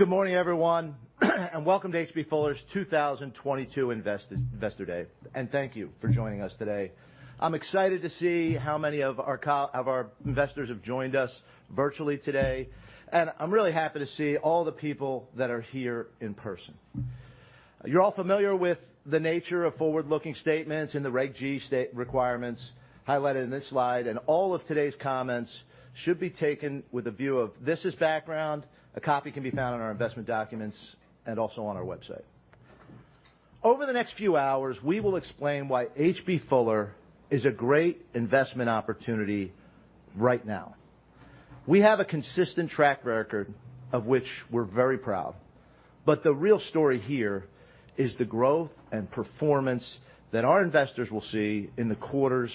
Good morning, everyone, and welcome to H.B. Fuller's 2022 Investor Day, and thank you for joining us today. I'm excited to see how many of our of our investors have joined us virtually today, and I'm really happy to see all the people that are here in person. You're all familiar with the nature of forward-looking statements and the Reg G requirements highlighted in this slide, and all of today's comments should be taken with a view of this as background. A copy can be found in our investment documents and also on our website. Over the next few hours, we will explain why H.B. Fuller is a great investment opportunity right now. We have a consistent track record of which we're very proud, but the real story here is the growth and performance that our investors will see in the quarters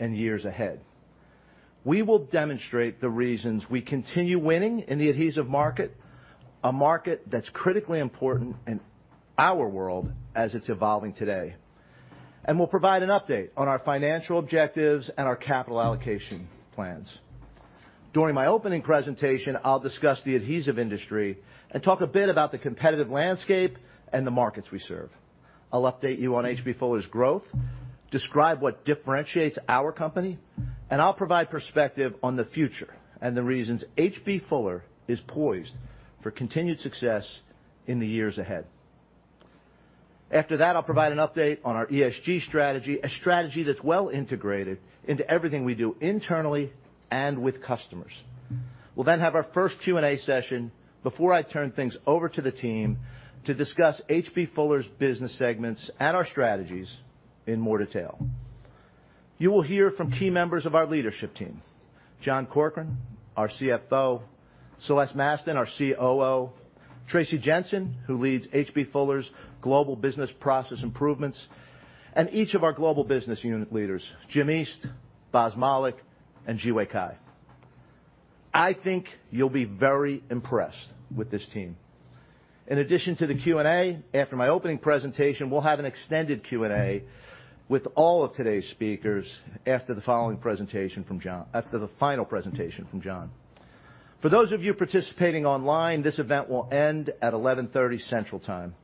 and years ahead. We will demonstrate the reasons we continue winning in the adhesive market, a market that's critically important in our world as it's evolving today. We'll provide an update on our financial objectives and our capital allocation plans. During my opening presentation, I'll discuss the adhesive industry and talk a bit about the competitive landscape and the markets we serve. I'll update you on H.B. Fuller's growth, describe what differentiates our company, and I'll provide perspective on the future and the reasons H.B. Fuller is poised for continued success in the years ahead. After that, I'll provide an update on our ESG strategy, a strategy that's well integrated into everything we do internally and with customers. We'll then have our first Q&A session before I turn things over to the team to discuss H.B. Fuller's business segments and our strategies in more detail. You will hear from key members of our leadership team, John Corkrean, our CFO, Celeste Mastin, our COO, Traci Jensen, who leads H.B. Fuller's global business process improvements, and each of our global business unit leaders, Jim East, Boz Malik, and Zhiwei Cai. I think you'll be very impressed with this team. In addition to the Q&A, after my opening presentation, we'll have an extended Q&A with all of today's speakers after the following presentation from John. After the final presentation from John. For those of you participating online, this event will end at 11:30 central time.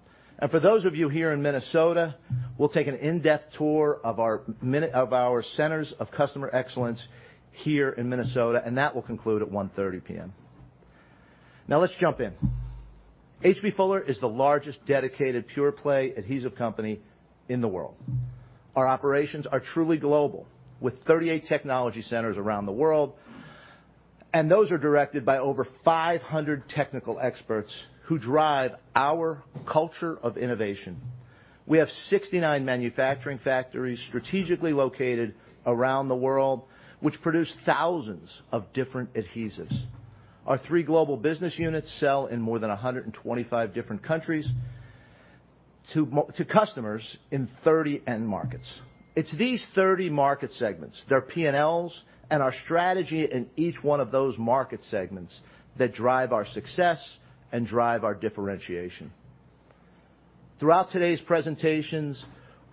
For those of you here in Minnesota, we'll take an in-depth tour of our centers of customer excellence here in Minnesota, and that will conclude at 1:30 P.M. Now, let's jump in. H.B. Fuller is the largest dedicated pure play adhesive company in the world. Our operations are truly global, with 38 technology centers around the world, and those are directed by over 500 technical experts who drive our culture of innovation. We have 69 manufacturing factories strategically located around the world, which produce thousands of different adhesives. Our three global business units sell in more than 125 different countries to customers in 30 end markets. It's these 30 market segments, their P&Ls, and our strategy in each one of those market segments that drive our success and drive our differentiation. Throughout today's presentations,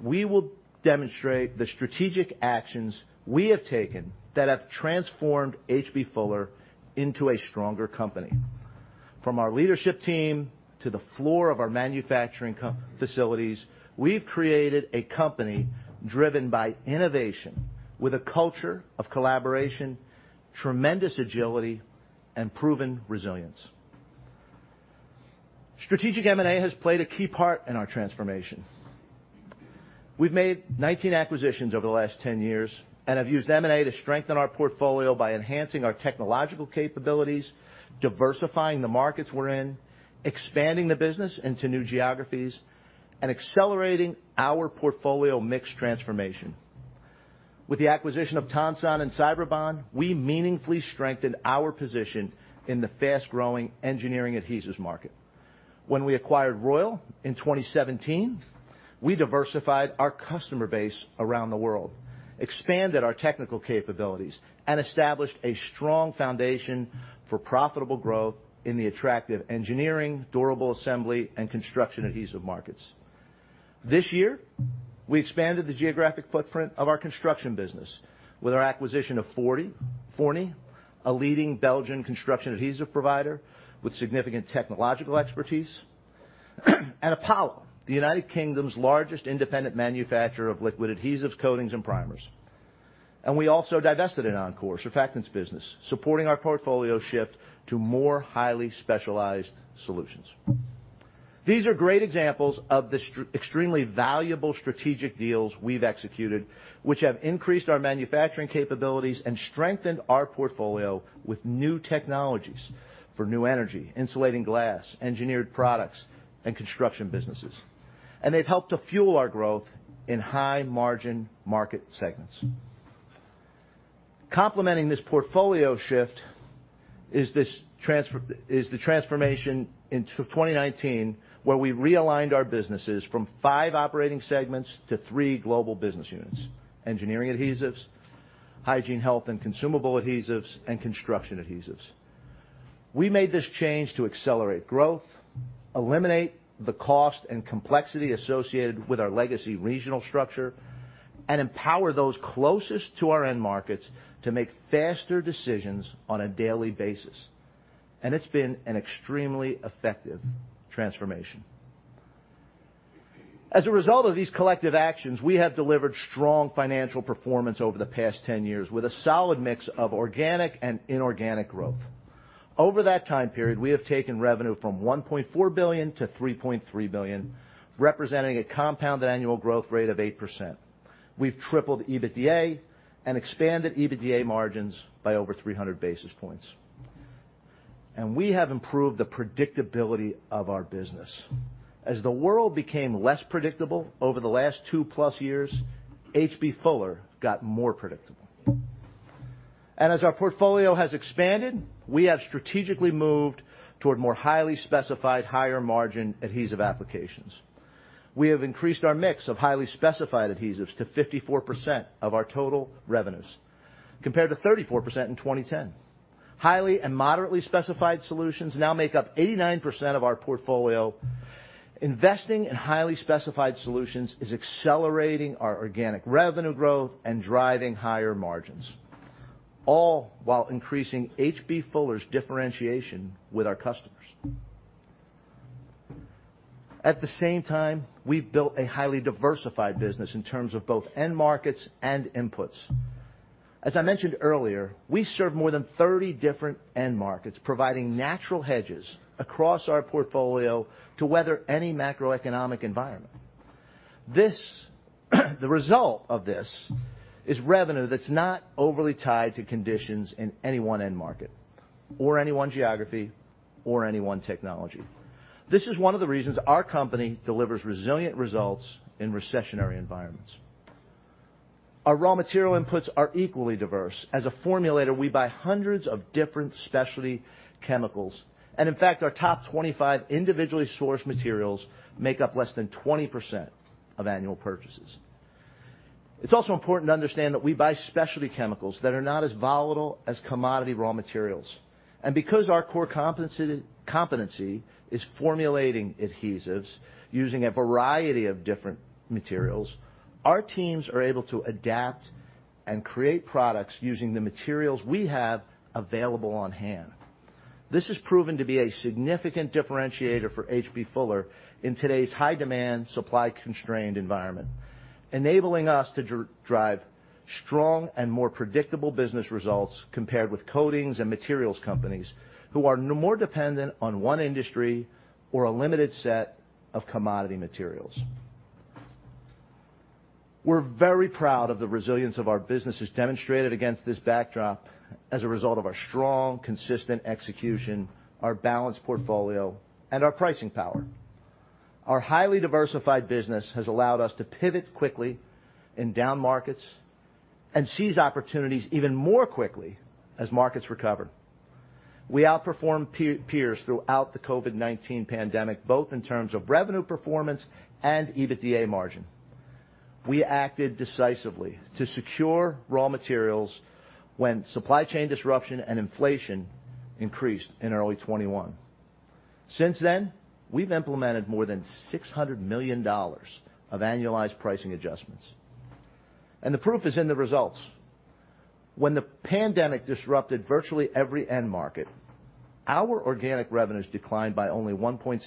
we will demonstrate the strategic actions we have taken that have transformed H.B. Fuller into a stronger company. From our leadership team to the floor of our manufacturing facilities, we've created a company driven by innovation with a culture of collaboration, tremendous agility, and proven resilience. Strategic M&A has played a key part in our transformation. We've made 19 acquisitions over the last 10 years and have used M&A to strengthen our portfolio by enhancing our technological capabilities, diversifying the markets we're in, expanding the business into new geographies, and accelerating our portfolio mix transformation. With the acquisition of Tonsan and Cyberbond, we meaningfully strengthened our position in the fast-growing engineering adhesives market. When we acquired Royal in 2017, we diversified our customer base around the world, expanded our technical capabilities, and established a strong foundation for profitable growth in the attractive engineering, durable assembly, and construction adhesive markets. This year, we expanded the geographic footprint of our construction business with our acquisition of Fourny, a leading Belgian construction adhesive provider with significant technological expertise, and Apollo, the United Kingdom's largest independent manufacturer of liquid adhesives, coatings, and primers. We also divested our surfactants business, supporting our portfolio shift to more highly specialized solutions. These are great examples of the extremely valuable strategic deals we've executed, which have increased our manufacturing capabilities and strengthened our portfolio with new technologies for new energy, insulating glass, engineered products, and construction businesses. They've helped to fuel our growth in high-margin market segments. Complementing this portfolio shift is the transformation in 2019, where we realigned our businesses from five operating segments to three global business units: Engineering Adhesives, Hygiene, Health, and Consumable Adhesives, and Construction Adhesives. We made this change to eliminate the cost and complexity associated with our legacy regional structure and empower those closest to our end markets to make faster decisions on a daily basis. It's been an extremely effective transformation. As a result of these collective actions, we have delivered strong financial performance over the past 10 years with a solid mix of organic and inorganic growth. Over that time period, we have taken revenue from $1.4 billion-$3.3 billion, representing a compounded annual growth rate of 8%. We've tripled EBITDA and expanded EBITDA margins by over 300 basis points. We have improved the predictability of our business. As the world became less predictable over the last two-plus years, H.B. Fuller got more predictable. As our portfolio has expanded, we have strategically moved toward more highly specified, higher margin adhesive applications. We have increased our mix of highly specified adhesives to 54% of our total revenues, compared to 34% in 2010. Highly and moderately specified solutions now make up 89% of our portfolio. Investing in highly specified solutions is accelerating our organic revenue growth and driving higher margins, all while increasing H.B. Fuller's differentiation with our customers. At the same time, we've built a highly diversified business in terms of both end markets and inputs. As I mentioned earlier, we serve more than 30 different end markets, providing natural hedges across our portfolio to weather any macroeconomic environment. The result of this is revenue that's not overly tied to conditions in any one end market or any one geography or any one technology. This is one of the reasons our company delivers resilient results in recessionary environments. Our raw material inputs are equally diverse. As a formulator, we buy hundreds of different specialty chemicals. In fact, our top 25 individually sourced materials make up less than 20% of annual purchases. It's also important to understand that we buy specialty chemicals that are not as volatile as commodity raw materials. Because our core competency is formulating adhesives using a variety of different materials, our teams are able to adapt and create products using the materials we have available on hand. This has proven to be a significant differentiator for H.B. Fuller in today's high demand, supply constrained environment, enabling us to drive strong and more predictable business results compared with coatings and materials companies who are more dependent on one industry or a limited set of commodity materials. We're very proud of the resilience of our businesses demonstrated against this backdrop as a result of our strong, consistent execution, our balanced portfolio, and our pricing power. Our highly diversified business has allowed us to pivot quickly in down markets and seize opportunities even more quickly as markets recover. We outperformed peers throughout the COVID-19 pandemic, both in terms of revenue performance and EBITDA margin. We acted decisively to secure raw materials when supply chain disruption and inflation increased in early 2021. Since then, we've implemented more than $600 million of annualized pricing adjustments. The proof is in the results. When the pandemic disrupted virtually every end market, our organic revenues declined by only 1.6%.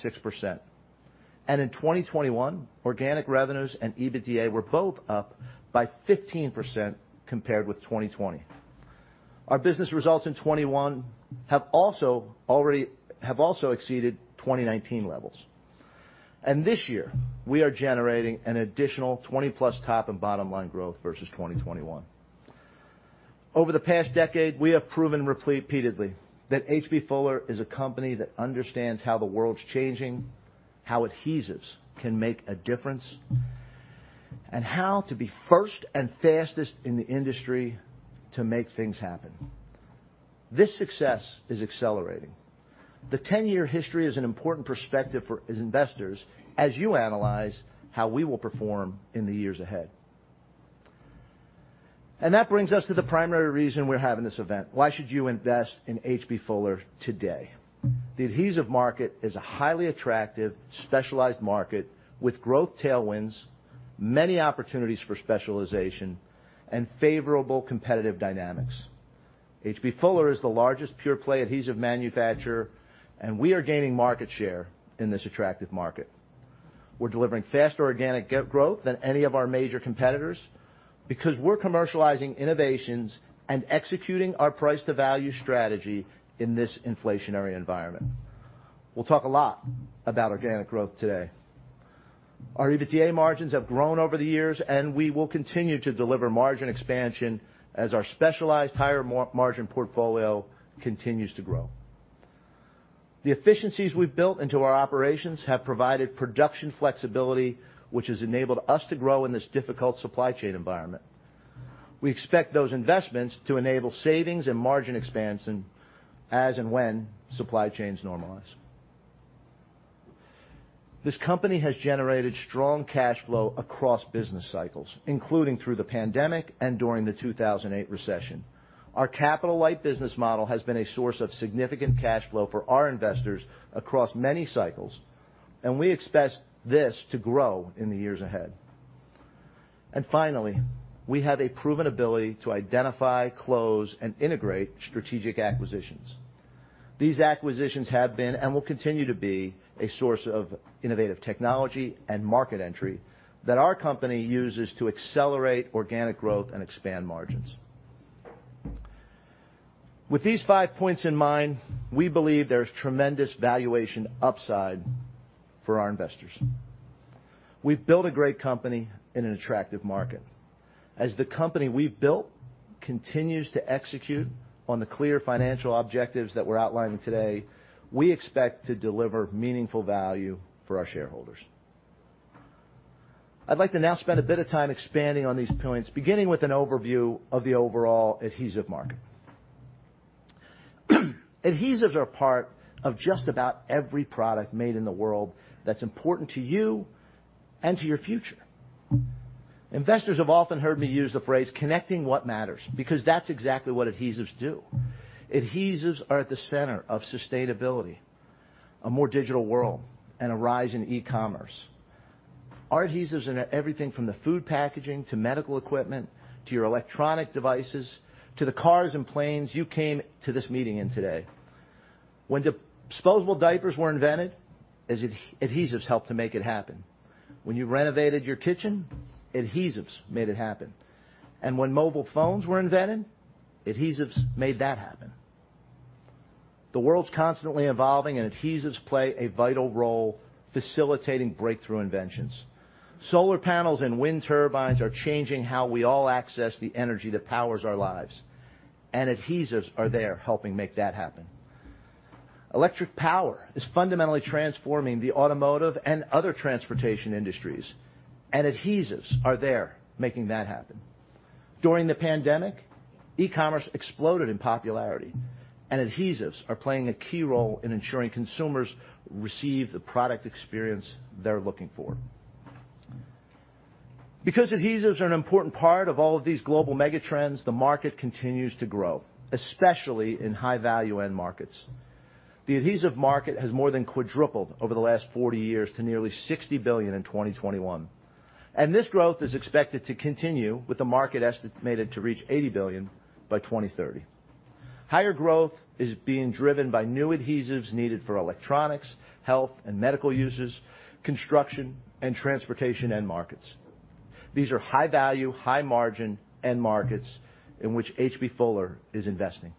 In 2021, organic revenues and EBITDA were both up by 15% compared with 2020. Our business results in 2021 have also exceeded 2019 levels. This year, we are generating an additional 20+ top and bottom line growth versus 2021. Over the past decade, we have proven repeatedly that H.B.Fuller is a company that understands how the world's changing, how adhesives can make a difference, and how to be first and fastest in the industry to make things happen. This success is accelerating. The ten-year history is an important perspective for us as investors as you analyze how we will perform in the years ahead. That brings us to the primary reason we're having this event. Why should you invest in H.B. Fuller today? The adhesive market is a highly attractive, specialized market with growth tailwinds, many opportunities for specialization, and favorable competitive dynamics. H.B. Fuller is the largest pure play adhesive manufacturer, and we are gaining market share in this attractive market. We're delivering faster organic growth than any of our major competitors because we're commercializing innovations and executing our price to value strategy in this inflationary environment. We'll talk a lot about organic growth today. Our EBITDA margins have grown over the years, and we will continue to deliver margin expansion as our specialized higher margin portfolio continues to grow. The efficiencies we've built into our operations have provided production flexibility, which has enabled us to grow in this difficult supply chain environment. We expect those investments to enable savings and margin expansion as and when supply chains normalize. This company has generated strong cash flow across business cycles, including through the pandemic and during the 2008 recession. Our capital-light business model has been a source of significant cash flow for our investors across many cycles, and we expect this to grow in the years ahead. Finally, we have a proven ability to identify, close, and integrate strategic acquisitions. These acquisitions have been, and will continue to be, a source of innovative technology and market entry that our company uses to accelerate organic growth and expand margins. With these five points in mind, we believe there's tremendous valuation upside for our investors. We've built a great company in an attractive market. As the company we've built continues to execute on the clear financial objectives that we're outlining today, we expect to deliver meaningful value for our shareholders. I'd like to now spend a bit of time expanding on these points, beginning with an overview of the overall adhesive market. Adhesives are a part of just about every product made in the world that's important to you and to your future. Investors have often heard me use the phrase, "Connecting what matters," because that's exactly what adhesives do. Adhesives are at the center of sustainability, a more digital world, and a rise in e-commerce. Our adhesives are in everything from the food packaging, to medical equipment, to your electronic devices, to the cars and planes you came to this meeting in today. When disposable diapers were invented, adhesives helped to make it happen. When you renovated your kitchen, adhesives made it happen. When mobile phones were invented, adhesives made that happen. The world's constantly evolving, and adhesives play a vital role facilitating breakthrough inventions. Solar panels and wind turbines are changing how we all access the energy that powers our lives, and adhesives are there helping make that happen. Electric power is fundamentally transforming the automotive and other transportation industries, and adhesives are there making that happen. During the pandemic, e-commerce exploded in popularity, and adhesives are playing a key role in ensuring consumers receive the product experience they're looking for. Because adhesives are an important part of all of these global mega trends, the market continues to grow, especially in high-value end markets. The adhesive market has more than quadrupled over the last 40 years to nearly $60 billion in 2021, and this growth is expected to continue with the market estimated to reach $80 billion by 2030. Higher growth is being driven by new adhesives needed for electronics, health and medical uses, construction, and transportation end markets. These are high value, high margin end markets in which H.B. Fuller is investing.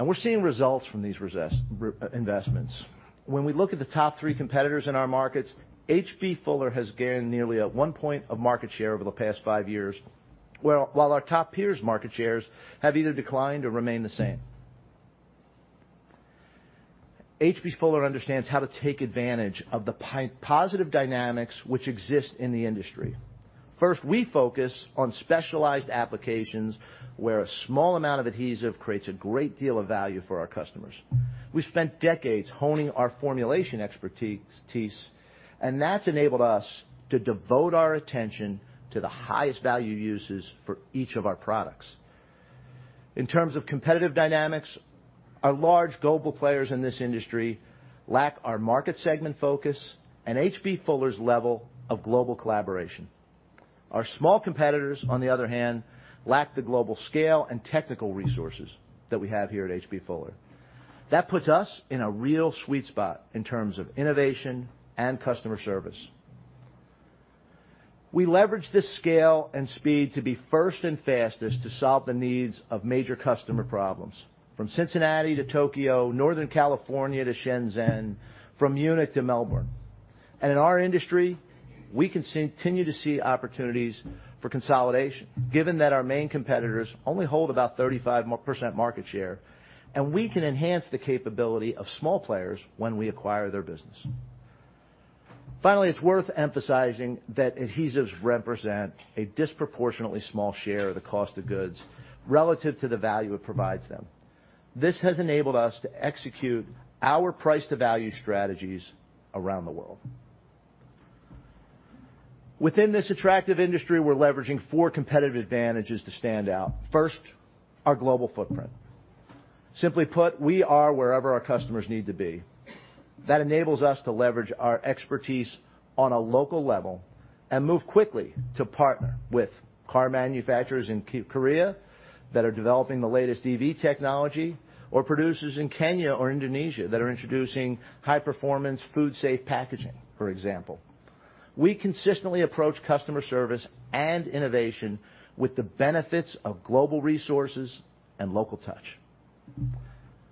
We're seeing results from these research investments. When we look at the top three competitors in our markets, H.B.Fuller has gained nearly one point of market share over the past five years, while our top peers' market shares have either declined or remained the same. H.B. Fuller understands how to take advantage of the positive dynamics which exist in the industry. First, we focus on specialized applications where a small amount of adhesive creates a great deal of value for our customers. We spent decades honing our formulation expertise, and that's enabled us to devote our attention to the highest value uses for each of our products. In terms of competitive dynamics, our large global players in this industry lack our market segment focus and H.B. Fuller's level of global collaboration. Our small competitors, on the other hand, lack the global scale and technical resources that we have here at H.B. Fuller. That puts us in a real sweet spot in terms of innovation and customer service. We leverage this scale and speed to be first and fastest to solve the needs of major customer problems, from Cincinnati to Tokyo, Northern California to Shenzhen, from Munich to Melbourne. In our industry, we continue to see opportunities for consolidation, given that our main competitors only hold about 35% more market share, and we can enhance the capability of small players when we acquire their business. Finally, it's worth emphasizing that adhesives represent a disproportionately small share of the cost of goods relative to the value it provides them. This has enabled us to execute our price to value strategies around the world. Within this attractive industry, we're leveraging four competitive advantages to stand out. First, our global footprint. Simply put, we are wherever our customers need to be. That enables us to leverage our expertise on a local level and move quickly to partner with car manufacturers in Korea that are developing the latest EV technology, or producers in Kenya or Indonesia that are introducing high-performance, food-safe packaging, for example. We consistently approach customer service and innovation with the benefits of global resources and local touch.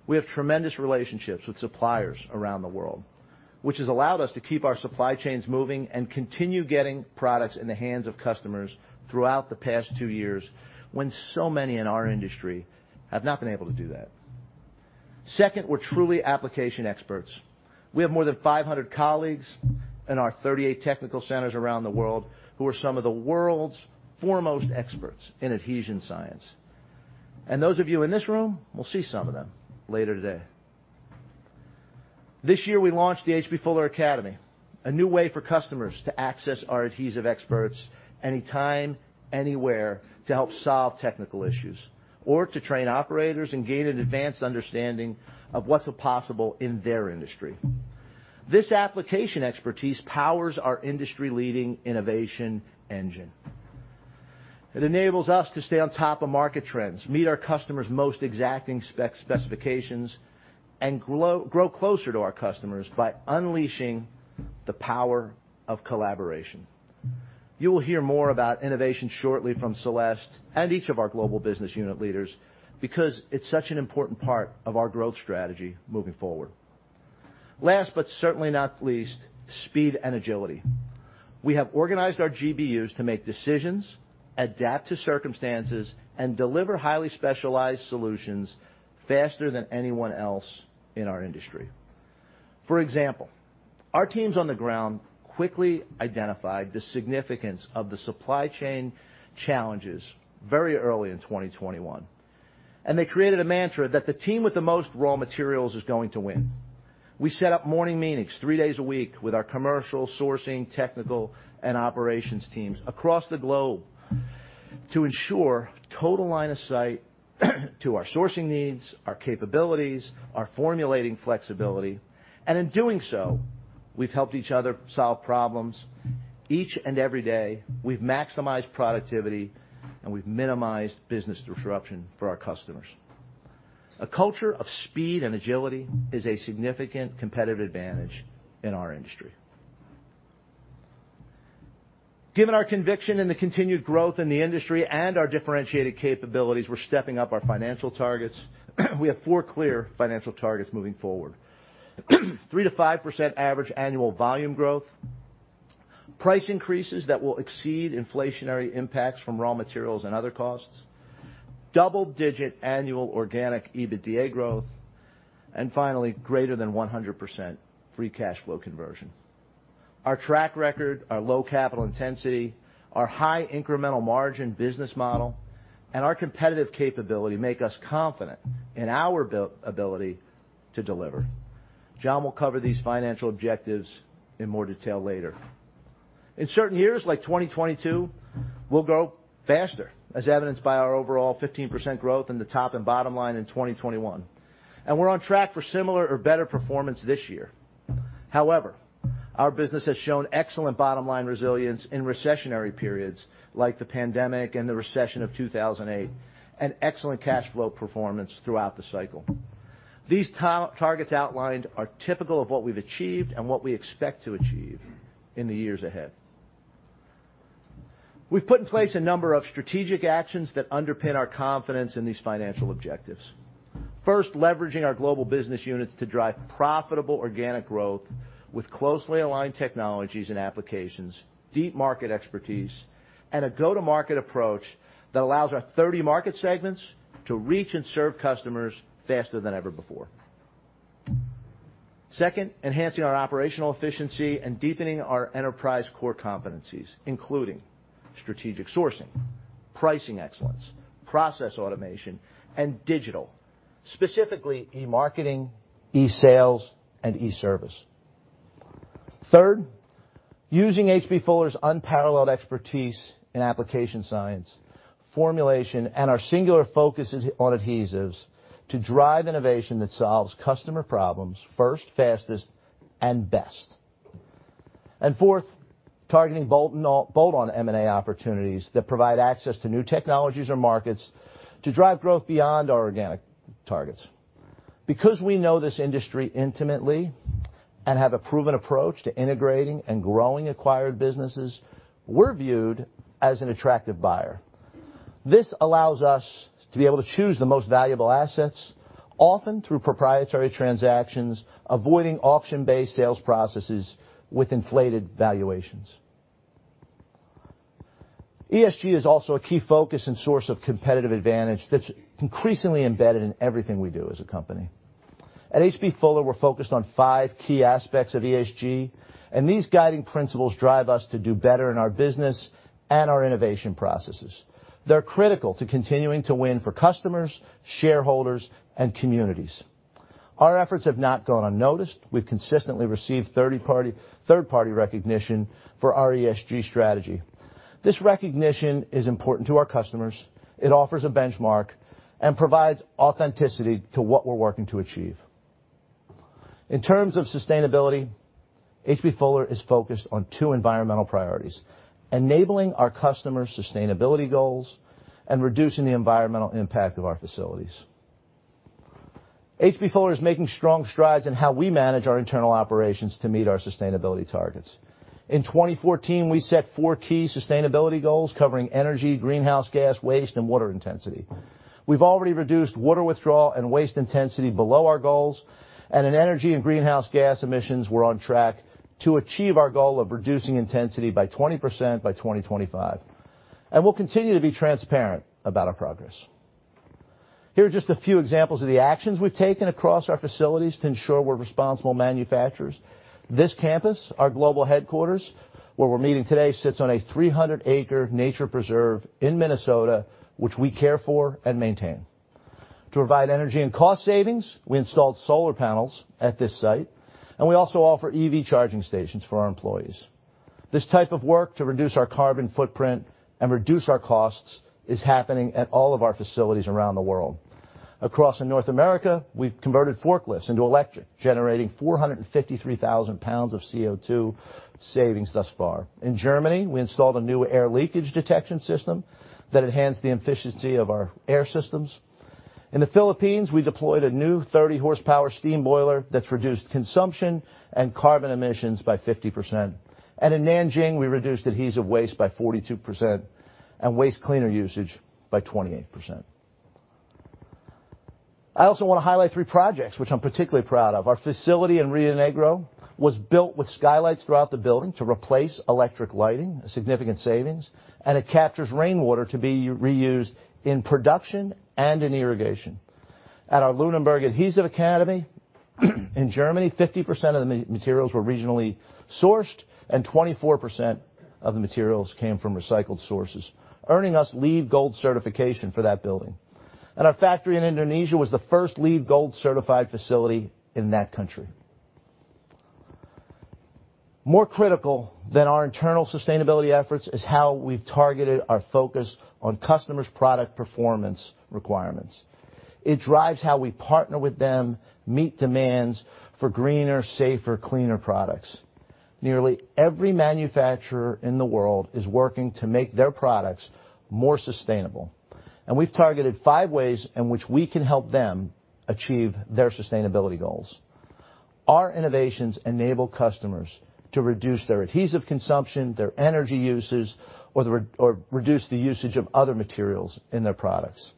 We have tremendous relationships with suppliers around the world, which has allowed us to keep our supply chains moving and continue getting products in the hands of customers throughout the past 2 years when so many in our industry have not been able to do that. Second, we're truly application experts. We have more than 500 colleagues in our 38 technical centers around the world who are some of the world's foremost experts in adhesion science. Those of you in this room will see some of them later today. This year, we launched the H.B. Fuller Academy, a new way for customers to access our adhesive experts anytime, anywhere, to help solve technical issues or to train operators and gain an advanced understanding of what's possible in their industry. This application expertise powers our industry-leading innovation engine. It enables us to stay on top of market trends, meet our customers' most exacting specifications, and grow closer to our customers by unleashing the power of collaboration. You will hear more about innovation shortly from Celeste and each of our global business unit leaders because it's such an important part of our growth strategy moving forward. Last, but certainly not least, speed and agility. We have organized our GBUs to make decisions, adapt to circumstances, and deliver highly specialized solutions faster than anyone else in our industry. For example, our teams on the ground quickly identified the significance of the supply chain challenges very early in 2021, and they created a mantra that the team with the most raw materials is going to win. We set up morning meetings three days a week with our commercial, sourcing, technical, and operations teams across the globe to ensure total line of sight to our sourcing needs, our capabilities, our formulating flexibility. In doing so, we've helped each other solve problems each and every day. We've maximized productivity, and we've minimized business disruption for our customers. A culture of speed and agility is a significant competitive advantage in our industry. Given our conviction in the continued growth in the industry and our differentiated capabilities, we're stepping up our financial targets. We have four clear financial targets moving forward. 3%-5% average annual volume growth, price increases that will exceed inflationary impacts from raw materials and other costs, double-digit annual organic EBITDA growth, and finally, greater than 100% free cash flow conversion. Our track record, our low capital intensity, our high incremental margin business model, and our competitive capability make us confident in our ability to deliver. John will cover these financial objectives in more detail later. In certain years, like 2022, we'll grow faster, as evidenced by our overall 15% growth in the top and bottom line in 2021, and we're on track for similar or better performance this year. However, our business has shown excellent bottom-line resilience in recessionary periods like the pandemic and the recession of 2008, and excellent cash flow performance throughout the cycle. These targets outlined are typical of what we've achieved and what we expect to achieve in the years ahead. We've put in place a number of strategic actions that underpin our confidence in these financial objectives. First, leveraging our Global Business Units to drive profitable organic growth with closely aligned technologies and applications, deep market expertise, and a go-to-market approach that allows our 30 market segments to reach and serve customers faster than ever before. Second, enhancing our operational efficiency and deepening our enterprise core competencies, including strategic sourcing, pricing excellence, process automation, and digital, specifically e-marketing, e-sales, and e-service. Third, using H.B. Fuller's unparalleled expertise in application science, formulation, and our singular focuses on adhesives to drive innovation that solves customer problems first, fastest, and best. Fourth, targeting bolt-on M&A opportunities that provide access to new technologies or markets to drive growth beyond our organic targets. Because we know this industry intimately and have a proven approach to integrating and growing acquired businesses, we're viewed as an attractive buyer. This allows us to be able to choose the most valuable assets, often through proprietary transactions, avoiding auction-based sales processes with inflated valuations. ESG is also a key focus and source of competitive advantage that's increasingly embedded in everything we do as a company. At H.B. Fuller, we're focused on five key aspects of ESG, and these guiding principles drive us to do better in our business and our innovation processes. They're critical to continuing to win for customers, shareholders, and communities. Our efforts have not gone unnoticed. We've consistently received third-party recognition for our ESG strategy. This recognition is important to our customers. It offers a benchmark and provides authenticity to what we're working to achieve. In terms of sustainability, H.B. Fuller is focused on two environmental priorities, enabling our customers' sustainability goals and reducing the environmental impact of our facilities. H.B. Fuller is making strong strides in how we manage our internal operations to meet our sustainability targets. In 2014, we set four key sustainability goals covering energy, greenhouse gas, waste, and water intensity. We've already reduced water withdrawal and waste intensity below our goals. In energy and greenhouse gas emissions, we're on track to achieve our goal of reducing intensity by 20% by 2025, and we'll continue to be transparent about our progress. Here are just a few examples of the actions we've taken across our facilities to ensure we're responsible manufacturers. This campus, our global headquarters, where we're meeting today, sits on a 300-acre nature preserve in Minnesota, which we care for and maintain. To provide energy and cost savings, we installed solar panels at this site, and we also offer EV charging stations for our employees. This type of work to reduce our carbon footprint and reduce our costs is happening at all of our facilities around the world. Across North America, we've converted forklifts into electric, generating 45,000 pounds of CO₂ savings thus far. In Germany, we installed a new air leakage detection system that enhanced the efficiency of our air systems. In the Philippines, we deployed a new 30-horsepower steam boiler that's reduced consumption and carbon emissions by 50%. In Nanjing, we reduced adhesive waste by 42% and waste cleaner usage by 28%. I also wanna highlight three projects which I'm particularly proud of. Our facility in Rio Negro was built with skylights throughout the building to replace electric lighting, a significant savings, and it captures rainwater to be reused in production and in irrigation. At our Lüneburg Adhesive Academy in Germany, 50% of the materials were regionally sourced, and 24% of the materials came from recycled sources, earning us LEED Gold certification for that building. Our factory in Indonesia was the first LEED Gold-certified facility in that country. More critical than our internal sustainability efforts is how we've targeted our focus on customers' product performance requirements. It drives how we partner with them, meet demands for greener, safer, cleaner products. Nearly every manufacturer in the world is working to make their products more sustainable, and we've targeted five ways in which we can help them achieve their sustainability goals. Our innovations enable customers to reduce their adhesive consumption, their energy uses, or reduce the usage of other materials in their products.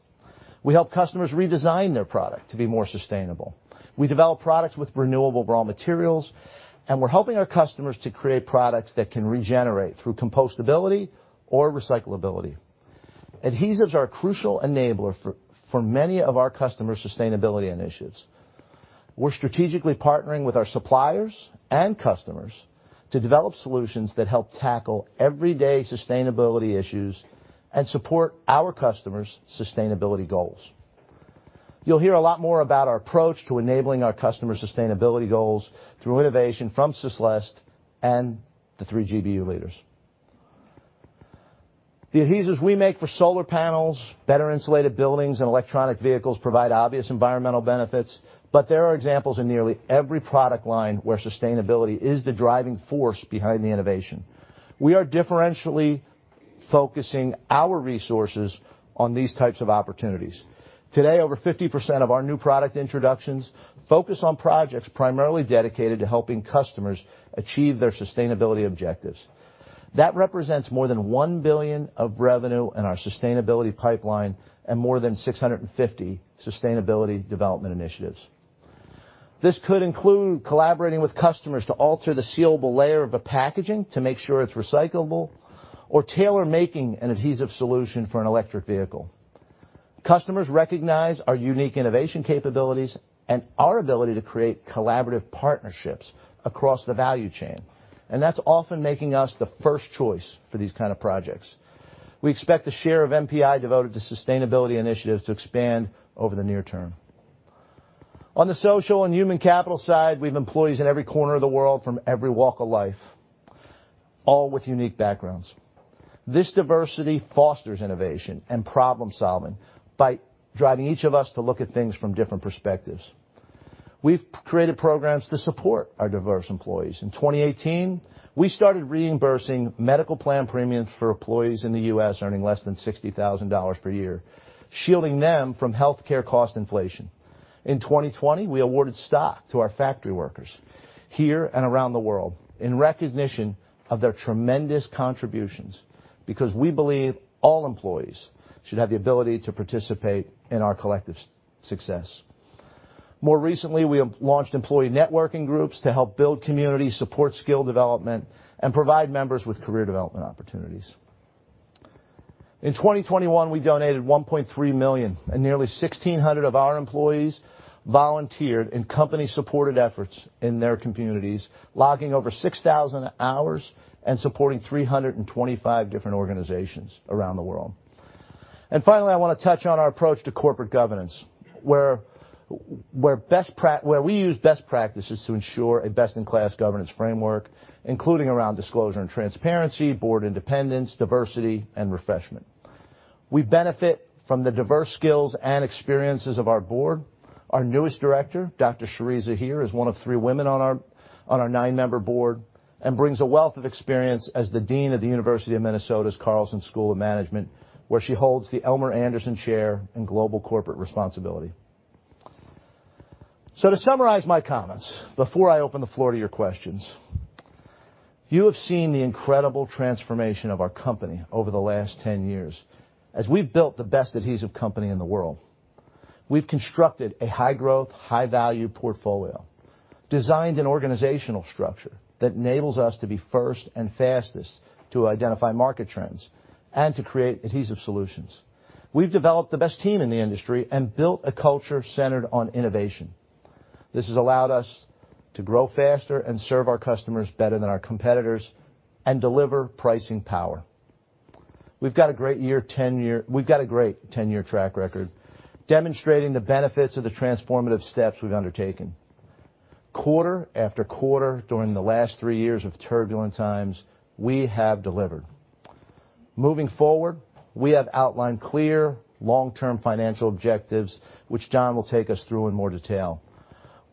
We help customers redesign their product to be more sustainable. We develop products with renewable raw materials, and we're helping our customers to create products that can regenerate through compostability or recyclability. Adhesives are a crucial enabler for many of our customers' sustainability initiatives. We're strategically partnering with our suppliers and customers to develop solutions that help tackle everyday sustainability issues and support our customers' sustainability goals. You'll hear a lot more about our approach to enabling our customers' sustainability goals through innovation from Celeste Mastin and the three GBU leaders. The adhesives we make for solar panels, better insulated buildings, and electric vehicles provide obvious environmental benefits, but there are examples in nearly every product line where sustainability is the driving force behind the innovation. We are differentially focusing our resources on these types of opportunities. Today, over 50% of our new product introductions focus on projects primarily dedicated to helping customers achieve their sustainability objectives. That represents more than $1 billion of revenue in our sustainability pipeline and more than 650 sustainability development initiatives. This could include collaborating with customers to alter the sealable layer of a packaging to make sure it's recyclable or tailor-making an adhesive solution for an electric vehicle. Customers recognize our unique innovation capabilities and our ability to create collaborative partnerships across the value chain, and that's often making us the first choice for these kind of projects. We expect the share of NPI devoted to sustainability initiatives to expand over the near term. On the social and human capital side, we have employees in every corner of the world from every walk of life, all with unique backgrounds. This diversity fosters innovation and problem-solving by driving each of us to look at things from different perspectives. We've created programs to support our diverse employees. In 2018, we started reimbursing medical plan premiums for employees in the U.S. earning less than $60,000 per year, shielding them from healthcare cost inflation. In 2020, we awarded stock to our factory workers here and around the world in recognition of their tremendous contributions because we believe all employees should have the ability to participate in our collective success. More recently, we have launched employee networking groups to help build community, support skill development, and provide members with career development opportunities. In 2021, we donated $1.3 million, and nearly 1,600 of our employees volunteered in company-supported efforts in their communities, logging over 6,000 hours and supporting 325 different organizations around the world. Finally, I wanna touch on our approach to corporate governance, where we use best practices to ensure a best-in-class governance framework, including around disclosure and transparency, board independence, diversity, and refreshment. We benefit from the diverse skills and experiences of our board. Our newest director, Dr.Srilata Zaheer is one of three women on our nine-member board and brings a wealth of experience as the dean of the University of Minnesota's Carlson School of Management, where she holds the Elmer L. Andersen Chair in Global Corporate Responsibility. To summarize my comments before I open the floor to your questions, you have seen the incredible transformation of our company over the last 10 years as we've built the best adhesive company in the world. We've constructed a high-growth, high-value portfolio, designed an organizational structure that enables us to be first and fastest to identify market trends and to create adhesive solutions. We've developed the best team in the industry and built a culture centered on innovation. This has allowed us to grow faster and serve our customers better than our competitors and deliver pricing power. We've got a great ten-year track record demonstrating the benefits of the transformative steps we've undertaken. Quarter after quarter during the last three years of turbulent times, we have delivered. Moving forward, we have outlined clear long-term financial objectives, which John will take us through in more detail.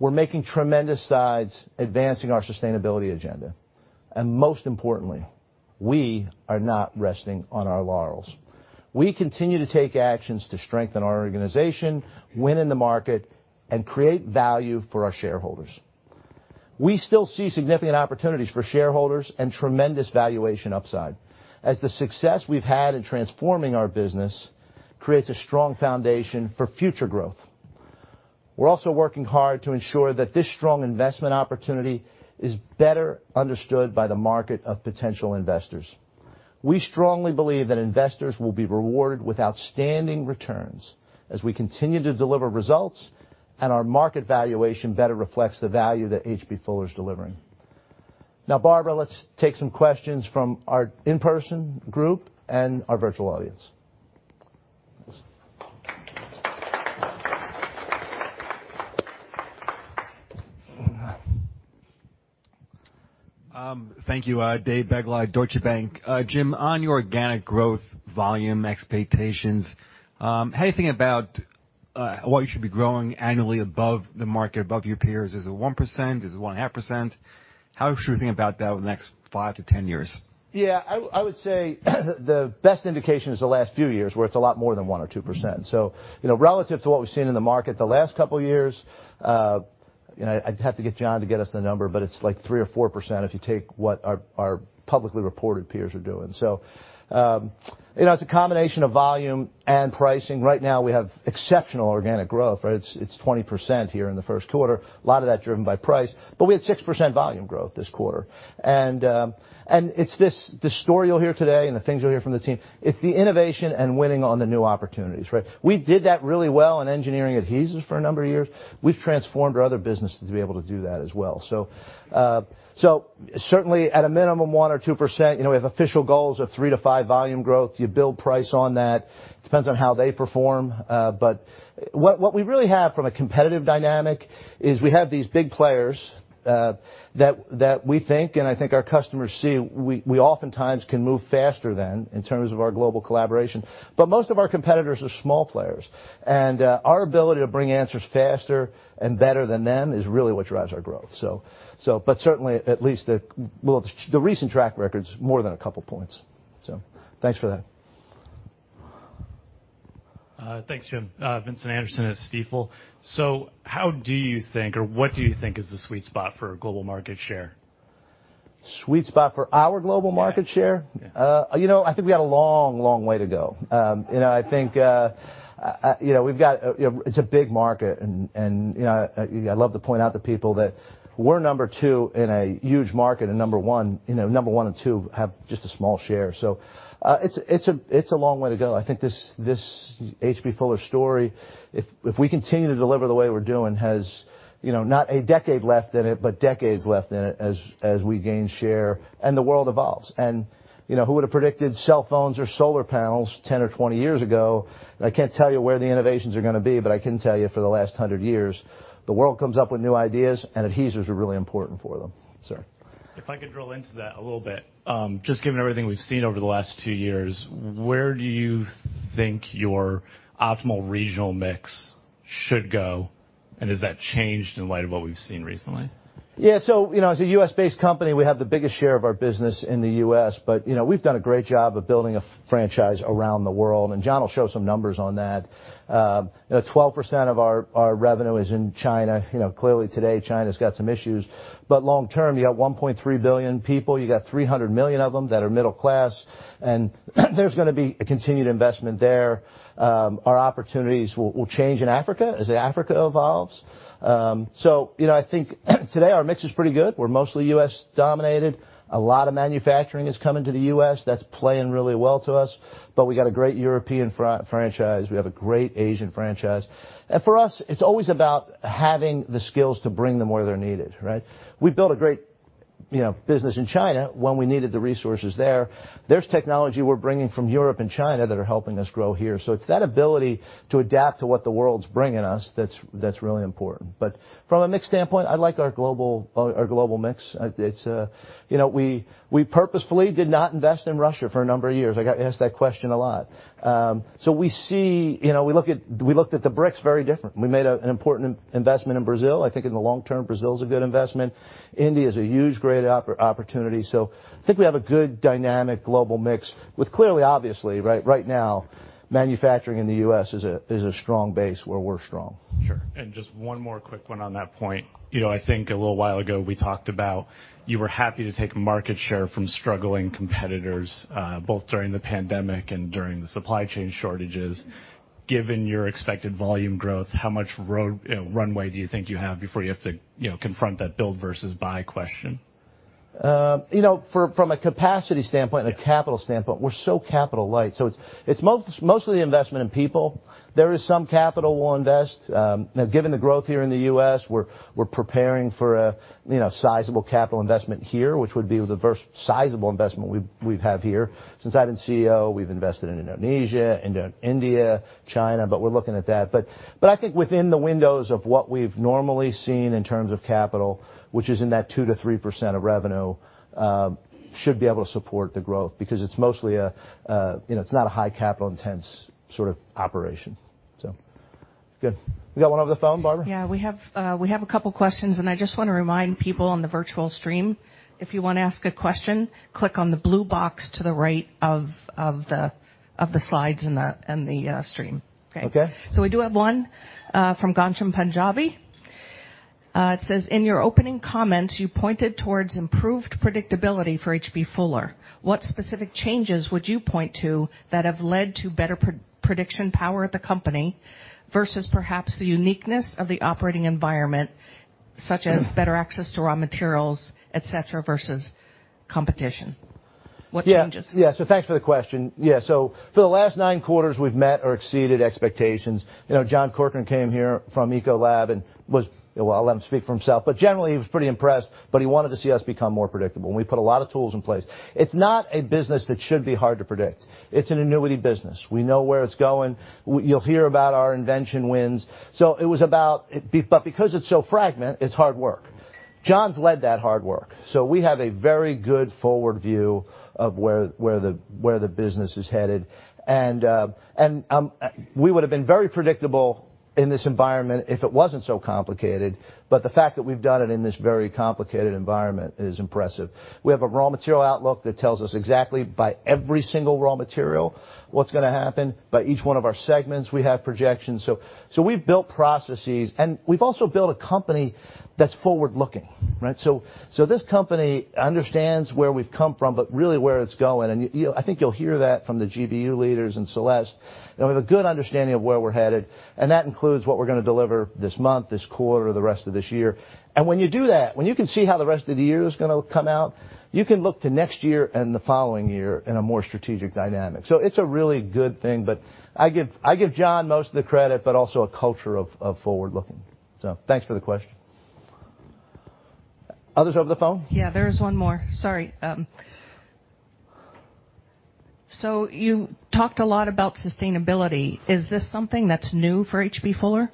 We're making tremendous strides advancing our sustainability agenda. Most importantly, we are not resting on our laurels. We continue to take actions to strengthen our organization, win in the market, and create value for our shareholders. We still see significant opportunities for shareholders and tremendous valuation upside, as the success we've had in transforming our business creates a strong foundation for future growth. We're also working hard to ensure that this strong investment opportunity is better understood by the market of potential investors. We strongly believe that investors will be rewarded with outstanding returns as we continue to deliver results and our market valuation better reflects the value that H.B. Fuller is delivering. Now, Barbara, let's take some questions from our in-person group and our virtual audience. Thank you. Dave Begleiter, Deutsche Bank. Jim, on your organic growth volume expectations, how do you think about what you should be growing annually above the market, above your peers? Is it 1%? Is it 1.5%? How should we think about that over the next 5-10 years? Yeah, I would say the best indication is the last few years where it's a lot more than 1% or 2%. You know, relative to what we've seen in the market the last couple years, you know, I'd have to get John to get us the number, but it's, like, 3% or 4% if you take what our publicly reported peers are doing. You know, it's a combination of volume and pricing. Right now, we have exceptional organic growth, right? It's 20% here in the first quarter. A lot of that driven by price, but we had 6% volume growth this quarter. It's this, the story you'll hear today and the things you'll hear from the team, it's the innovation and winning on the new opportunities, right? We did that really well in Engineering Adhesives for a number of years. We've transformed our other businesses to be able to do that as well. Certainly at a minimum, 1% or 2%. You know, we have official goals of 3%-5% volume growth. You build price on that. Depends on how they perform. What we really have from a competitive dynamic is we have these big players, that we think and I think our customers see, we oftentimes can move faster than in terms of our global collaboration, but most of our competitors are small players. Our ability to bring answers faster and better than them is really what drives our growth. Certainly at least the recent track record's more than a couple points, so thanks for that. Thanks, Jim. Vincent Anderson at Stifel. How do you think or what do you think is the sweet spot for global market share? Sweet spot for our global market share? Yeah. You know, I think we got a long way to go. You know, I think we've got, you know, it's a big market and, you know, I love to point out to people that we're number two in a huge market, and number one, you know, number one and two have just a small share. So, it's a long way to go. I think this H.B. Fuller story, if we continue to deliver the way we're doing, has, you know, not a decade left in it, but decades left in it as we gain share and the world evolves. You know, who would've predicted cell phones or solar panels 10 or 20 years ago? I can't tell you where the innovations are gonna be, but I can tell you for the last 100 years, the world comes up with new ideas, and adhesives are really important for them. Sorry. If I could drill into that a little bit, just given everything we've seen over the last two years, where do you think your optimal regional mix should go, and has that changed in light of what we've seen recently? Yeah. You know, as a U.S.-based company, we have the biggest share of our business in the U.S. You know, we've done a great job of building a franchise around the world, and John will show some numbers on that. You know, 12% of our revenue is in China. You know, clearly today China's got some issues, but long term, you got 1.3 billion people, you got 300 million of them that are middle class, and there's gonna be a continued investment there. Our opportunities will change in Africa as Africa evolves. You know, I think today our mix is pretty good. We're mostly U.S. dominated. A lot of manufacturing is coming to the U.S. That's playing really well to us. We got a great European franchise. We have a great Asian franchise. For us, it's always about having the skills to bring them where they're needed, right? We built a great, you know, business in China when we needed the resources there. There's technology we're bringing from Europe and China that are helping us grow here. It's that ability to adapt to what the world's bringing us that's really important. From a mix standpoint, I like our global mix. It's we purposefully did not invest in Russia for a number of years. I got asked that question a lot. We see we looked at the BRICS very different. We made an important investment in Brazil. I think in the long term, Brazil's a good investment. India's a huge, great opportunity. I think we have a good dynamic global mix with clearly, obviously, right now, manufacturing in the U.S. is a strong base where we're strong. Sure. Just one more quick one on that point. You know, I think a little while ago we talked about you were happy to take market share from struggling competitors, both during the pandemic and during the supply chain shortages. Given your expected volume growth, how much road, you know, runway do you think you have before you have to, you know, confront that build versus buy question? You know, from a capacity standpoint and a capital standpoint, we're so capital light, so it's mostly investment in people. There is some capital we'll invest. Now, given the growth here in the U.S., we're preparing for a sizable capital investment here, which would be the first sizable investment we've had here. Since I've been CEO, we've invested in Indonesia, India, China, but we're looking at that. I think within the windows of what we've normally seen in terms of capital, which is in that 2%-3% of revenue, should be able to support the growth because it's mostly a you know, it's not a high capital intense sort of operation. So good. We got one over the phone, Barbara? Yeah, we have a couple questions, and I just wanna remind people on the virtual stream, if you wanna ask a question, click on the blue box to the right of the slides in the stream. Okay. Okay. We do have one from Ghanshyam Panjabi. It says, "In your opening comments, you pointed towards improved predictability for H.B. Fuller. What specific changes would you point to that have led to better prediction power of the company versus perhaps the uniqueness of the operating environment, such as better access to raw materials, et cetera, versus competition? What changes? Yeah. Thanks for the question. For the last nine quarters, we've met or exceeded expectations. You know, John Corkrean came here from Ecolab and was. Well, I'll let him speak for himself, but generally, he was pretty impressed, but he wanted to see us become more predictable, and we put a lot of tools in place. It's not a business that should be hard to predict. It's an annuity business. We know where it's going. You'll hear about our invention wins. But because it's so fragmented, it's hard work. John's led that hard work, so we have a very good forward view of where the business is headed. We would've been very predictable in this environment if it wasn't so complicated, but the fact that we've done it in this very complicated environment is impressive. We have a raw material outlook that tells us exactly by every single raw material, what's gonna happen. By each one of our segments, we have projections. We've built processes, and we've also built a company that's forward-looking, right? This company understands where we've come from, but really where it's going. You know, I think you'll hear that from the GBU leaders and Celeste. You know, we have a good understanding of where we're headed, and that includes what we're gonna deliver this month, this quarter, the rest of this year. when you do that, when you can see how the rest of the year is gonna come out, you can look to next year and the following year in a more strategic dynamic. It's a really good thing, but I give John most of the credit, but also a culture of forward-looking. Thanks for the question. Others over the phone? Yeah, there is one more. Sorry. You talked a lot about sustainability. Is this something that's new for H.B. Fuller?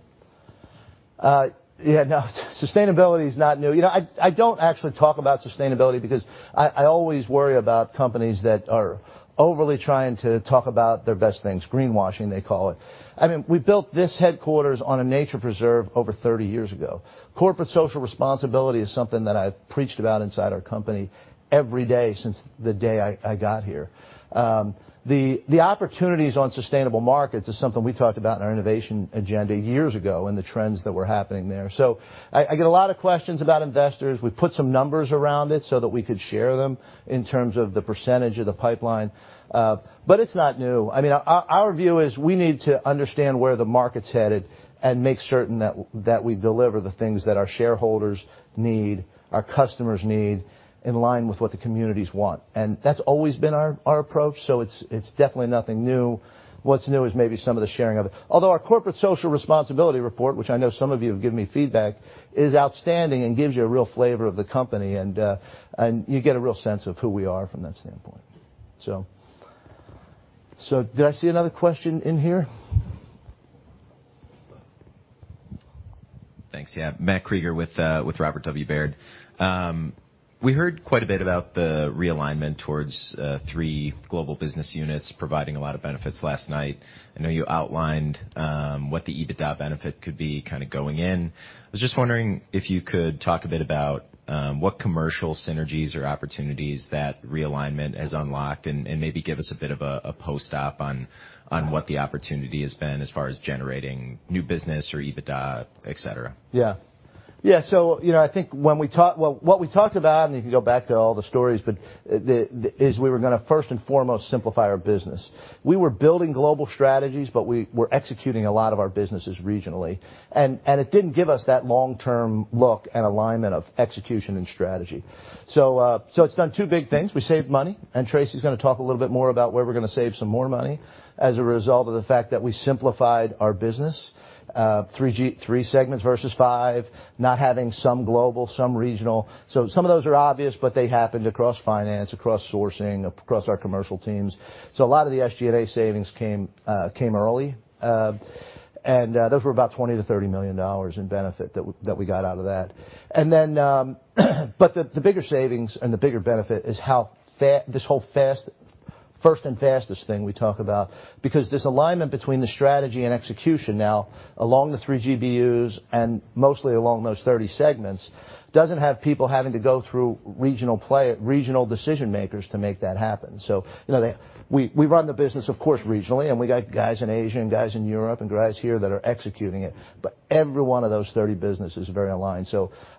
Yeah, no. Sustainability is not new. You know, I don't actually talk about sustainability because I always worry about companies that are overly trying to talk about their best things. Greenwashing, they call it. I mean, we built this headquarters on a nature preserve over 30 years ago. Corporate Social Responsibility is something that I've preached about inside our company every day since the day I got here. The opportunities on sustainable markets is something we talked about in our innovation agenda years ago, and the trends that were happening there. I get a lot of questions about investors. We put some numbers around it so that we could share them in terms of the percentage of the pipeline. It's not new. I mean, our view is we need to understand where the market's headed and make certain that we deliver the things that our shareholders need, our customers need, in line with what the communities want. That's always been our approach, so it's definitely nothing new. What's new is maybe some of the sharing of it. Although our corporate social responsibility report, which I know some of you have given me feedback, is outstanding and gives you a real flavor of the company, and you get a real sense of who we are from that standpoint. Did I see another question in here? Thanks. Yeah. Matt Krueger with Robert W. Baird. We heard quite a bit about the realignment towards three global business units providing a lot of benefits last night. I know you outlined what the EBITDA benefit could be kinda going in. I was just wondering if you could talk a bit about what commercial synergies or opportunities that realignment has unlocked and maybe give us a bit of a post-op on what the opportunity has been as far as generating new business or EBITDA, et cetera. Yeah. Yeah. You know, I think, well, what we talked about, and you can go back to all the stories, but that is we were gonna first and foremost simplify our business. We were building global strategies, but we were executing a lot of our businesses regionally. It didn't give us that long-term look and alignment of execution and strategy. It's done two big things. We saved money, and Traci's gonna talk a little bit more about where we're gonna save some more money as a result of the fact that we simplified our business. Three segments versus five, not having some global, some regional. Some of those are obvious, but they happened across finance, across sourcing, across our commercial teams. A lot of the SG&A savings came early. Those were about $20 million-$30 million in benefit that we got out of that. The bigger savings and the bigger benefit is this whole first and fastest thing we talk about. Because this alignment between the strategy and execution now, along the three GBUs and mostly along those 30 segments, doesn't have people having to go through regional decision makers to make that happen. You know, we run the business, of course, regionally, and we got guys in Asia and guys in Europe and guys here that are executing it, but every one of those 30 businesses are very aligned.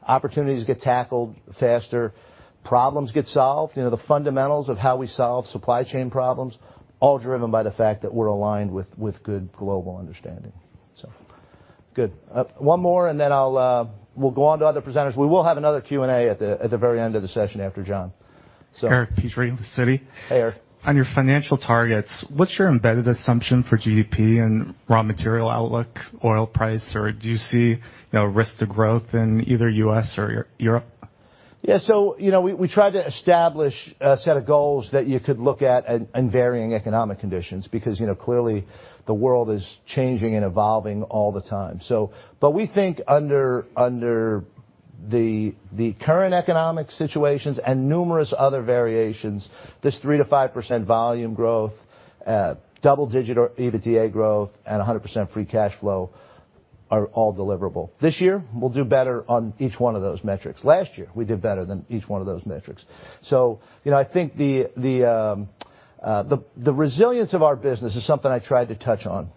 Opportunities get tackled faster, problems get solved, you know, the fundamentals of how we solve supply chain problems, all driven by the fact that we're aligned with good global understanding. Good. One more and then we'll go on to other presenters. We will have another Q&A at the very end of the session after John. Eric Petrie with Citi. Hey, Eric. On your financial targets, what's your embedded assumption for GDP and raw material outlook, oil price, or do you see, you know, risk to growth in either U.S. or Europe? You know, we try to establish a set of goals that you could look at in varying economic conditions because, you know, clearly the world is changing and evolving all the time. We think under the current economic situations and numerous other variations, this 3%-5% volume growth, double-digit EBITDA growth and 100% free cash flow are all deliverable. This year we'll do better on each one of those metrics. Last year, we did better than each one of those metrics. You know, I think the resilience of our business is something I tried to touch on.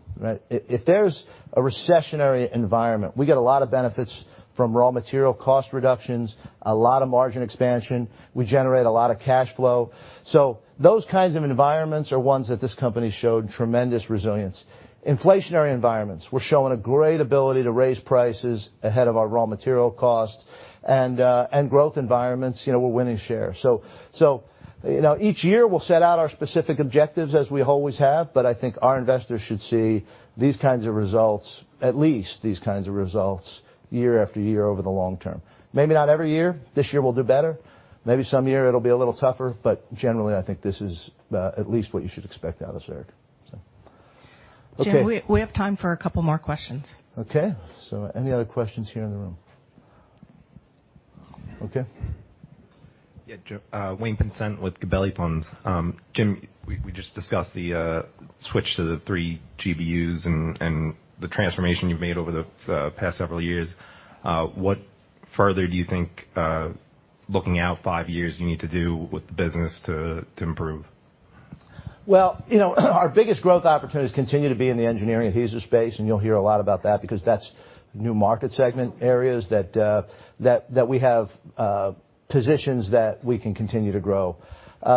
If there's a recessionary environment, we get a lot of benefits from raw material cost reductions, a lot of margin expansion. We generate a lot of cash flow. Those kinds of environments are ones that this company showed tremendous resilience. Inflationary environments, we're showing a great ability to raise prices ahead of our raw material costs, and growth environments, you know, we're winning share. You know, each year we'll set out our specific objectives as we always have, but I think our investors should see these kinds of results, at least these kinds of results, year after year over the long term. Maybe not every year. This year we'll do better. Maybe some year it'll be a little tougher, but generally I think this is at least what you should expect out of the company. Okay. Jim, we have time for a couple more questions. Okay. Any other questions here in the room? Okay. Wayne Pinsent with Gabelli Funds. Jim, we just discussed the switch to the three GBUs and the transformation you've made over the past several years. What further do you think, looking out five years, you need to do with the business to improve? Well, you know, our biggest growth opportunities continue to be in the Engineering Adhesives space, and you'll hear a lot about that because that's new market segment areas that we have positions that we can continue to grow.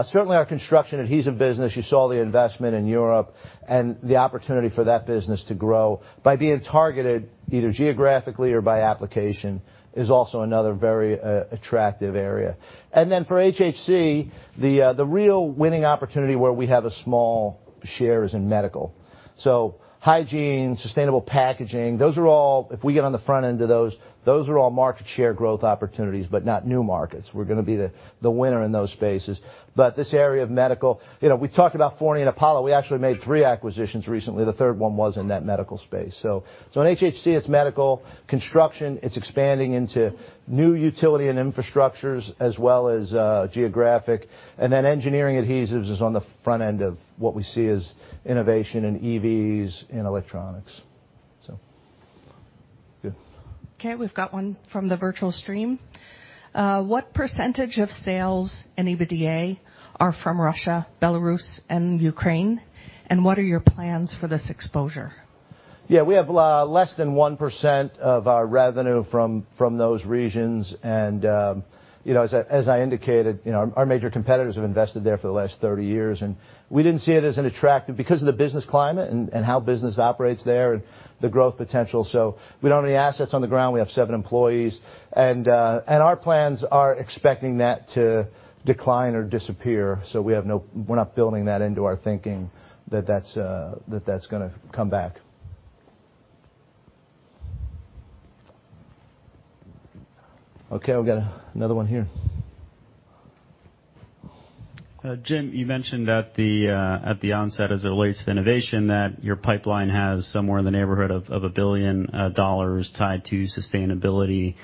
Certainly our Construction Adhesives business, you saw the investment in Europe and the opportunity for that business to grow by being targeted either geographically or by application is also another very attractive area. For HHC, the real winning opportunity where we have a small share is in medical. Hygiene, sustainable packaging, those are all, if we get on the front end of those are all market share growth opportunities, but not new markets. We're gonna be the winner in those spaces. This area of medical, you know, we talked about Fourny and Apollo. We actually made three acquisitions recently. The third one was in that medical space. In HHC, it's medical. In Construction, it's expanding into new utilities and infrastructure as well as geographies. Engineering Adhesives is on the front end of what we see as innovation in EVs and electronics. Good. Okay, we've got one from the virtual stream. What percentage of sales and EBITDA are from Russia, Belarus, and Ukraine? What are your plans for this exposure? Yeah. We have less than 1% of our revenue from those regions. You know, as I indicated, you know, our major competitors have invested there for the last 30 years, and we didn't see it as attractive because of the business climate and how business operates there and the growth potential. We don't have any assets on the ground. We have seven employees. Our plans are expecting that to decline or disappear, so we're not building that into our thinking that that's gonna come back. Okay, we've got another one here. Jim, you mentioned at the onset as it relates to innovation that your pipeline has somewhere in the neighborhood of $1 billion tied to sustainability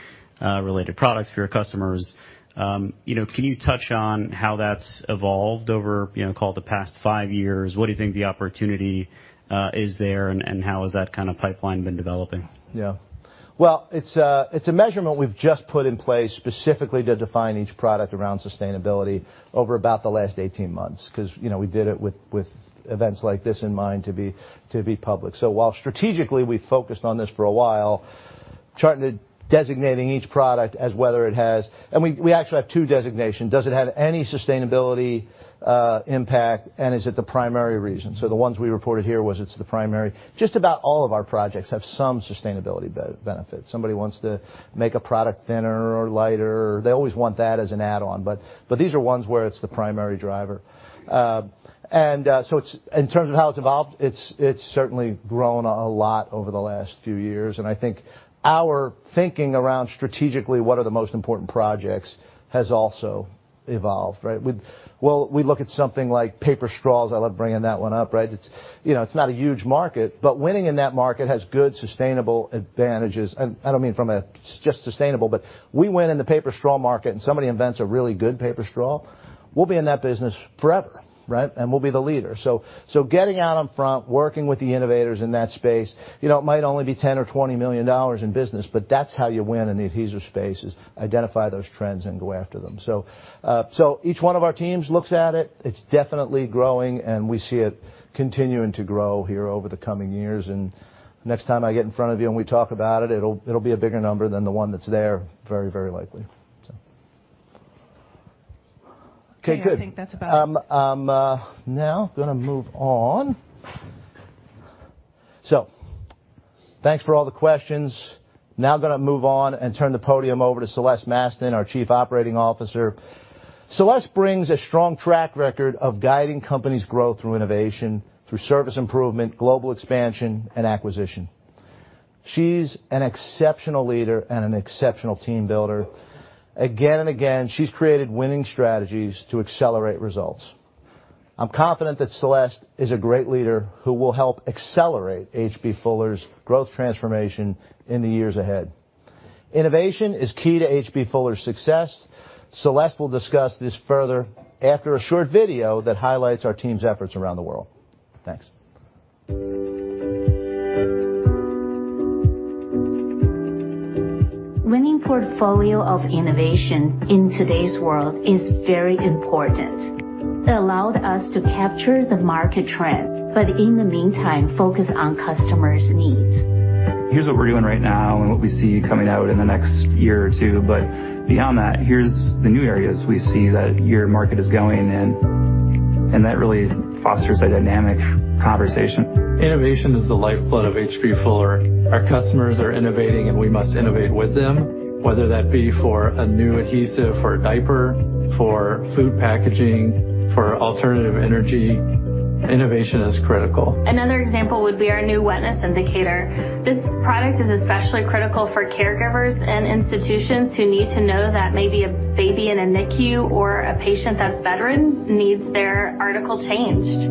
related products for your customers. You know, can you touch on how that's evolved over, you know, call it the past five years? What do you think the opportunity is there, and how has that kind of pipeline been developing? Yeah. Well, it's a measurement we've just put in place specifically to define each product around sustainability over about the last 18 months, 'cause, you know, we did it with events like this in mind to be public. While strategically we've focused on this for a while, charting it, designating each product as whether it has. We actually have two designations. Does it have any sustainability impact, and is it the primary reason? The ones we reported here was it's the primary. Just about all of our projects have some sustainability benefit. Somebody wants to make a product thinner or lighter. They always want that as an add-on, but these are ones where it's the primary driver. In terms of how it's evolved, it's certainly grown a lot over the last few years, and I think our thinking around strategically what are the most important projects has also evolved, right? Well, we look at something like paper straws. I love bringing that one up, right? You know, it's not a huge market, but winning in that market has good sustainable advantages. I don't mean from just a sustainable, but we win in the paper straw market and somebody invents a really good paper straw, we'll be in that business forever, right? We'll be the leader. Getting out in front, working with the innovators in that space, you know, it might only be $10 million or $20 million in business, but that's how you win in the adhesive space, is identify those trends and go after them. Each one of our teams looks at it. It's definitely growing, and we see it continuing to grow here over the coming years. Next time I get in front of you and we talk about it'll be a bigger number than the one that's there very likely. Okay, good. Yeah, I think that's about it. Thanks for all the questions. Now I'm gonna move on and turn the podium over to Celeste Mastin, our Chief Operating Officer. Celeste brings a strong track record of guiding company's growth through innovation, through service improvement, global expansion, and acquisition. She's an exceptional leader and an exceptional team builder. Again and again, she's created winning strategies to accelerate results. I'm confident that Celeste is a great leader who will help accelerate H.B. Fuller's growth transformation in the years ahead. Innovation is key to H.B. Fuller's success. Celeste will discuss this further after a short video that highlights our team's efforts around the world. Thanks. Winning portfolio of innovation in today's world is very important. It allowed us to capture the market trend, but in the meantime, focus on customers' needs. Here's what we're doing right now and what we see coming out in the next year or two. Beyond that, here's the new areas we see that your market is going in. That really fosters a dynamic conversation. Innovation is the lifeblood of H.B. Fuller. Our customers are innovating, and we must innovate with them, whether that be for a new adhesive for a diaper, for food packaging, for alternative energy. Innovation is critical. Another example would be our new wetness indicator. This product is especially critical for caregivers and institutions who need to know that maybe a baby in a NICU or a patient that's bedridden needs their article changed.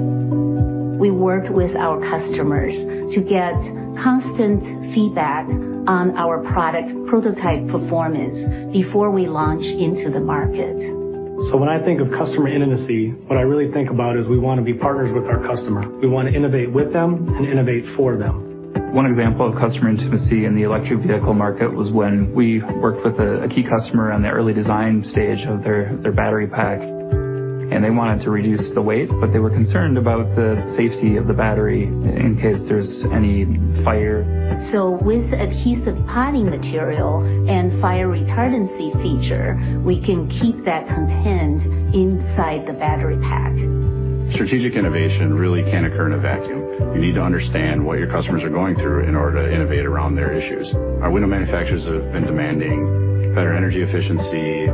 We work with our customers to get constant feedback on our product prototype performance before we launch into the market. When I think of customer intimacy, what I really think about is we wanna be partners with our customer. We wanna innovate with them and innovate for them. One example of customer intimacy in the electric vehicle market was when we worked with a key customer on the early design stage of their battery pack, and they wanted to reduce the weight, but they were concerned about the safety of the battery in case there's any fire. With adhesive potting material and fire retardancy feature, we can keep that content inside the battery pack. Strategic innovation really can't occur in a vacuum. You need to understand what your customers are going through in order to innovate around their issues. Our window manufacturers have been demanding better energy efficiency,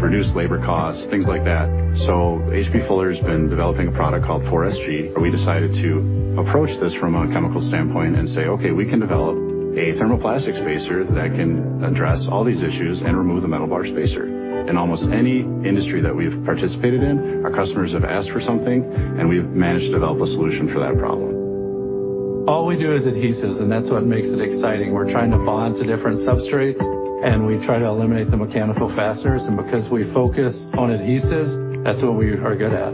reduced labor costs, things like that. H.B. Fuller's been developing a product called Ködispace 4SG, and we decided to approach this from a chemical standpoint and say, "Okay, we can develop a thermoplastic spacer that can address all these issues and remove the metal bar spacer." In almost any industry that we've participated in, our customers have asked for something, and we've managed to develop a solution for that problem. All we do is adhesives, and that's what makes it exciting. We're trying to bond to different substrates, and we try to eliminate the mechanical fasteners. Because we focus on adhesives, that's what we are good at.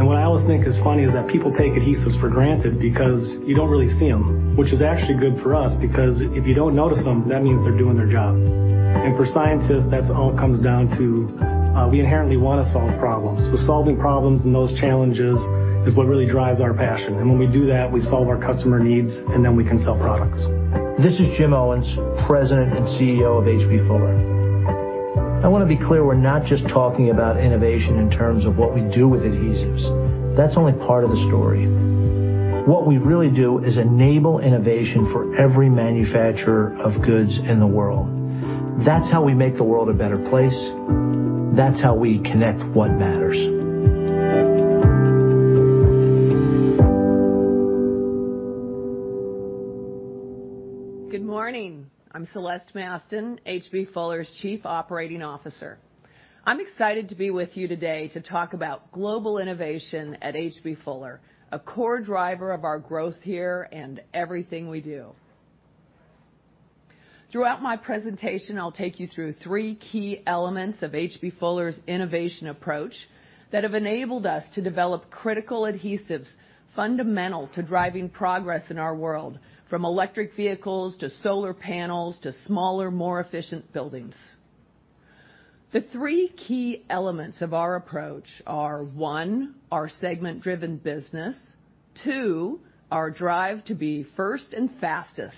What I always think is funny is that people take adhesives for granted because you don't really see them, which is actually good for us, because if you don't notice them, that means they're doing their job. For scientists, that's all it comes down to, we inherently wanna solve problems. Solving problems and those challenges is what really drives our passion. When we do that, we solve our customer needs, and then we can sell products. This is Jim Owens, President and CEO of H.B. Fuller. I wanna be clear, we're not just talking about innovation in terms of what we do with adhesives. That's only part of the story. What we really do is enable innovation for every manufacturer of goods in the world. That's how we make the world a better place. That's how we connect what matters. Good morning. I'm Celeste Mastin, H.B. Fuller's Chief Operating Officer. I'm excited to be with you today to talk about global innovation at H.B. Fuller, a core driver of our growth here and everything we do. Throughout my presentation, I'll take you through three key elements of H.B. Fuller's innovation approach that have enabled us to develop critical adhesives fundamental to driving progress in our world, from electric vehicles to solar panels to smaller, more efficient buildings. The three key elements of our approach are, one, our segment-driven business. Two, our drive to be first and fastest.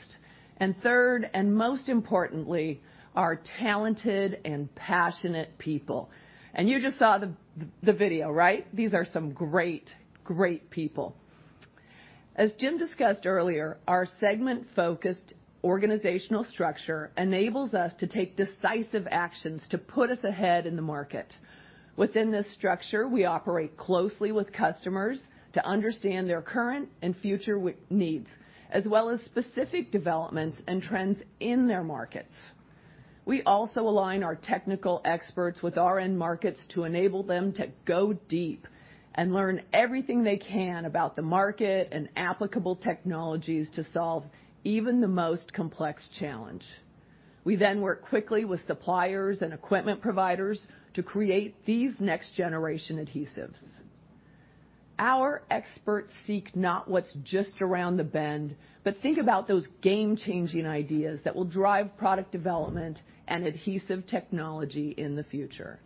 Third, and most importantly, our talented and passionate people. You just saw the video, right? These are some great people. As Jim discussed earlier, our segment-focused organizational structure enables us to take decisive actions to put us ahead in the market. Within this structure, we operate closely with customers to understand their current and future needs, as well as specific developments and trends in their markets. We also align our technical experts with our end markets to enable them to go deep and learn everything they can about the market and applicable technologies to solve even the most complex challenge. We then work quickly with suppliers and equipment providers to create these next generation adhesives. Our experts seek not what's just around the bend, but think about those game-changing ideas that will drive product development and adhesive technology in the future.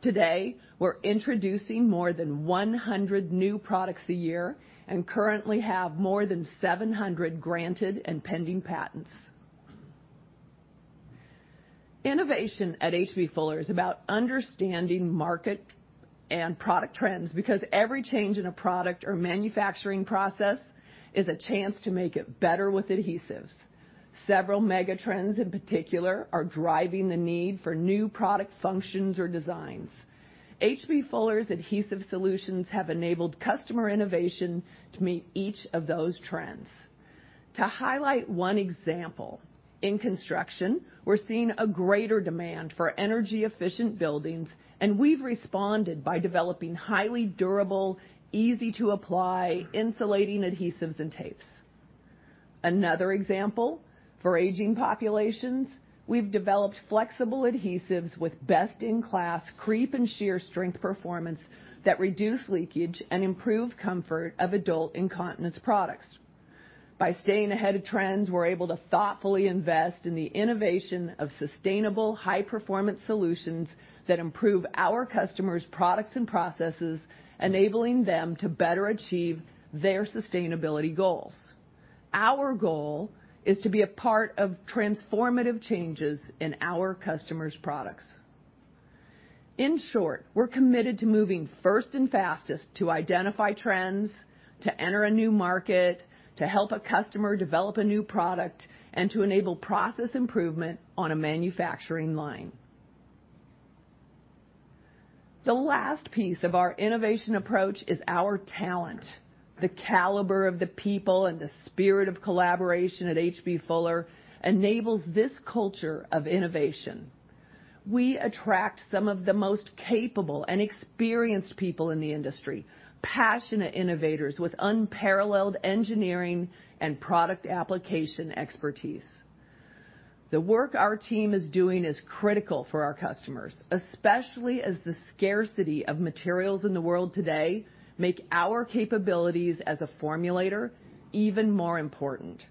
Today, we're introducing more than 100 new products a year and currently have more than 700 granted and pending patents. Innovation at H.B. Fuller is about understanding market and product trends, because every change in a product or manufacturing process is a chance to make it better with adhesives. Several mega trends in particular are driving the need for new product functions or designs. H.B. Fuller's adhesive solutions have enabled customer innovation to meet each of those trends. To highlight one example, in construction, we're seeing a greater demand for energy-efficient buildings, and we've responded by developing highly durable, easy-to-apply insulating adhesives and tapes. Another example, for aging populations, we've developed flexible adhesives with best-in-class creep and shear strength performance that reduce leakage and improve comfort of adult incontinence products. By staying ahead of trends, we're able to thoughtfully invest in the innovation of sustainable high-performance solutions that improve our customers' products and processes, enabling them to better achieve their sustainability goals. Our goal is to be a part of transformative changes in our customers' products. In short, we're committed to moving first and fastest to identify trends, to enter a new market, to help a customer develop a new product, and to enable process improvement on a manufacturing line. The last piece of our innovation approach is our talent. The caliber of the people and the spirit of collaboration at H.B. Fuller enables this culture of innovation. We attract some of the most capable and experienced people in the industry, passionate innovators with unparalleled engineering and product application expertise. The work our team is doing is critical for our customers, especially as the scarcity of materials in the world today make our capabilities as a formulator even more important.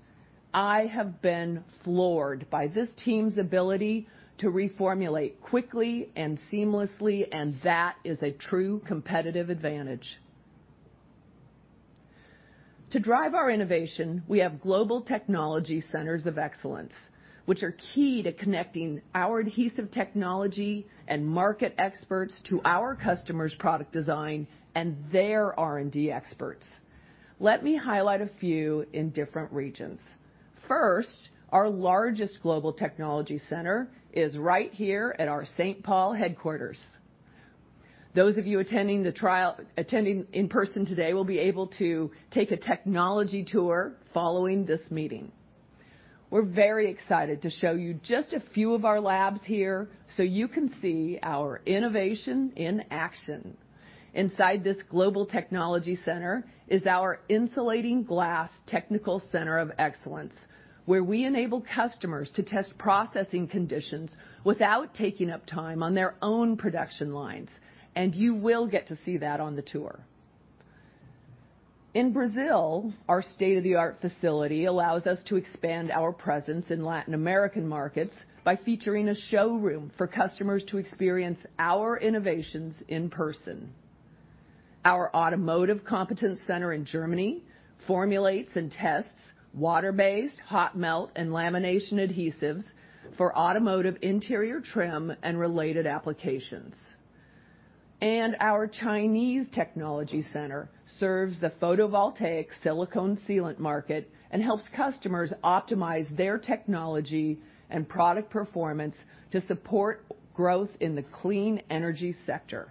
I have been floored by this team's ability to reformulate quickly and seamlessly, and that is a true competitive advantage. To drive our innovation, we have global technology centers of excellence, which are key to connecting our adhesive technology and market experts to our customers' product design and their R&D experts. Let me highlight a few in different regions. First, our largest global technology center is right here at our St. Paul headquarters. Those of you attending in person today will be able to take a technology tour following this meeting. We're very excited to show you just a few of our labs here, so you can see our innovation in action. Inside this global technology center is our Insulating Glass Technical Center of Excellence, where we enable customers to test processing conditions without taking up time on their own production lines, and you will get to see that on the tour. In Brazil, our state-of-the-art facility allows us to expand our presence in Latin American markets by featuring a showroom for customers to experience our innovations in person. Our Automotive Competence Center in Germany formulates and tests water-based hot melt and lamination adhesives for automotive interior trim and related applications. Our Chinese Technology Center serves the photovoltaic silicone sealant market and helps customers optimize their technology and product performance to support growth in the clean energy sector.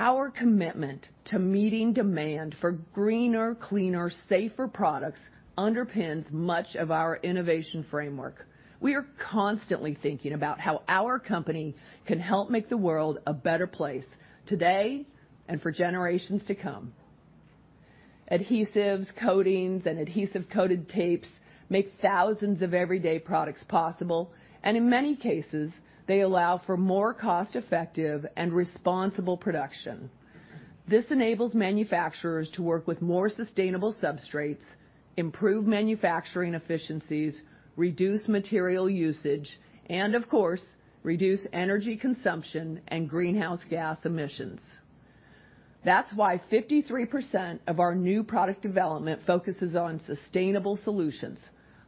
Our commitment to meeting demand for greener, cleaner, safer products underpins much of our innovation framework. We are constantly thinking about how our company can help make the world a better place today and for generations to come. Adhesives, coatings, and adhesive coated tapes make thousands of everyday products possible, and in many cases, they allow for more cost-effective and responsible production. This enables manufacturers to work with more sustainable substrates, improve manufacturing efficiencies, reduce material usage, and of course, reduce energy consumption and greenhouse gas emissions. That's why 53% of our new product development focuses on sustainable solutions.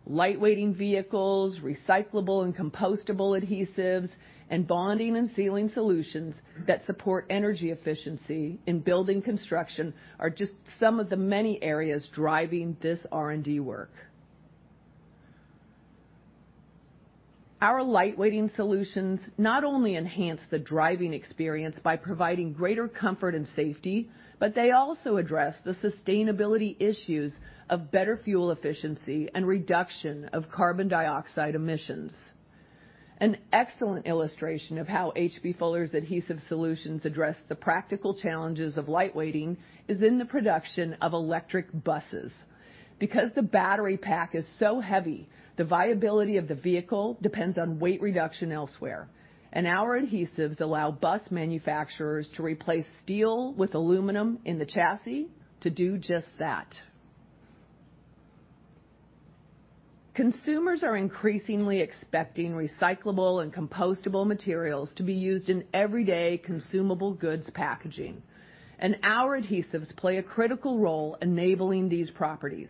Light weighting vehicles, recyclable and compostable adhesives, and bonding and sealing solutions that support energy efficiency in building construction are just some of the many areas driving this R&D work. Our light weighting solutions not only enhance the driving experience by providing greater comfort and safety, but they also address the sustainability issues of better fuel efficiency and reduction of carbon dioxide emissions. An excellent illustration of how H.B. Fuller's adhesive solutions address the practical challenges of light weighting is in the production of electric buses. Because the battery pack is so heavy, the viability of the vehicle depends on weight reduction elsewhere, and our adhesives allow bus manufacturers to replace steel with aluminum in the chassis to do just that. Consumers are increasingly expecting recyclable and compostable materials to be used in everyday consumable goods packaging, and our adhesives play a critical role enabling these properties.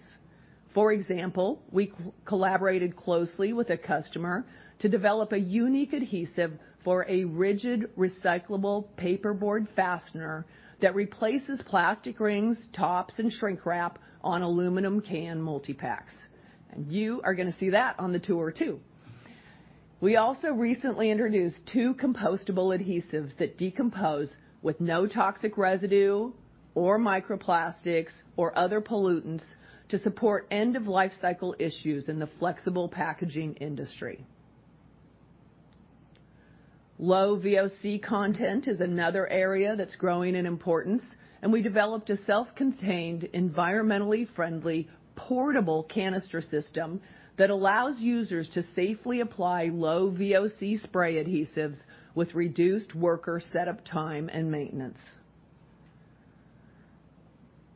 For example, we collaborated closely with a customer to develop a unique adhesive for a rigid, recyclable paperboard fastener that replaces plastic rings, tops, and shrink wrap on aluminum can multipacks. You are gonna see that on the tour, too. We also recently introduced two compostable adhesives that decompose with no toxic residue or microplastics or other pollutants to support end of life cycle issues in the flexible packaging industry. Low VOC content is another area that's growing in importance, and we developed a self-contained, environmentally friendly, portable canister system that allows users to safely apply low VOC spray adhesives with reduced worker setup time and maintenance.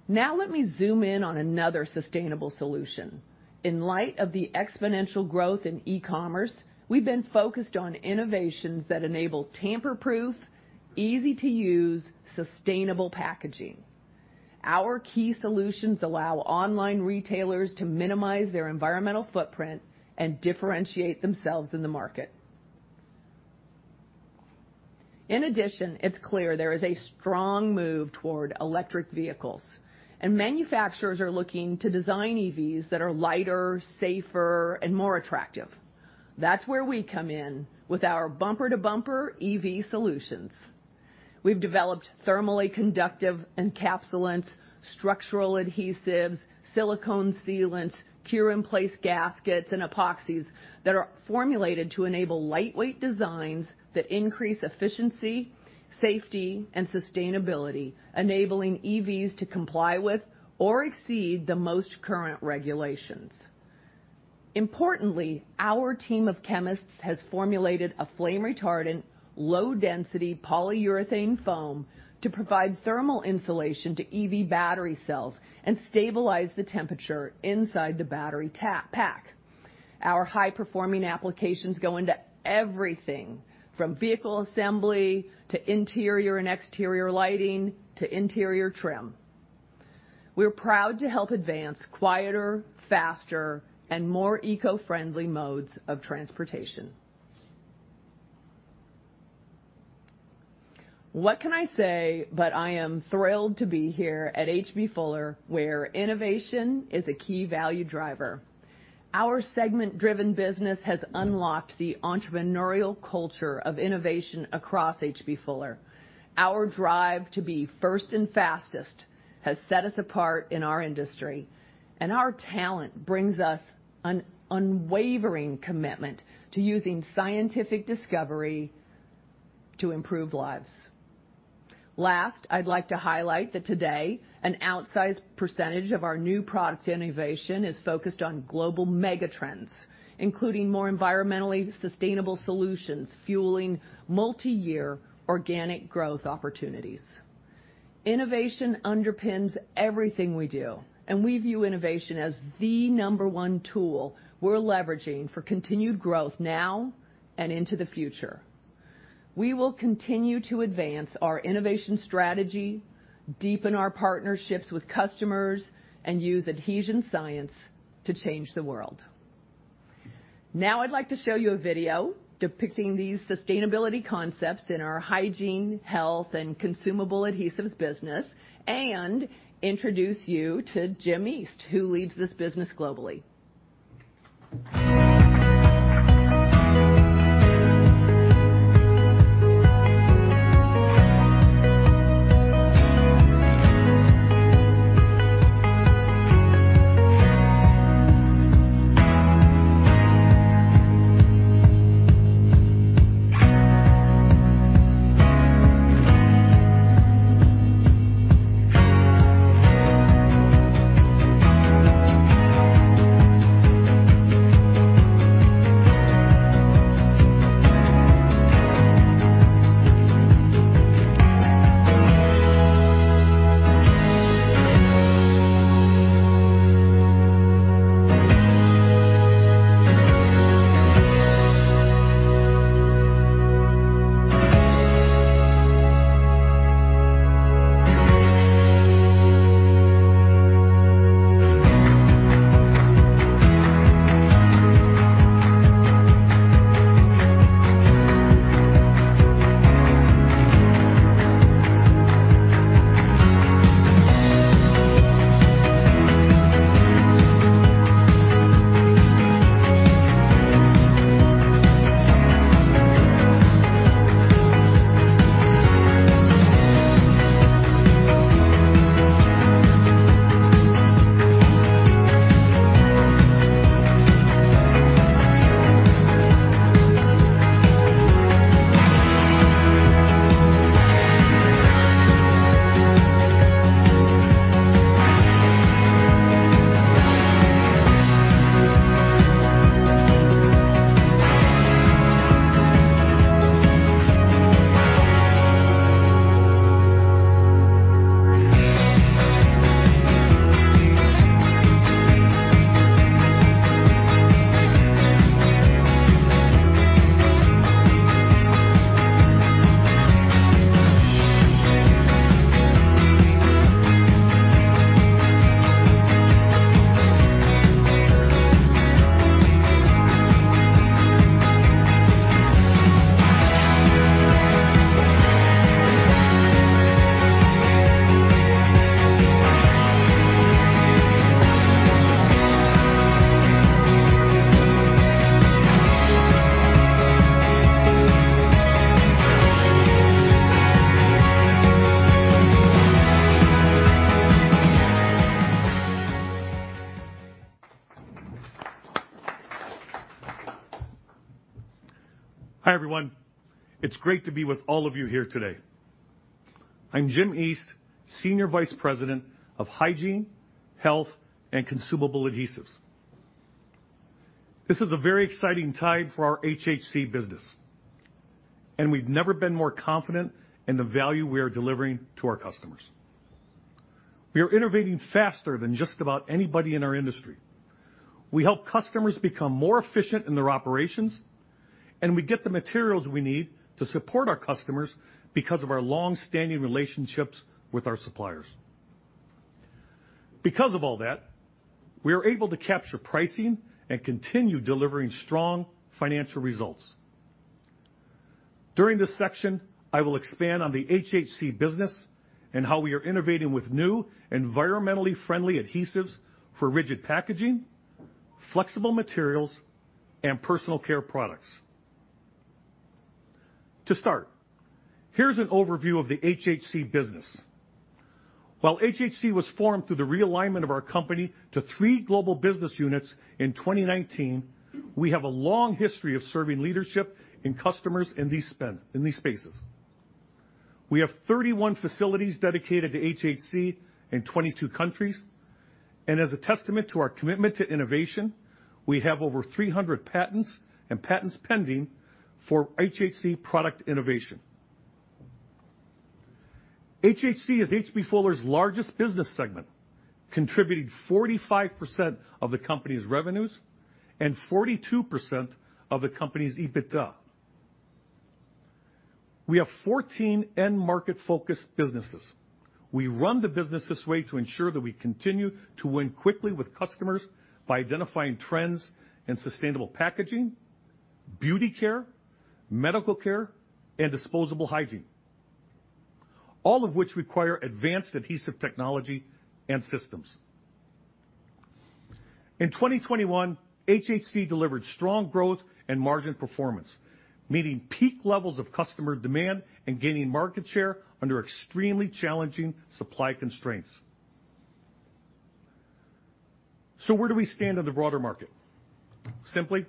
Now let me zoom in on another sustainable solution. In light of the exponential growth in e-commerce, we've been focused on innovations that enable tamper-proof, easy-to-use, sustainable packaging. Our key solutions allow online retailers to minimize their environmental footprint and differentiate themselves in the market. In addition, it's clear there is a strong move toward electric vehicles, and manufacturers are looking to design EVs that are lighter, safer, and more attractive. That's where we come in with our bumper-to-bumper EV solutions. We've developed thermally conductive encapsulants, structural adhesives, silicone sealants, cure-in-place gaskets, and epoxies that are formulated to enable lightweight designs that increase efficiency, safety, and sustainability, enabling EVs to comply with or exceed the most current regulations. Importantly, our team of chemists has formulated a flame retardant, low-density polyurethane foam to provide thermal insulation to EV battery cells and stabilize the temperature inside the battery pack. Our high-performing applications go into everything from vehicle assembly to interior and exterior lighting to interior trim. We're proud to help advance quieter, faster, and more eco-friendly modes of transportation. What can I say, but I am thrilled to be here at H.B. Fuller, where innovation is a key value driver. Our segment-driven business has unlocked the entrepreneurial culture of innovation across H.B. Fuller. Our drive to be first and fastest has set us apart in our industry, and our talent brings us an unwavering commitment to using scientific discovery to improve lives. Last, I'd like to highlight that today, an outsized percentage of our new product innovation is focused on global mega trends, including more environmentally sustainable solutions, fueling multiyear organic growth opportunities. Innovation underpins everything we do, and we view innovation as the number one tool we're leveraging for continued growth now and into the future. We will continue to advance our innovation strategy, deepen our partnerships with customers, and use adhesion science to change the world. Now I'd like to show you a video depicting these sustainability concepts in our Hygiene, Health, and Consumable Adhesives business and introduce you to Jim East, who leads this business globally. Hi, everyone. It's great to be with all of you here today. I'm Jim East, Executive Vice President of Hygiene, Health, and Consumable Adhesives. This is a very exciting time for our HHC business, and we've never been more confident in the value we are delivering to our customers. We are innovating faster than just about anybody in our industry. We help customers become more efficient in their operations, and we get the materials we need to support our customers because of our long-standing relationships with our suppliers. Because of all that, we are able to capture pricing and continue delivering strong financial results. During this section, I will expand on the HHC business and how we are innovating with new environmentally friendly adhesives for rigid packaging, flexible materials, and personal care products. To start, here's an overview of the HHC business. While HHC was formed through the realignment of our company to three global business units in 2019, we have a long history of serving leading customers in these spaces. We have 31 facilities dedicated to HHC in 22 countries. As a testament to our commitment to innovation, we have over 300 patents and patents pending for HHC product innovation. HHC is H.B. Fuller's largest business segment, contributing 45% of the company's revenues and 42% of the company's EBITDA. We have 14 end market-focused businesses. We run the business this way to ensure that we continue to win quickly with customers by identifying trends in sustainable packaging, beauty care, medical care, and disposable hygiene, all of which require advanced adhesive technology and systems. In 2021, HHC delivered strong growth and margin performance, meeting peak levels of customer demand and gaining market share under extremely challenging supply constraints. Where do we stand in the broader market? Simply,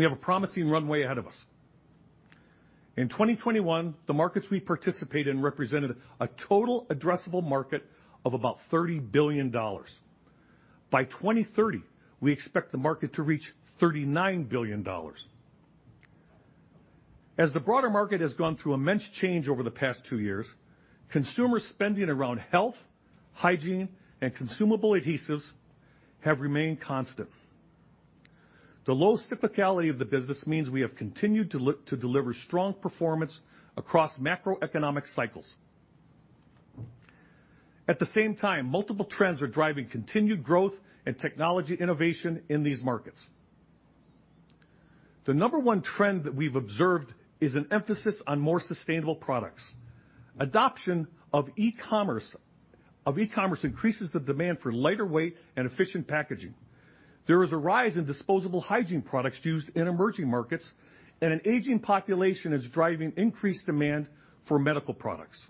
we have a promising runway ahead of us. In 2021, the markets we participate in represented a total addressable market of about $30 billion. By 2030, we expect the market to reach $39 billion. As the broader market has gone through immense change over the past two years, consumer spending around Hygiene, Health, and Consumable Adhesives has remained constant. The low cyclicality of the business means we have continued to deliver strong performance across macroeconomic cycles. At the same time, multiple trends are driving continued growth and technology innovation in these markets. The number one trend that we've observed is an emphasis on more sustainable products. Adoption of e-commerce increases the demand for lighter weight and efficient packaging. There is a rise in disposable hygiene products used in emerging markets, and an aging population is driving increased demand for medical products.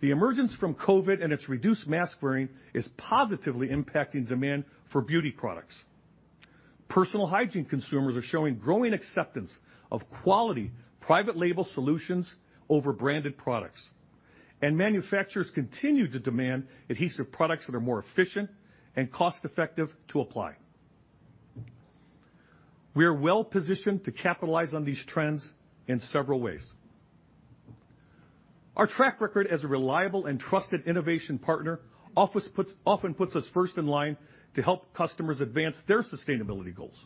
The emergence from COVID and its reduced mask-wearing is positively impacting demand for beauty products. Personal hygiene consumers are showing growing acceptance of quality private label solutions over branded products, and manufacturers continue to demand adhesive products that are more efficient and cost effective to apply. We are well positioned to capitalize on these trends in several ways. Our track record as a reliable and trusted innovation partner often puts us first in line to help customers advance their sustainability goals.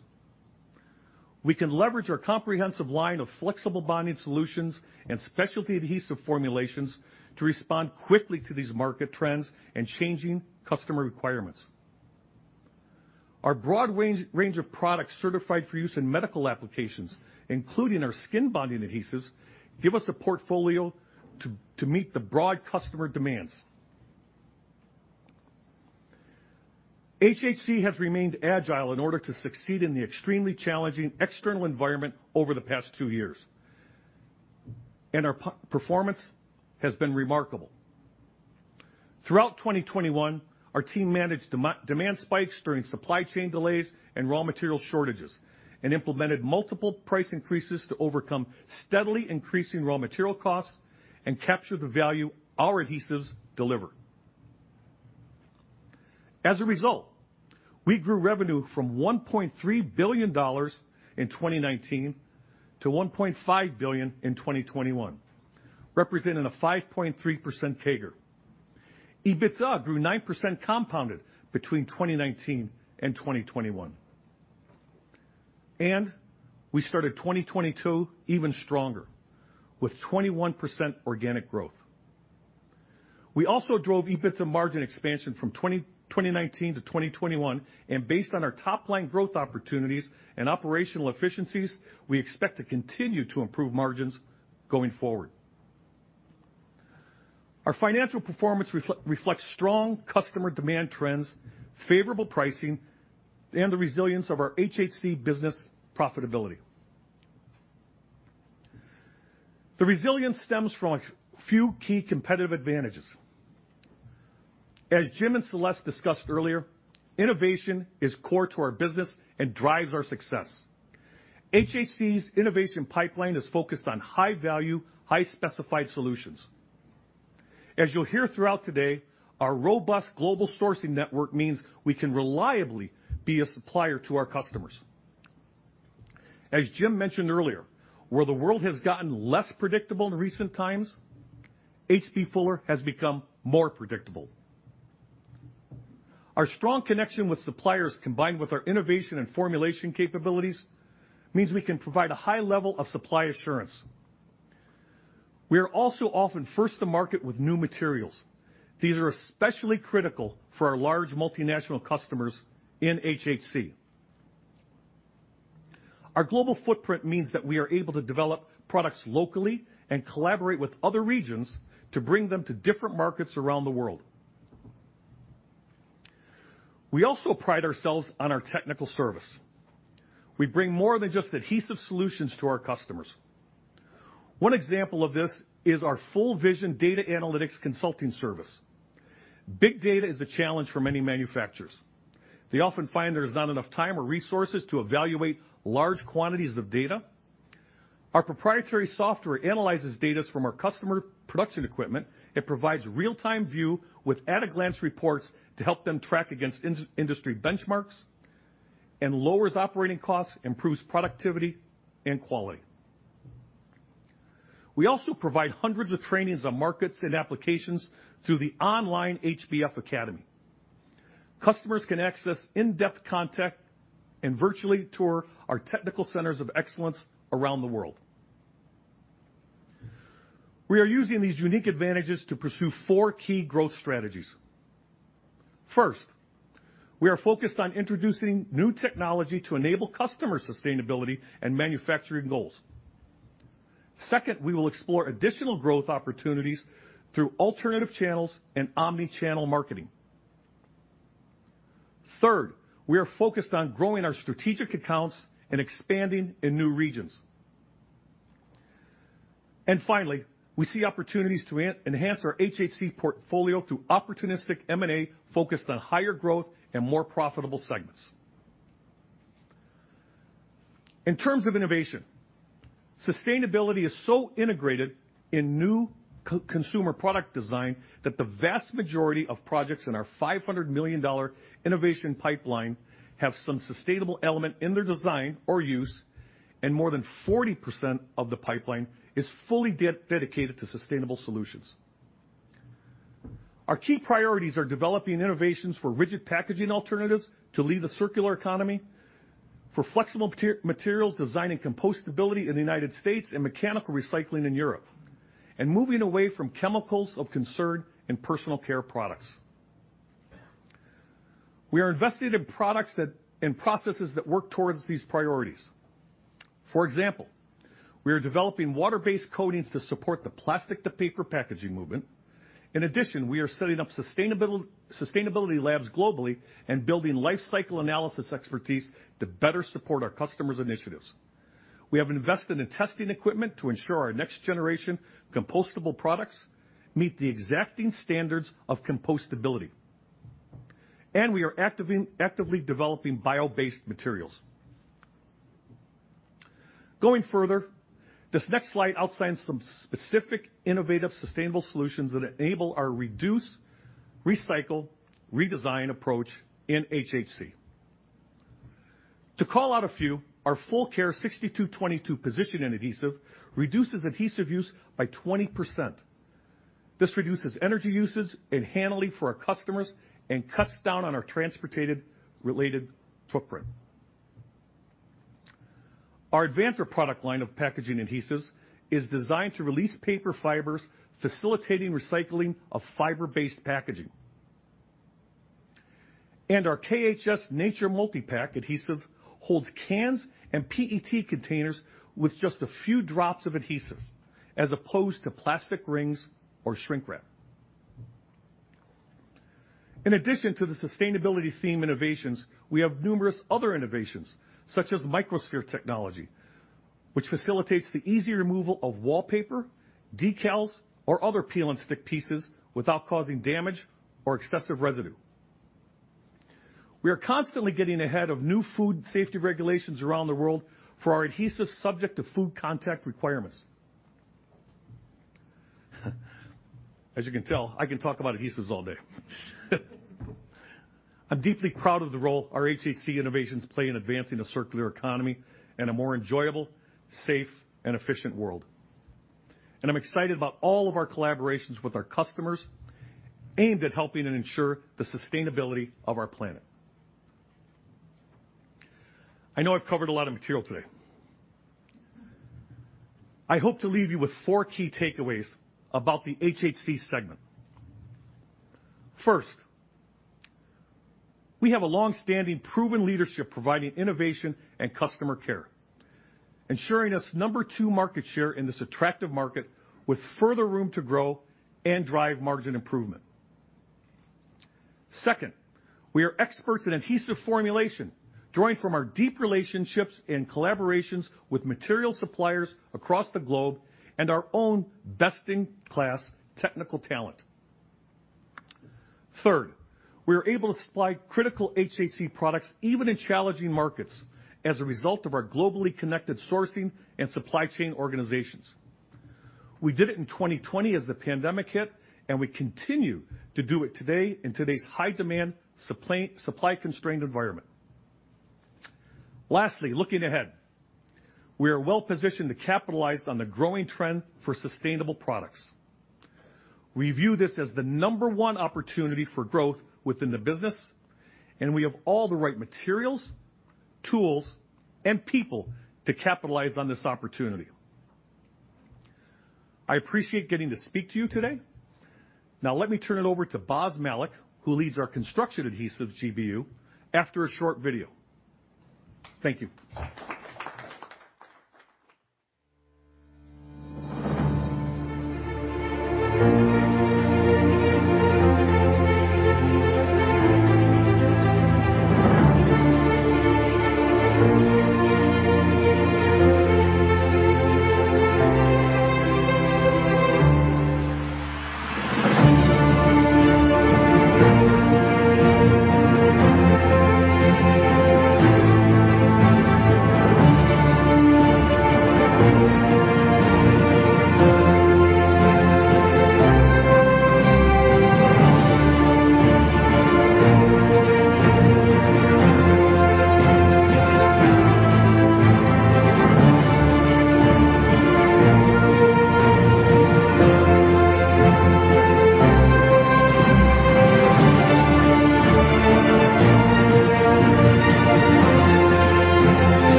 We can leverage our comprehensive line of flexible bonding solutions and specialty adhesive formulations to respond quickly to these market trends and changing customer requirements. Our broad range of products certified for use in medical applications, including our skin bonding adhesives, give us a portfolio to meet the broad customer demands. HHC has remained agile in order to succeed in the extremely challenging external environment over the past two years, and our performance has been remarkable. Throughout 2021, our team managed demand spikes during supply chain delays and raw material shortages, and implemented multiple price increases to overcome steadily increasing raw material costs and capture the value our adhesives deliver. As a result, we grew revenue from $1.3 billion in 2019 to $1.5 billion in 2021, representing a 5.3% CAGR. EBITDA grew 9% compounded between 2019 and 2021. We started 2022 even stronger with 21% organic growth. We also drove EBITDA margin expansion from 2019 to 2021, and based on our top line growth opportunities and operational efficiencies, we expect to continue to improve margins going forward. Our financial performance reflects strong customer demand trends, favorable pricing, and the resilience of our HHC business profitability. The resilience stems from a few key competitive advantages. As Jim and Celeste discussed earlier, innovation is core to our business and drives our success. HHC's innovation pipeline is focused on high value, high specified solutions. As you'll hear throughout today, our robust global sourcing network means we can reliably be a supplier to our customers. As Jim mentioned earlier, where the world has gotten less predictable in recent times, H.B. Fuller has become more predictable. Our strong connection with suppliers, combined with our innovation and formulation capabilities, means we can provide a high level of supply assurance. We are also often first to market with new materials. These are especially critical for our large multinational customers in HHC. Our global footprint means that we are able to develop products locally and collaborate with other regions to bring them to different markets around the world. We also pride ourselves on our technical service. We bring more than just adhesive solutions to our customers. One example of this is our FullVision data analytics consulting service. Big data is a challenge for many manufacturers. They often find there's not enough time or resources to evaluate large quantities of data. Our proprietary software analyzes data from our customer production equipment. It provides real-time view with at a glance reports to help them track against industry benchmarks and lowers operating costs, improves productivity and quality. We also provide hundreds of trainings on markets and applications through the online H.B. Fuller Academy. Customers can access in-depth content and virtually tour our technical centers of excellence around the world. We are using these unique advantages to pursue four key growth strategies. First, we are focused on introducing new technology to enable customer sustainability and manufacturing goals. Second, we will explore additional growth opportunities through alternative channels and omni-channel marketing. Third, we are focused on growing our strategic accounts and expanding in new regions. Finally, we see opportunities to enhance our HHC portfolio through opportunistic M&A focused on higher growth and more profitable segments. In terms of innovation, sustainability is so integrated in new consumer product design that the vast majority of projects in our $500 million innovation pipeline have some sustainable element in their design or use, and more than 40% of the pipeline is fully dedicated to sustainable solutions. Our key priorities are developing innovations for rigid packaging alternatives to lead the circular economy, for flexible materials, design and compostability in the United States and mechanical recycling in Europe, and moving away from chemicals of concern in personal care products. We are invested in products that in processes that work towards these priorities. For example, we are developing water-based coatings to support the plastic to paper packaging movement. In addition, we are setting up sustainability labs globally and building life cycle analysis expertise to better support our customers initiatives. We have invested in testing equipment to ensure our next generation compostable products meet the exacting standards of compostability. We are actively developing bio-based materials. Going further, this next slide outlines some specific innovative, sustainable solutions that enable our reduce, recycle, redesign approach in HHC. To call out a few, our Full-Care 6222 positioning and adhesive reduces adhesive use by 20%. This reduces energy usage and handling for our customers and cuts down on our transportation-related footprint. Our Advantra product line of packaging adhesives is designed to release paper fibers, facilitating recycling of fiber-based packaging. Our KHS Nature MultiPack adhesive holds cans and PET containers with just a few drops of adhesive, as opposed to plastic rings or shrink wrap. In addition to the sustainability theme innovations, we have numerous other innovations, such as microsphere technology, which facilitates the easy removal of wallpaper, decals, or other peel and stick pieces without causing damage or excessive residue. We are constantly getting ahead of new food safety regulations around the world for our adhesive subject to food contact requirements. As you can tell, I can talk about adhesives all day. I'm deeply proud of the role our HHC innovations play in advancing a circular economy and a more enjoyable, safe, and efficient world. I'm excited about all of our collaborations with our customers aimed at helping and ensure the sustainability of our planet. I know I've covered a lot of material today. I hope to leave you with four key takeaways about the HHC segment. First, we have a long-standing proven leadership providing innovation and customer care, ensuring us number two market share in this attractive market with further room to grow and drive margin improvement. Second, we are experts in adhesive formulation, drawing from our deep relationships and collaborations with material suppliers across the globe and our own best-in-class technical talent. Third, we are able to supply critical HHC products even in challenging markets as a result of our globally connected sourcing and supply chain organizations. We did it in 2020 as the pandemic hit, and we continue to do it today in today's high demand supply constrained environment. Lastly, looking ahead, we are well positioned to capitalize on the growing trend for sustainable products. We view this as the number one opportunity for growth within the business, and we have all the right materials, tools, and people to capitalize on this opportunity. I appreciate getting to speak to you today. Now let me turn it over to Boz Malik, who leads our Construction Adhesives GBU, after a short video. Thank you.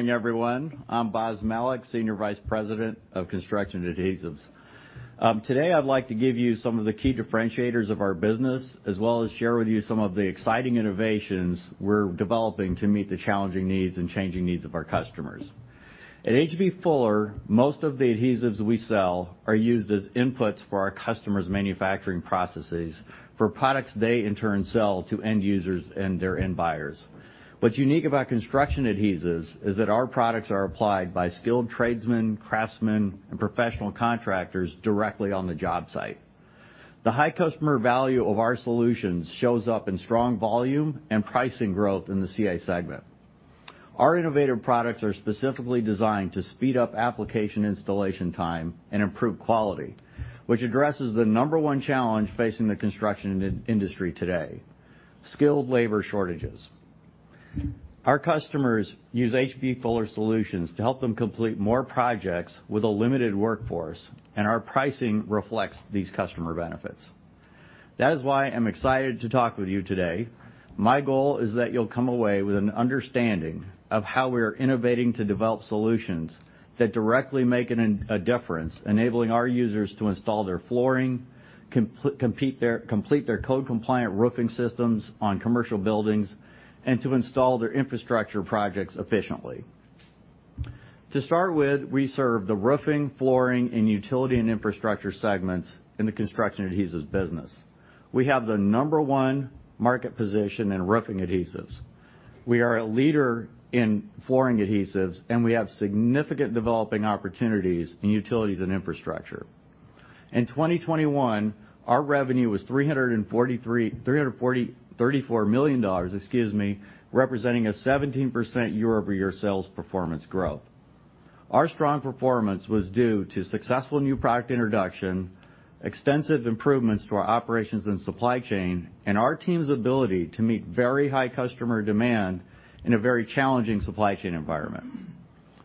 Good morning, everyone. I'm Boz Malik, Senior Vice President of Construction Adhesives. Today, I'd like to give you some of the key differentiators of our business, as well as share with you some of the exciting innovations we're developing to meet the challenging needs and changing needs of our customers. At H.B. Fuller, most of the adhesives we sell are used as inputs for our customers' manufacturing processes for products they in turn sell to end users and their end buyers. What's unique about Construction Adhesives is that our products are applied by skilled tradesmen, craftsmen, and professional contractors directly on the job site. The high customer value of our solutions shows up in strong volume and pricing growth in the CA segment. Our innovative products are specifically designed to speed up application installation time and improve quality, which addresses the number one challenge facing the construction industry today, skilled labor shortages. Our customers use H.B. Fuller solutions to help them complete more projects with a limited workforce, and our pricing reflects these customer benefits. That is why I'm excited to talk with you today. My goal is that you'll come away with an understanding of how we are innovating to develop solutions that directly make a difference, enabling our users to install their flooring, complete their code compliant roofing systems on commercial buildings, and to install their infrastructure projects efficiently. To start with, we serve the roofing, flooring, utility, and infrastructure segments in the Construction Adhesives business. We have the number one market position in roofing adhesives. We are a leader in flooring adhesives, and we have significant developing opportunities in utilities and infrastructure. In 2021, our revenue was $340 million, excuse me, representing a 17% year-over-year sales performance growth. Our strong performance was due to successful new product introduction, extensive improvements to our operations and supply chain, and our team's ability to meet very high customer demand in a very challenging supply chain environment.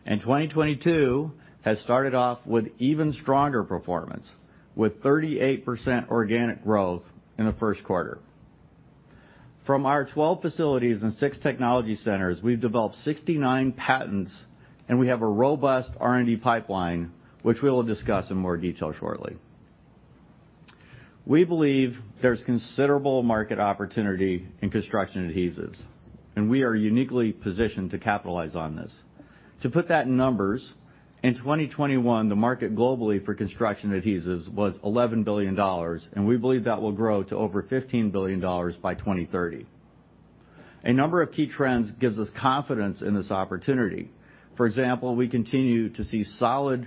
2022 has started off with even stronger performance, with 38% organic growth in the first quarter. From our 12 facilities and 6 technology centers, we've developed 69 patents, and we have a robust R&D pipeline, which we will discuss in more detail shortly. We believe there's considerable market opportunity in Construction Adhesives, and we are uniquely positioned to capitalize on this. To put that in numbers, in 2021, the market globally for Construction Adhesives was $11 billion, and we believe that will grow to over $15 billion by 2030. A number of key trends gives us confidence in this opportunity. For example, we continue to see solid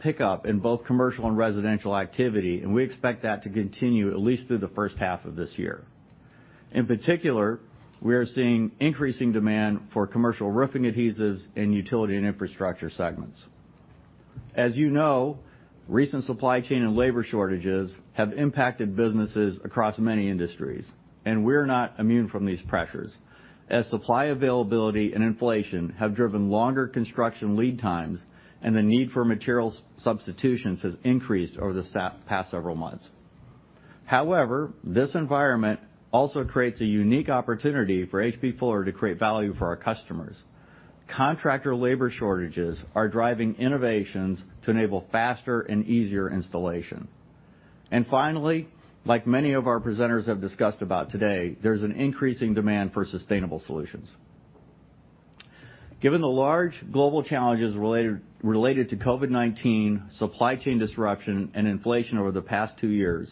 pickup in both commercial and residential activity, and we expect that to continue at least through the first half of this year. In particular, we are seeing increasing demand for commercial roofing adhesives in utility and infrastructure segments. As you know, recent supply chain and labor shortages have impacted businesses across many industries, and we're not immune from these pressures, as supply availability and inflation have driven longer construction lead times and the need for materials substitutions has increased over the past several months. However, this environment also creates a unique opportunity for H.B. Fuller. Fuller to create value for our customers. Contractor labor shortages are driving innovations to enable faster and easier installation. Finally, like many of our presenters have discussed about today, there's an increasing demand for sustainable solutions. Given the large global challenges related to COVID-19, supply chain disruption, and inflation over the past two years,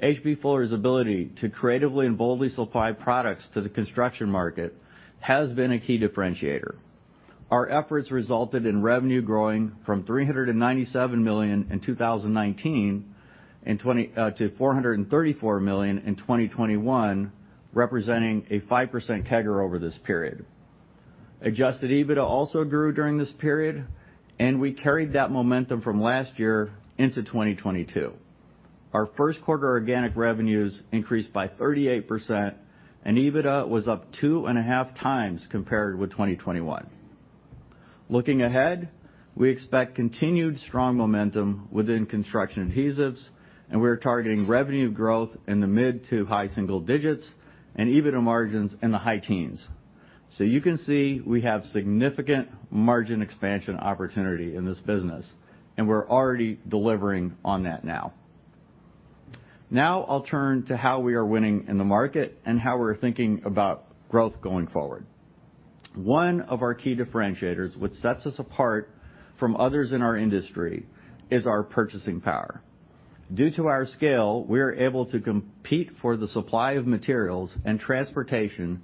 H.B. Fuller's ability to creatively and boldly supply products to the construction market has been a key differentiator. Our efforts resulted in revenue growing from $397 million in 2019 to $434 million in 2021, representing a 5% CAGR over this period. Adjusted EBITDA also grew during this period, and we carried that momentum from last year into 2022. Our first quarter organic revenues increased by 38%, and EBITDA was up 2.5 times compared with 2021. Looking ahead, we expect continued strong momentum within Construction Adhesives, and we are targeting revenue growth in the mid- to high-single digits and EBITDA margins in the high teens%. You can see, we have significant margin expansion opportunity in this business, and we're already delivering on that now. Now I'll turn to how we are winning in the market and how we're thinking about growth going forward. One of our key differentiators, which sets us apart from others in our industry, is our purchasing power. Due to our scale, we are able to compete for the supply of materials and transportation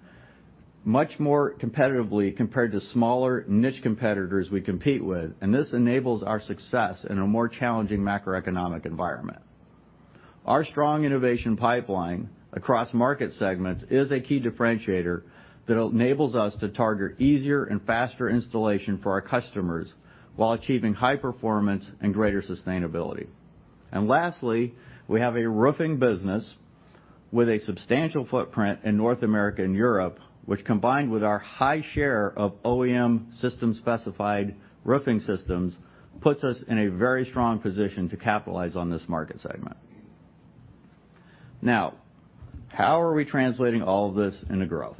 much more competitively compared to smaller niche competitors we compete with, and this enables our success in a more challenging macroeconomic environment. Our strong innovation pipeline across market segments is a key differentiator that enables us to target easier and faster installation for our customers while achieving high performance and greater sustainability. Lastly, we have a roofing business with a substantial footprint in North America and Europe, which combined with our high share of OEM system-specified roofing systems, puts us in a very strong position to capitalize on this market segment. Now, how are we translating all of this into growth?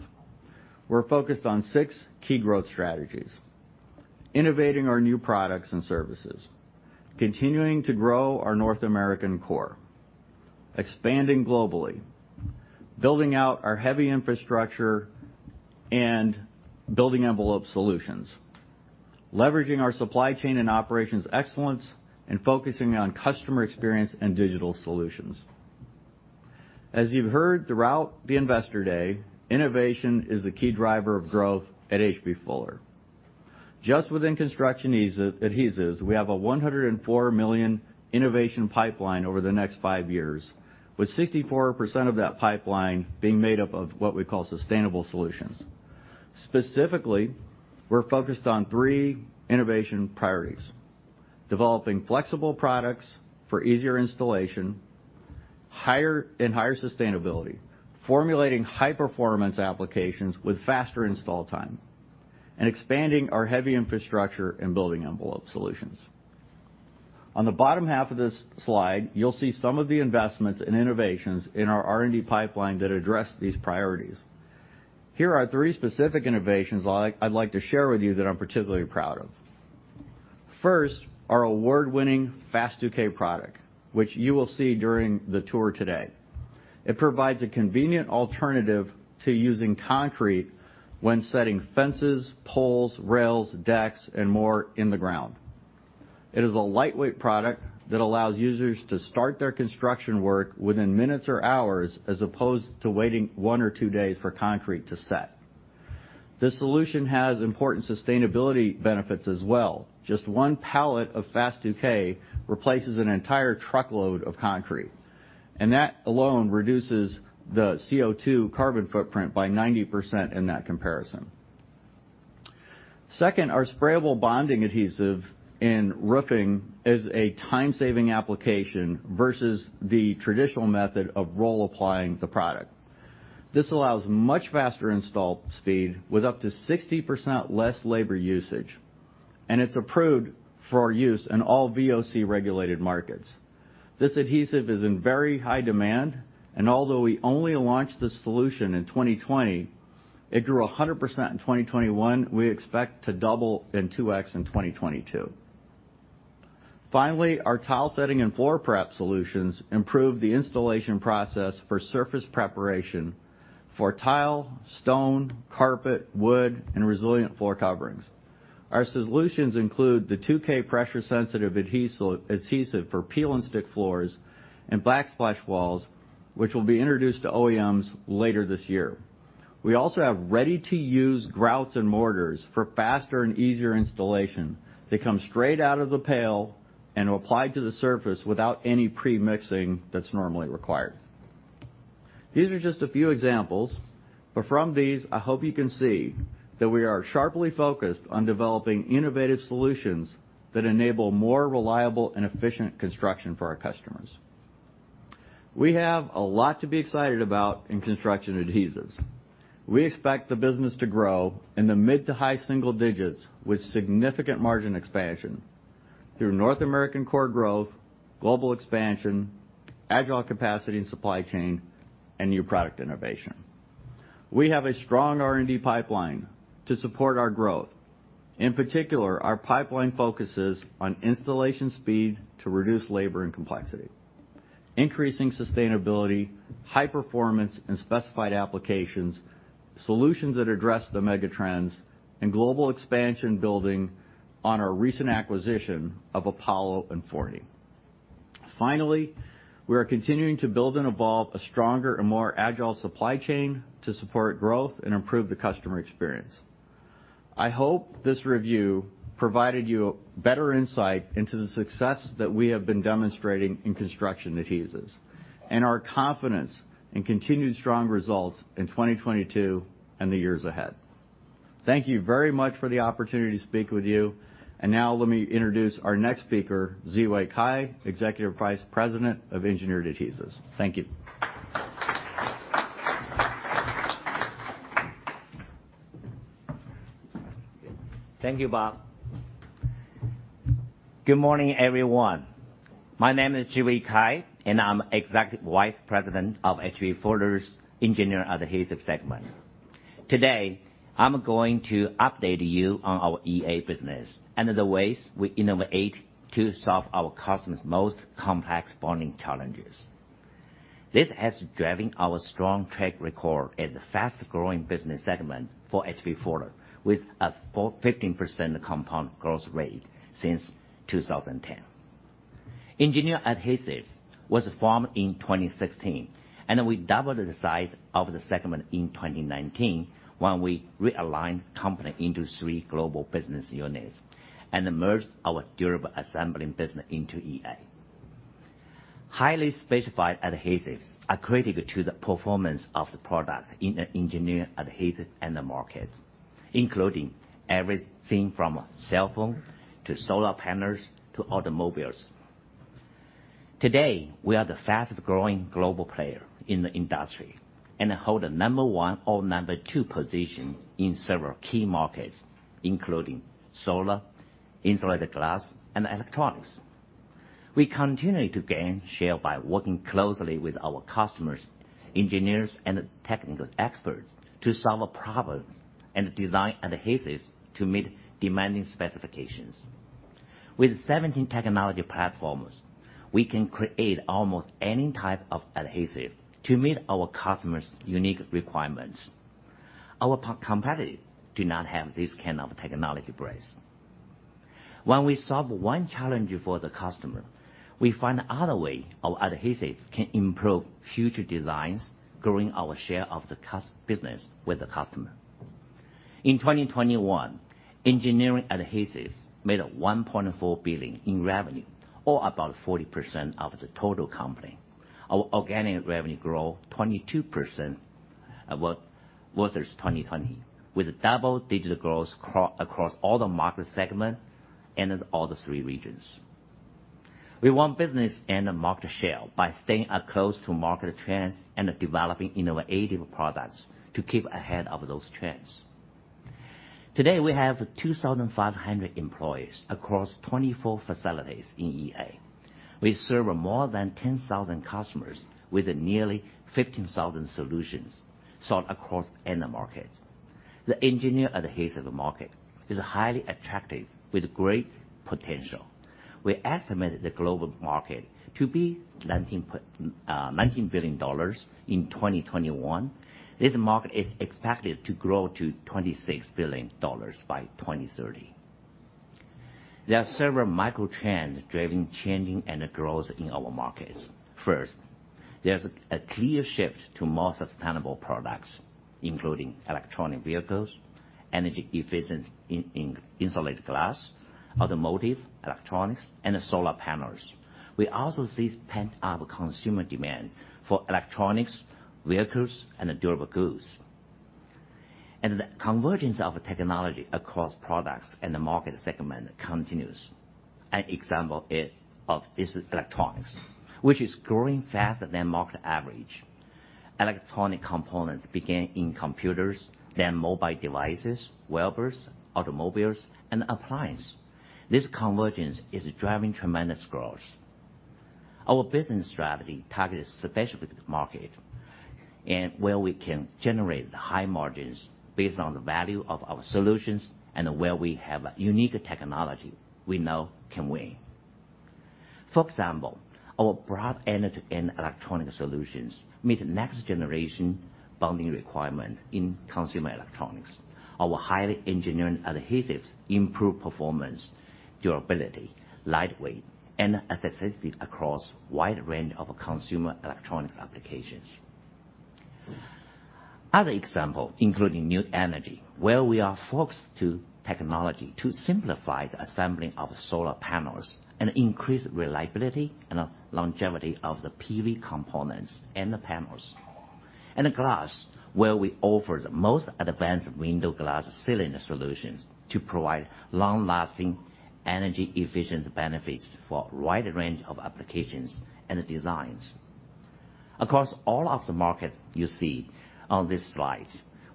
We're focused on six key growth strategies, innovating our new products and services, continuing to grow our North American core, expanding globally, building out our heavy infrastructure and building envelope solutions, leveraging our supply chain and operations excellence, and focusing on customer experience and digital solutions. As you've heard throughout the Investor Day, innovation is the key driver of growth at H.B. Fuller. Just within Construction Adhesives, we have a $104 million innovation pipeline over the next five years, with 64% of that pipeline being made up of what we call sustainable solutions. Specifically, we're focused on three innovation priorities, developing flexible products for easier installation, higher and higher sustainability, formulating high performance applications with faster install time, and expanding our heavy infrastructure and building envelope solutions. On the bottom half of this slide, you'll see some of the investments and innovations in our R&D pipeline that address these priorities. Here are three specific innovations I'd like to share with you that I'm particularly proud of. First, our award-winning Fast 2K product, which you will see during the tour today. It provides a convenient alternative to using concrete when setting fences, poles, rails, decks and more in the ground. It is a lightweight product that allows users to start their construction work within minutes or hours, as opposed to waiting one or two days for concrete to set. This solution has important sustainability benefits as well. Just one pallet of Fast 2K replaces an entire truckload of concrete. That alone reduces the CO₂ carbon footprint by 90% in that comparison. Second, our sprayable bonding adhesive in roofing is a time-saving application versus the traditional method of roll applying the product. This allows much faster install speed with up to 60% less labor usage, and it's approved for our use in all VOC-regulated markets. This adhesive is in very high demand, and although we only launched this solution in 2020, it grew 100% in 2021. We expect to double and 2x in 2022. Finally, our tile setting and floor prep solutions improve the installation process for surface preparation for tile, stone, carpet, wood, and resilient floor coverings. Our solutions include the 2K pressure-sensitive adhesive for peel-and-stick floors and backsplash walls, which will be introduced to OEMs later this year. We also have ready-to-use grouts and mortars for faster and easier installation. They come straight out of the pail and are applied to the surface without any pre-mixing that's normally required. These are just a few examples, but from these, I hope you can see that we are sharply focused on developing innovative solutions that enable more reliable and efficient construction for our customers. We have a lot to be excited about in construction adhesives. We expect the business to grow in the mid- to high-single-digits with significant margin expansion through North American core growth, global expansion, agile capacity and supply chain, and new product innovation. We have a strong R&D pipeline to support our growth. In particular, our pipeline focuses on installation speed to reduce labor and complexity, increasing sustainability, high performance, and specified applications, solutions that address the mega trends, and global expansion building on our recent acquisition of Apollo and Fourny. Finally, we are continuing to build and evolve a stronger and more agile supply chain to support growth and improve the customer experience. I hope this review provided you better insight into the success that we have been demonstrating in Construction Adhesives and our confidence in continued strong results in 2022 and the years ahead. Thank you very much for the opportunity to speak with you. Now let me introduce our next speaker, Zhiwei Cai, Executive Vice President of Engineering Adhesives. Thank you. Thank you, Boz. Good morning, everyone. My name is Zhiwei Cai, and I'm Executive Vice President of H.B. Fuller's Engineering Adhesives segment. Today, I'm going to update you on our EA business and the ways we innovate to solve our customers' most complex bonding challenges. This is driving our strong track record as the fastest-growing business segment for H.B. Fuller with a 15% compound growth rate since 2010. Engineering Adhesives was formed in 2016, and we doubled the size of the segment in 2019 when we realigned the company into three global business units and merged our Durable Assembling business into EA. Highly specified adhesives are critical to the performance of the product in the engineering adhesives end market, including everything from a cell phone to solar panels to automobiles. Today, we are the fastest-growing global player in the industry and hold the number one or number two position in several key markets, including solar, insulated glass, and electronics. We continue to gain share by working closely with our customers, engineers, and technical experts to solve problems and design adhesives to meet demanding specifications. With 17 technology platforms, we can create almost any type of adhesive to meet our customers' unique requirements. Our competitors do not have this kind of technology base. When we solve one challenge for the customer, we find other ways our adhesive can improve future designs, growing our share of the customer's business with the customer. In 2021, Engineering Adhesives made $1.4 billion in revenue, or about 40% of the total company. Our organic revenue grow 22% versus 2020, with double-digit growth across all the market segments and all the three regions. We won business and market share by staying close to market trends and developing innovative products to keep ahead of those trends. Today, we have 2,500 employees across 24 facilities in EA. We serve more than 10,000 customers with nearly 15,000 solutions sold across end markets. The Engineering Adhesives market is highly attractive with great potential. We estimate the global market to be $19 billion in 2021. This market is expected to grow to $26 billion by 2030. There are several macro trends driving change and growth in our markets. First, there's a clear shift to more sustainable products, including electric vehicles, energy efficient insulated glass, automotive, electronics, and solar panels. We also see pent-up consumer demand for electronics, vehicles and durable goods. The convergence of technology across products and the market segment continues. An example of this is electronics, which is growing faster than market average. Electronic components began in computers, then mobile devices, wearables, automobiles, and appliance. This convergence is driving tremendous growth. Our business strategy targets specific markets and where we can generate high margins based on the value of our solutions and where we have a unique technology we now can win. For example, our broad end-to-end electronic solutions meet next generation bonding requirements in consumer electronics. Our highly engineered adhesives improve performance, durability, lightweighting, and aesthetics across wide range of consumer electronics applications. Other example, including new energy, where we are focused on technology to simplify the assembling of solar panels and increase reliability and longevity of the PV components and the panels. Glass, where we offer the most advanced window glass sealing solutions to provide long-lasting energy-efficient benefits for a wide range of applications and designs. Across all of the market you see on this slide,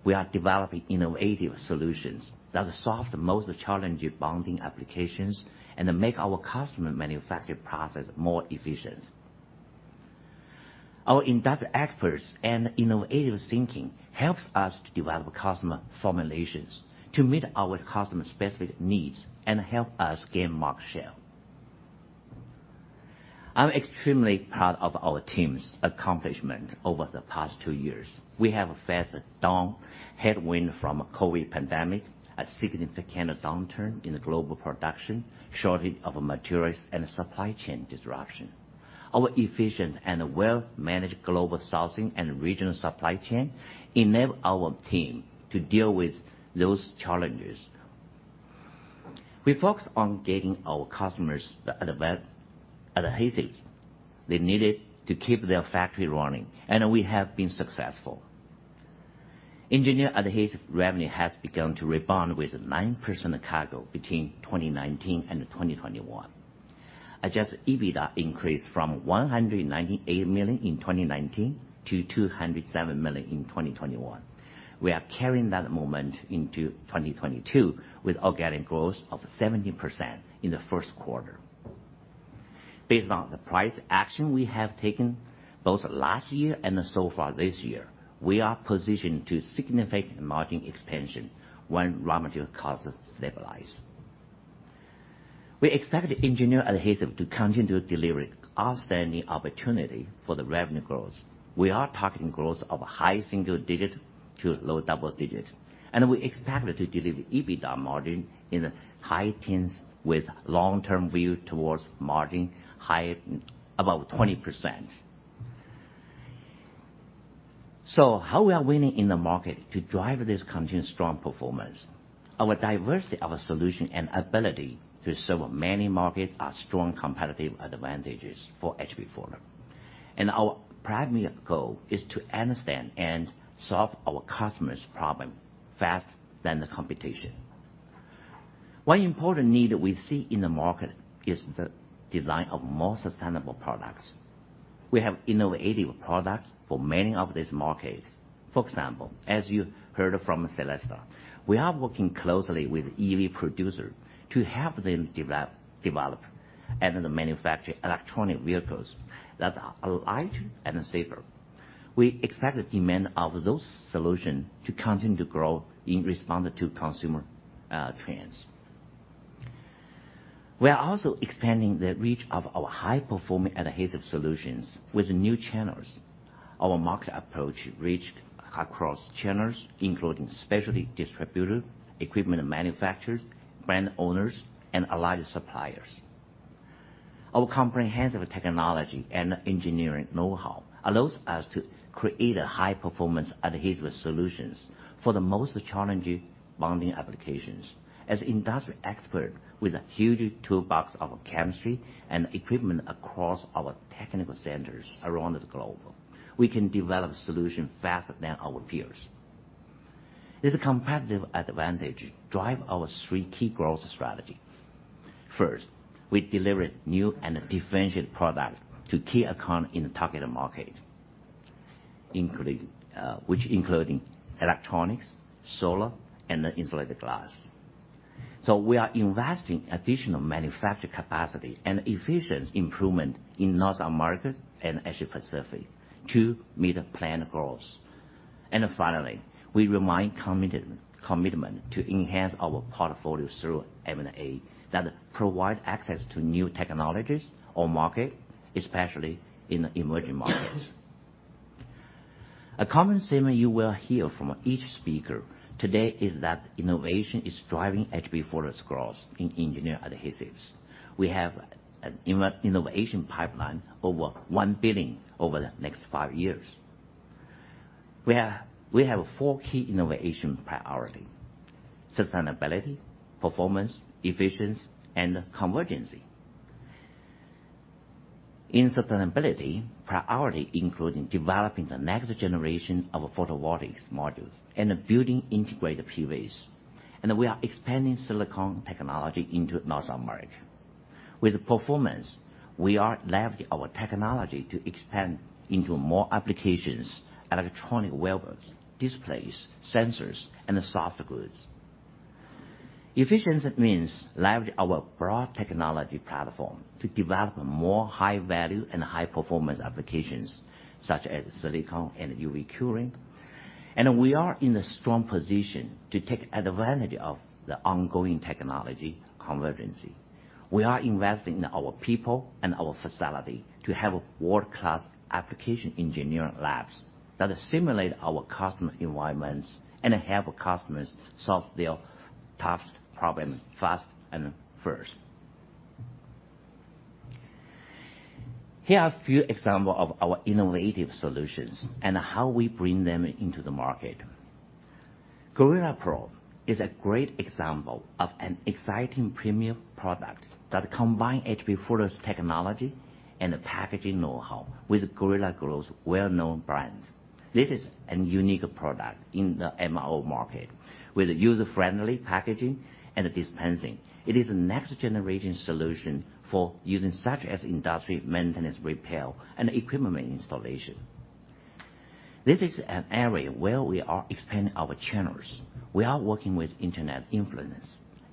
we are developing innovative solutions that solve the most challenging bonding applications and make our customer manufacturing process more efficient. Our industry experts and innovative thinking helps us to develop customer formulations to meet our customers' specific needs and help us gain market share. I'm extremely proud of our team's accomplishment over the past two years. We have faced down headwind from a COVID-19 pandemic, a significant downturn in the global production, shortage of materials and supply chain disruption. Our efficient and well-managed global sourcing and regional supply chain enable our team to deal with those challenges. We focus on getting our customers the advanced adhesives they needed to keep their factory running, and we have been successful. Engineering Adhesives revenue has begun to rebound with a 9% CAGR between 2019 and 2021. Adjusted EBITDA increased from $198 million in 2019 to $207 million in 2021. We are carrying that momentum into 2022 with organic growth of 70% in the first quarter. Based on the price action we have taken both last year and so far this year, we are positioned for significant margin expansion when raw material costs stabilize. We expect Engineering Adhesives to continue to deliver outstanding opportunity for the revenue growth. We are targeting growth of high single digit to low double digit, and we expect to deliver EBITDA margin in the high teens with long-term view towards margin high, about 20%. How are we winning in the market to drive this continued strong performance? Our diversity of solutions and ability to serve many markets are strong competitive advantages for H.B. Fuller. Our primary goal is to understand and solve our customer's problem faster than the competition. One important need we see in the market is the design of more sustainable products. We have innovative products for many of these markets. For example, as you heard from Celeste, we are working closely with EV producers to help them develop and manufacture electric vehicles that are lighter and safer. We expect the demand for those solutions to continue to grow in response to consumer trends. We are also expanding the reach of our high-performing adhesive solutions with new channels. Our market approach reaches across channels, including specialty distributors, equipment manufacturers, brand owners, and allied suppliers. Our comprehensive technology and engineering know-how allows us to create a high-performance adhesive solutions for the most challenging bonding applications. As industry expert with a huge toolbox of chemistry and equipment across our technical centers around the globe, we can develop solution faster than our peers. This competitive advantage drive our three key growth strategy. First, we deliver new and differentiated product to key account in the targeted market, including electronics, solar, and the insulated glass. We are investing additional manufacturing capacity and efficient improvement in North America and Asia Pacific to meet the planned growth. Finally, we remain committed to enhance our portfolio through M&A that provide access to new technologies or market, especially in the emerging markets. A common theme you will hear from each speaker today is that innovation is driving H.B. Fuller's growth in Engineering Adhesives. We have an innovation pipeline over $1 billion over the next five years. We have four key innovation priorities: sustainability, performance, efficiency, and convergence. In sustainability, priorities including developing the next generation of photovoltaic modules and building integrated PVs. We are expanding silicon technology into North America. With performance, we are leveraging our technology to expand into more applications, electronic wearables, displays, sensors, and soft goods. Efficiency means leveraging our broad technology platform to develop more high-value and high-performance applications such as silicon and UV curing. We are in a strong position to take advantage of the ongoing technology convergence. We are investing in our people and our facility to have world-class application engineering labs that simulate our customer environments and help customers solve their toughest problems fast and first. Here are a few examples of our innovative solutions and how we bring them into the market. GorillaPro is a great example of an exciting premium product that combine H.B. Fuller's technology and the packaging know-how with Gorilla Glue's well-known brand. This is a unique product in the MRO market with user-friendly packaging and dispensing. It is a next-generation solution for using such as industry maintenance repair and equipment installation. This is an area where we are expanding our channels. We are working with internet influencers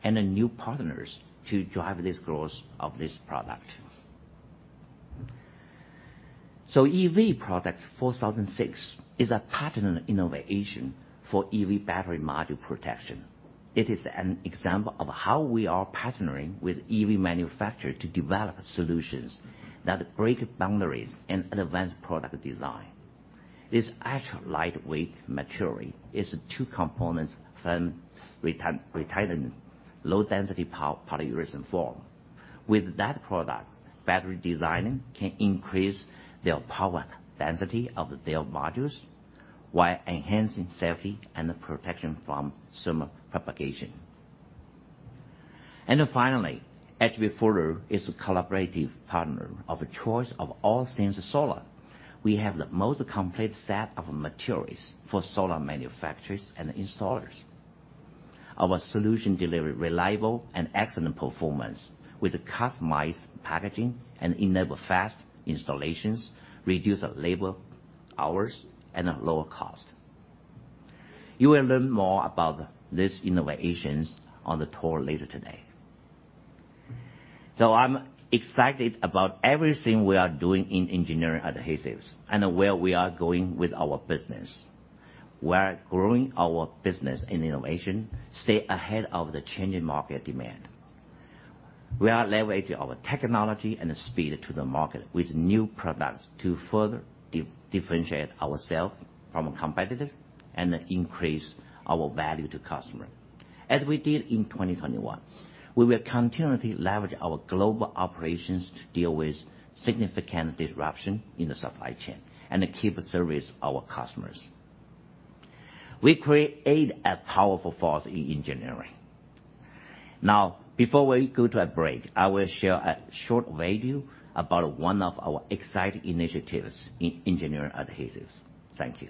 and then new partners to drive this growth of this product. EV Product 4006 is a patented innovation for EV battery module protection. It is an example of how we are partnering with EV manufacturer to develop solutions that break boundaries in an advanced product design. This ultra-lightweight material is two-component fire-retardant, low-density polyurethane foam. With that product, battery designing can increase their power density of their modules while enhancing safety and protection from thermal propagation. Then finally, H.B. Fuller is a collaborative partner of choice of All Things Solar. We have the most complete set of materials for solar manufacturers and installers. Our solution deliver reliable and excellent performance with customized packaging and enable fast installations, reduce labor hours, and a lower cost. You will learn more about these innovations on the tour later today. I'm excited about everything we are doing in Engineering Adhesives and where we are going with our business. We are growing our business in innovation, stay ahead of the changing market demand. We are leveraging our technology and speed to the market with new products to further differentiate ourselves from a competitor and increase our value to customer. As we did in 2021, we will continually leverage our global operations to deal with significant disruption in the supply chain and keep serving our customers. We create a powerful force in engineering. Now, before we go to a break, I will share a short video about one of our exciting initiatives in Engineering Adhesives. Thank you.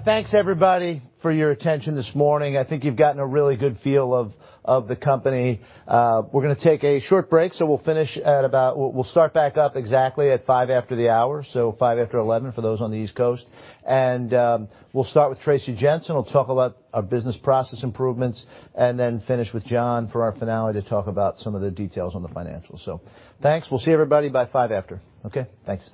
All right. Thanks, everybody, for your attention this morning. I think you've gotten a really good feel of the company. We're gonna take a short break, so we'll start back up exactly at five after the hour, 11:05 A.M. for those on the East Coast. We'll start with Traci Jensen. We'll talk about our business process improvements, and then finish with John Corkrean for our finale to talk about some of the details on the financials. Thanks. We'll see everybody by five after. Okay? Thanks.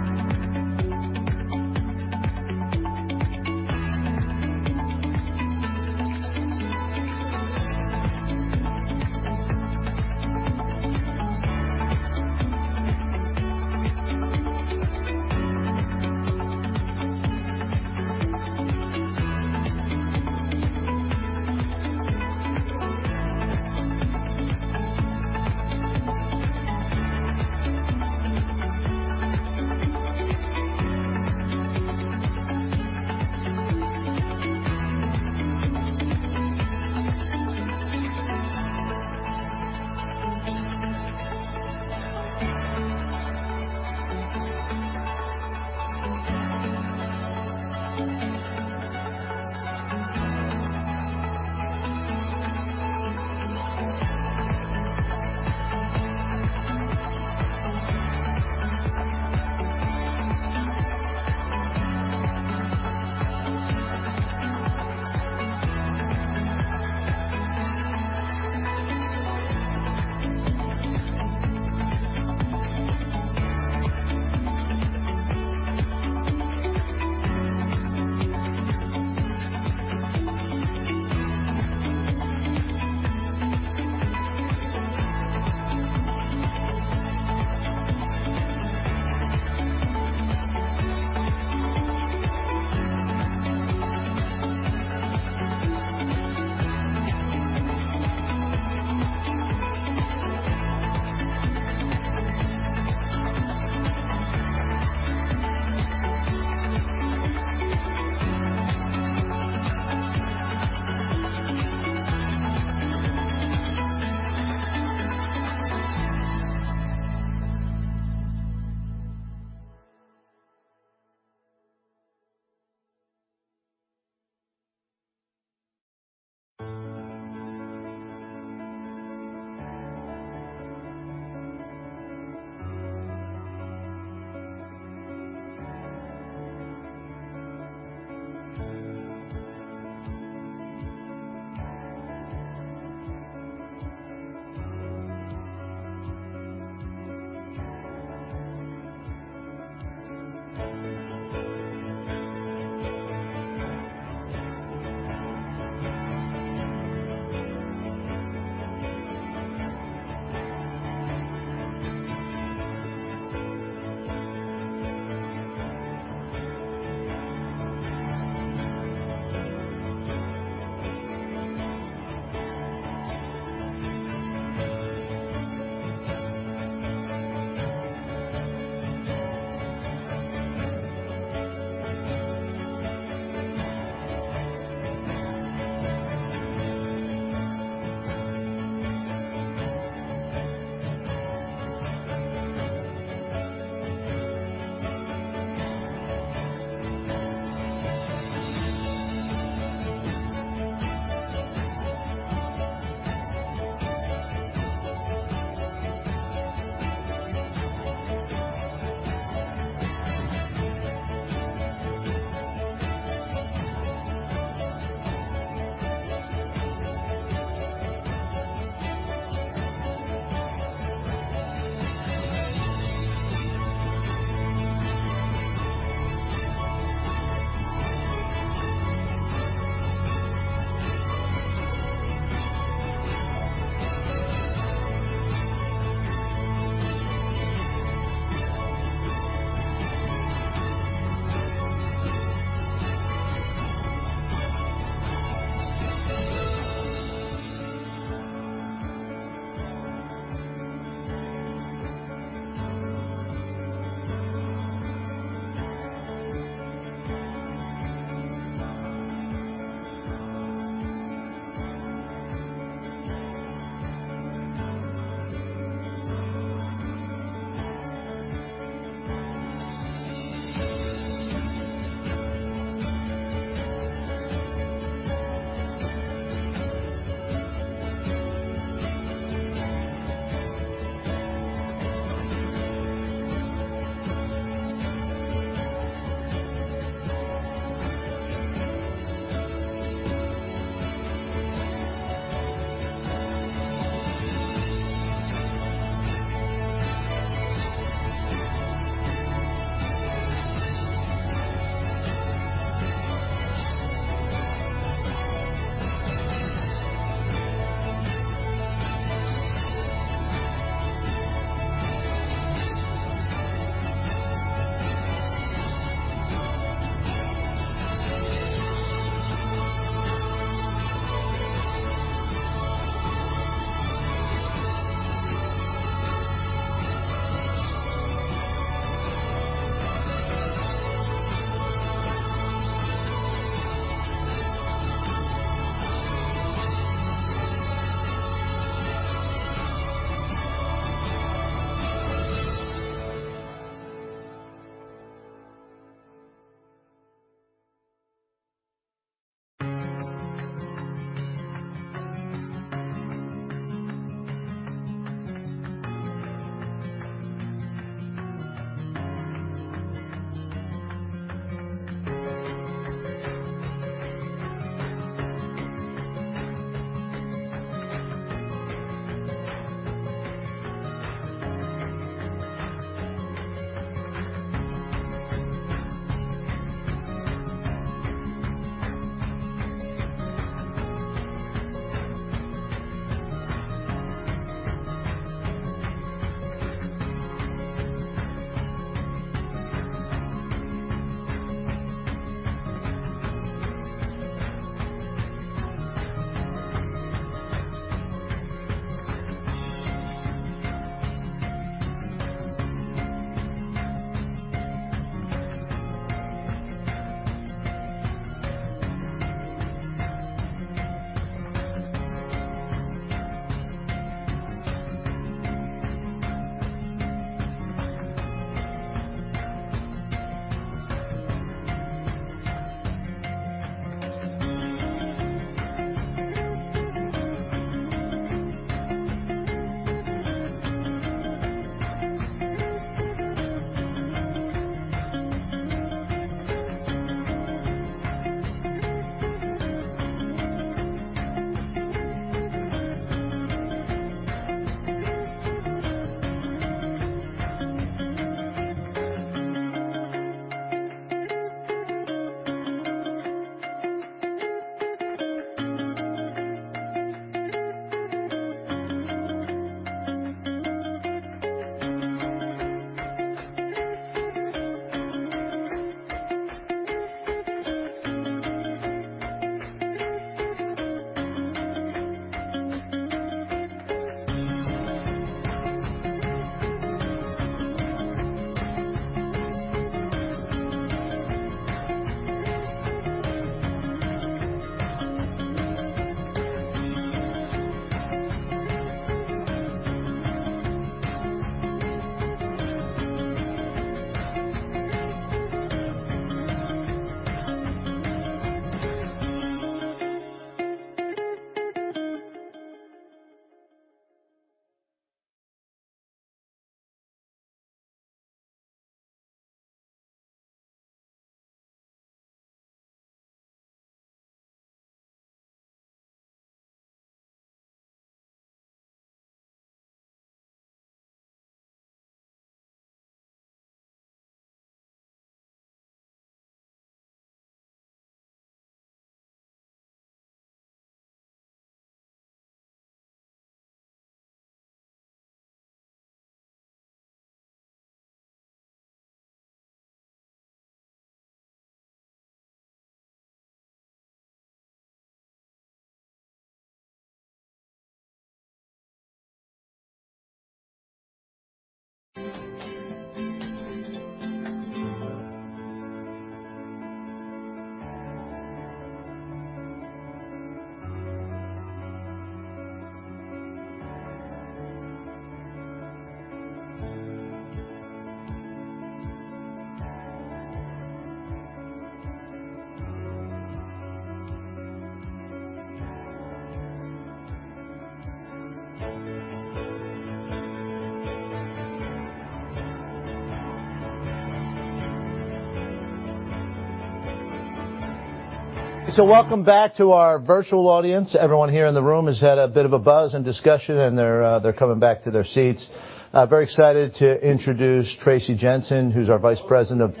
Welcome back to our virtual audience. Everyone here in the room has had a bit of a buzz and discussion, and they're coming back to their seats. Very excited to introduce Traci Jensen, who's our Vice President of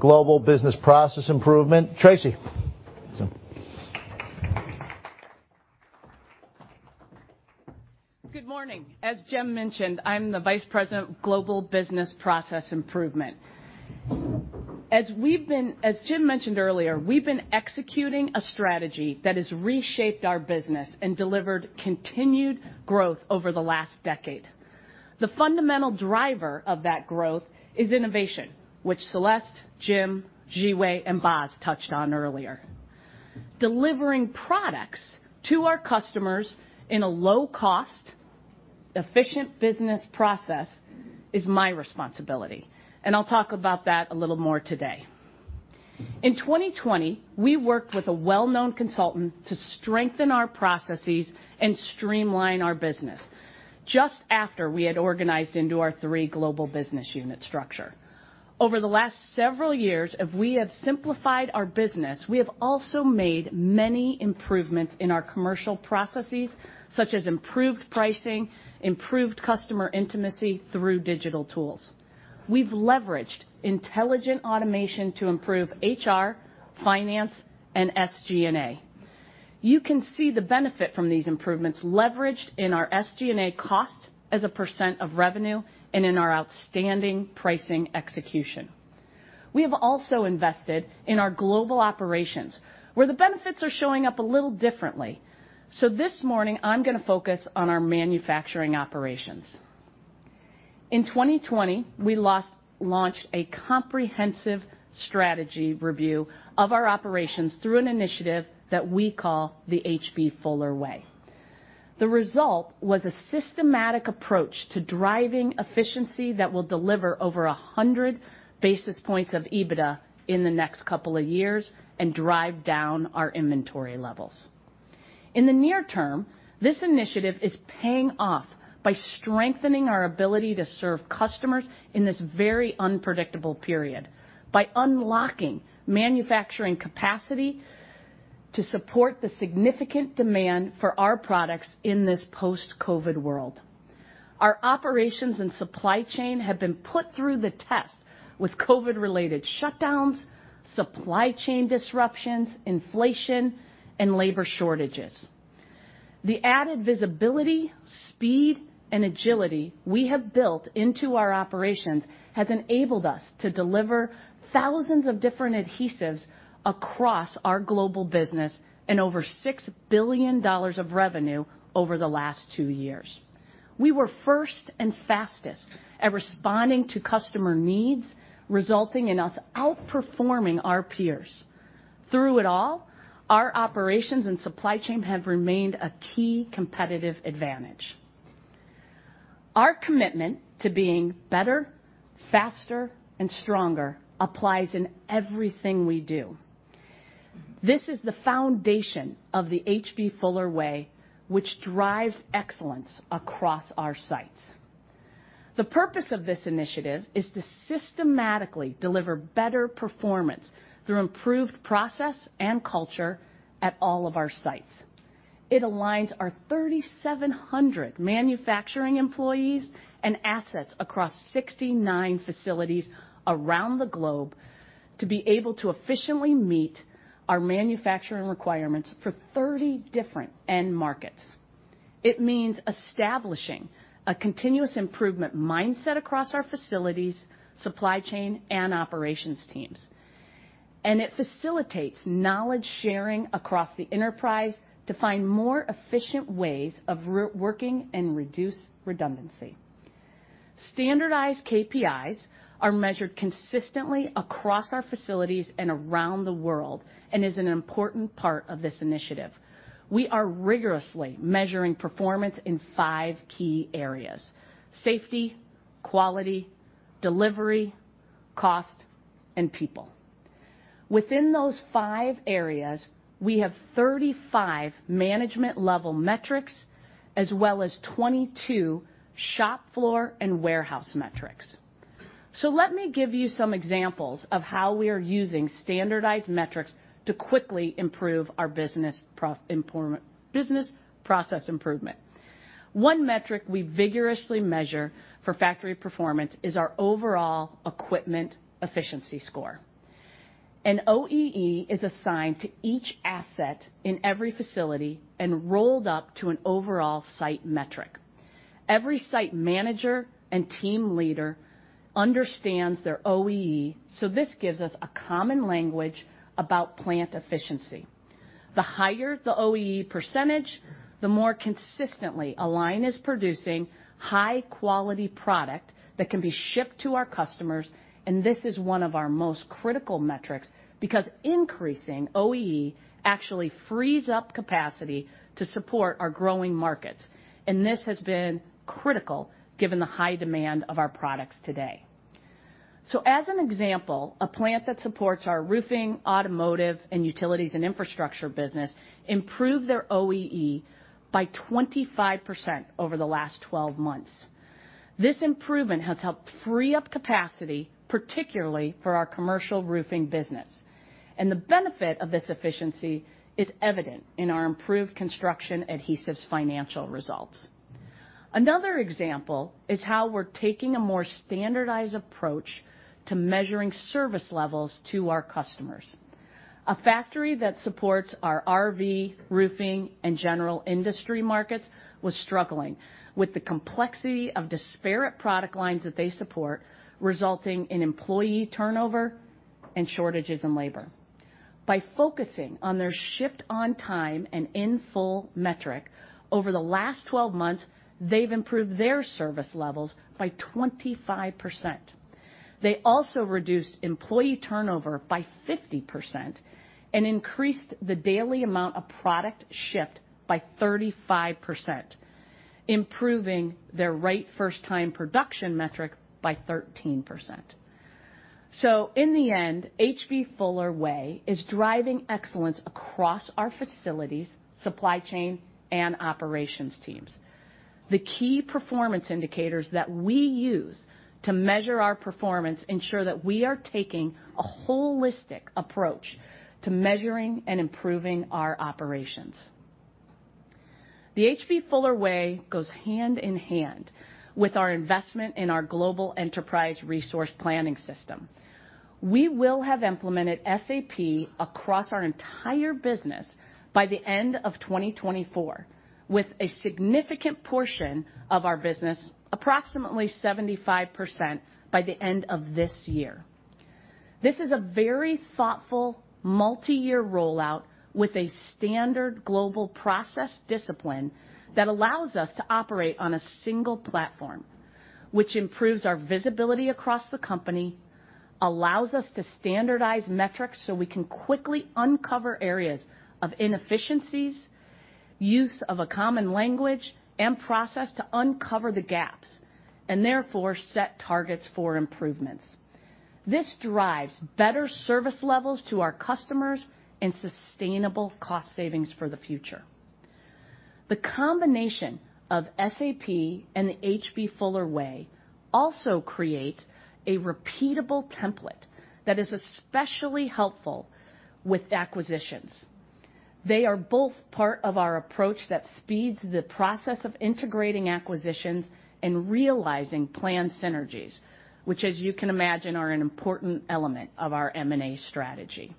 Global Business Process Improvement. Good morning. As Jim mentioned, I'm the Vice President of Global Business Process Improvement. As Jim mentioned earlier, we've been executing a strategy that has reshaped our business and delivered continued growth over the last decade. The fundamental driver of that growth is innovation, which Celeste, Jim, Zhiwei, and Bas touched on earlier. Delivering products to our customers in a low-cost, efficient business process is my responsibility, and I'll talk about that a little more today. In 2020, we worked with a well-known consultant to strengthen our processes and streamline our business just after we had organized into our three global business units structure. Over the last several years, as we have simplified our business, we have also made many improvements in our commercial processes, such as improved pricing, improved customer intimacy through digital tools. We've leveraged intelligent automation to improve HR, finance, and SG&A. You can see the benefit from these improvements leveraged in our SG&A cost as a percent of revenue and in our outstanding pricing execution. We have also invested in our global operations, where the benefits are showing up a little differently. This morning I'm gonna focus on our manufacturing operations. In 2020, we launched a comprehensive strategy review of our operations through an initiative that we call the H.B. Fuller Way. The result was a systematic approach to driving efficiency that will deliver over 100 basis points of EBITDA in the next couple of years and drive down our inventory levels. In the near term, this initiative is paying off by strengthening our ability to serve customers in this very unpredictable period by unlocking manufacturing capacity to support the significant demand for our products in this post-COVID world. Our operations and supply chain have been put through the test with COVID-related shutdowns, supply chain disruptions, inflation, and labor shortages. The added visibility, speed, and agility we have built into our operations has enabled us to deliver thousands of different adhesives across our global business and over $6 billion of revenue over the last two years. We were first and fastest at responding to customer needs, resulting in us outperforming our peers. Through it all, our operations and supply chain have remained a key competitive advantage. Our commitment to being better, faster, and stronger applies in everything we do. This is the foundation of the H.B. Fuller Way, which drives excellence across our sites. The purpose of this initiative is to systematically deliver better performance through improved process and culture at all of our sites. It aligns our 3,700 manufacturing employees and assets across 69 facilities around the globe to be able to efficiently meet our manufacturing requirements for 30 different end markets. It means establishing a continuous improvement mindset across our facilities, supply chain, and operations teams. It facilitates knowledge sharing across the enterprise to find more efficient ways of working and reduce redundancy. Standardized KPIs are measured consistently across our facilities and around the world, and is an important part of this initiative. We are rigorously measuring performance in five key areas, safety, quality, delivery, cost, and people. Within those five areas, we have 35 management level metrics as well as 22 shop floor and warehouse metrics. Let me give you some examples of how we are using standardized metrics to quickly improve our business process improvement. One metric we vigorously measure for factory performance is our overall equipment efficiency score. An OEE is assigned to each asset in every facility and rolled up to an overall site metric. Every site manager and team leader understands their OEE, so this gives us a common language about plant efficiency. The higher the OEE percentage, the more consistently a line is producing high quality product that can be shipped to our customers, and this is one of our most critical metrics, because increasing OEE actually frees up capacity to support our growing markets. This has been critical given the high demand of our products today. As an example, a plant that supports our roofing, automotive, and utilities and infrastructure business improved their OEE by 25% over the last 12 months. This improvement has helped free up capacity, particularly for our commercial roofing business. The benefit of this efficiency is evident in our improved Construction Adhesives financial results. Another example is how we're taking a more standardized approach to measuring service levels to our customers. A factory that supports our RV, roofing, and general industry markets was struggling with the complexity of disparate product lines that they support, resulting in employee turnover and shortages in labor. By focusing on their shift on time and in full metric, over the last 12 months, they've improved their service levels by 25%. They also reduced employee turnover by 50% and increased the daily amount of product shipped by 35%, improving their right first time production metric by 13%. In the end, H.B. Fuller Way is driving excellence across our facilities, supply chain, and operations teams. The key performance indicators that we use to measure our performance ensure that we are taking a holistic approach to measuring and improving our operations. The H.B. Fuller Way goes hand in hand with our investment in our global enterprise resource planning system. We will have implemented SAP across our entire business by the end of 2024, with a significant portion of our business, approximately 75%, by the end of this year. This is a very thoughtful multiyear rollout with a standard global process discipline that allows us to operate on a single platform, which improves our visibility across the company, allows us to standardize metrics so we can quickly uncover areas of inefficiencies, use of a common language and process to uncover the gaps, and therefore set targets for improvements. This drives better service levels to our customers and sustainable cost savings for the future. The combination of SAP and the H.B. Fuller Way also creates a repeatable template that is especially helpful with acquisitions. They are both part of our approach that speeds the process of integrating acquisitions and realizing planned synergies, which, as you can imagine, are an important element of our M&A strategy.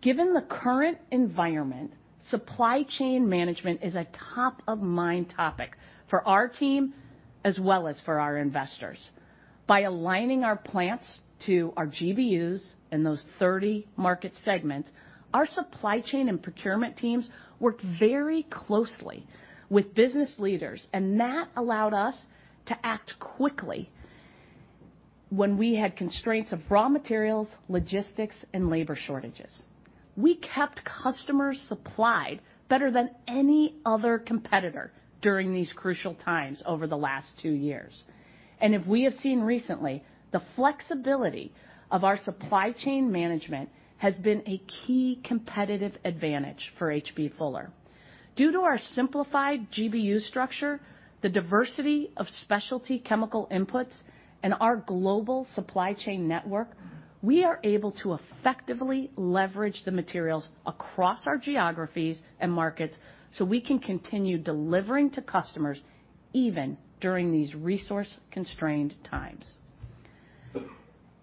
Given the current environment, supply chain management is a top of mind topic for our team as well as for our investors. By aligning our plants to our GBUs in those 30 market segments, our supply chain and procurement teams work very closely with business leaders, and that allowed us to act quickly when we had constraints of raw materials, logistics, and labor shortages. We kept customers supplied better than any other competitor during these crucial times over the last two years. If we have seen recently, the flexibility of our supply chain management has been a key competitive advantage for H.B. Fuller. Due to our simplified GBU structure, the diversity of specialty chemical inputs, and our global supply chain network, we are able to effectively leverage the materials across our geographies and markets, so we can continue delivering to customers even during these resource-constrained times.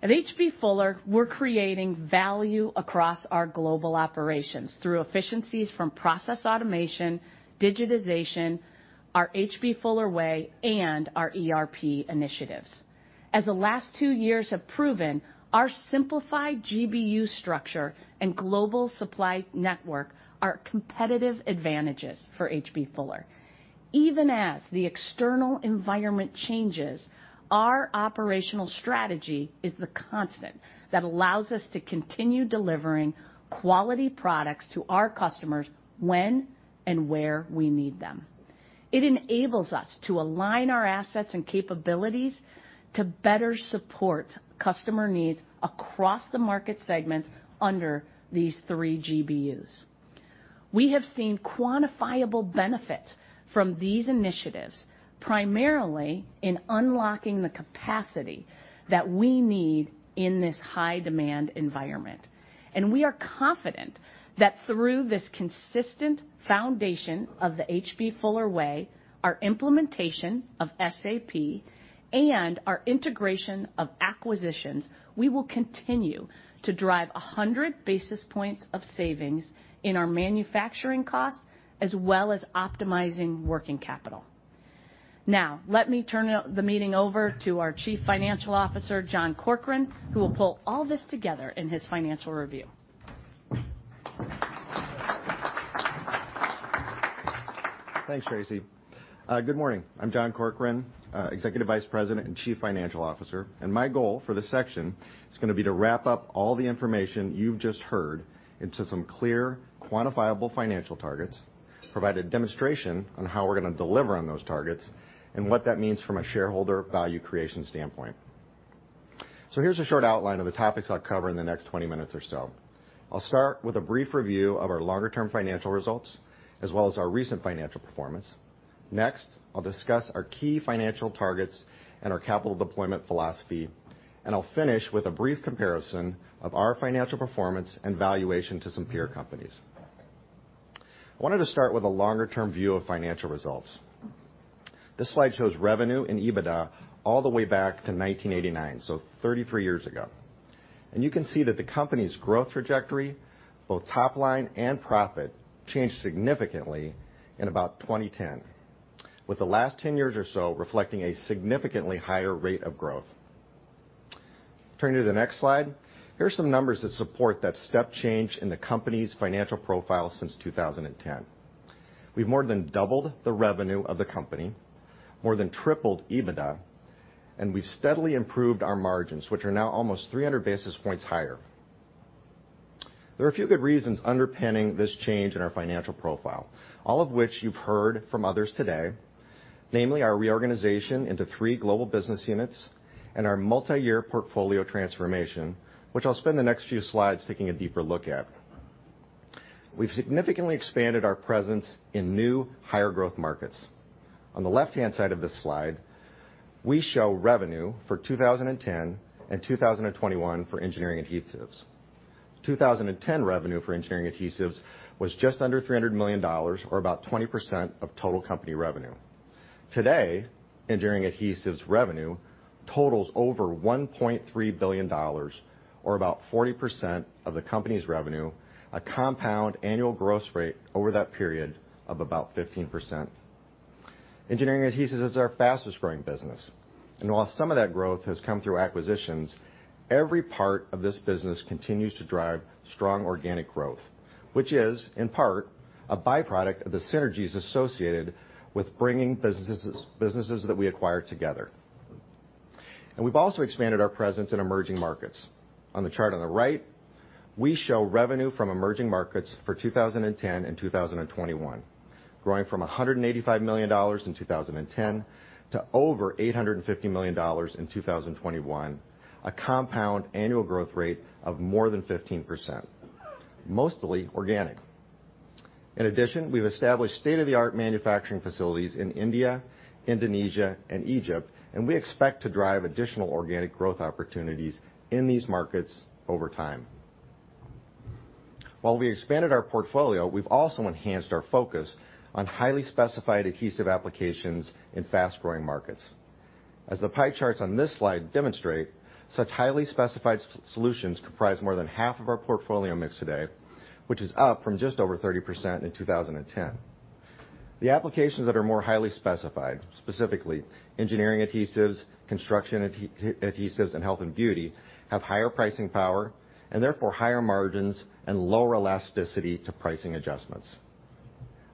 At H.B. Fuller, we're creating value across our global operations through efficiencies from process automation, digitization, our H.B. Fuller Way, and our ERP initiatives. As the last two years have proven, our simplified GBU structure and global supply network are competitive advantages for H.B. Fuller. Even as the external environment changes, our operational strategy is the constant that allows us to continue delivering quality products to our customers when and where we need them. It enables us to align our assets and capabilities to better support customer needs across the market segments under these three GBUs. We have seen quantifiable benefits from these initiatives, primarily in unlocking the capacity that we need in this high demand environment. We are confident that through this consistent foundation of the H.B. Fuller Way, our implementation of SAP, and our integration of acquisitions, we will continue to drive 100 basis points of savings in our manufacturing costs, as well as optimizing working capital. Now, let me turn the meeting over to our Chief Financial Officer, John Corkrean, who will pull all this together in his financial review. Thanks, Traci. Good morning. I'm John Corkrean, Executive Vice President and Chief Financial Officer, and my goal for this section is gonna be to wrap up all the information you've just heard into some clear, quantifiable financial targets, provide a demonstration on how we're gonna deliver on those targets, and what that means from a shareholder value creation standpoint. Here's a short outline of the topics I'll cover in the next 20 minutes or so. I'll start with a brief review of our longer term financial results, as well as our recent financial performance. Next, I'll discuss our key financial targets and our capital deployment philosophy, and I'll finish with a brief comparison of our financial performance and valuation to some peer companies. I wanted to start with a longer term view of financial results. This slide shows revenue and EBITDA all the way back to 1989, so 33 years ago. You can see that the company's growth trajectory, both top line and profit, changed significantly in about 2010, with the last 10 years or so reflecting a significantly higher rate of growth. Turning to the next slide, here are some numbers that support that step change in the company's financial profile since 2010. We've more than doubled the revenue of the company, more than tripled EBITDA, and we've steadily improved our margins, which are now almost 300 basis points higher. There are a few good reasons underpinning this change in our financial profile, all of which you've heard from others today, namely our reorganization into three global business units and our multi-year portfolio transformation, which I'll spend the next few slides taking a deeper look at. We've significantly expanded our presence in new, higher growth markets. On the left-hand side of this slide, we show revenue for 2010 and 2021 for Engineering Adhesives. 2010 revenue for Engineering Adhesives was just under $300 million or about 20% of total company revenue. Today, Engineering Adhesives revenue totals over $1.3 billion or about 40% of the company's revenue, a compound annual growth rate over that period of about 15%. Engineering Adhesives is our fastest growing business, and while some of that growth has come through acquisitions, every part of this business continues to drive strong organic growth, which is, in part, a byproduct of the synergies associated with bringing businesses that we acquire together. We've also expanded our presence in emerging markets. On the chart on the right, we show revenue from emerging markets for 2010 and 2021, growing from $185 million in 2010 to over $850 million in 2021, a compound annual growth rate of more than 15%, mostly organic. In addition, we've established state-of-the-art manufacturing facilities in India, Indonesia, and Egypt, and we expect to drive additional organic growth opportunities in these markets over time. While we expanded our portfolio, we've also enhanced our focus on highly specified adhesive applications in fast-growing markets. As the pie charts on this slide demonstrate, such highly specified solutions comprise more than half of our portfolio mix today, which is up from just over 30% in 2010. The applications that are more highly specified, specifically Engineering Adhesives, Construction Adhesives, and health and beauty, have higher pricing power, and therefore, higher margins and lower elasticity to pricing adjustments.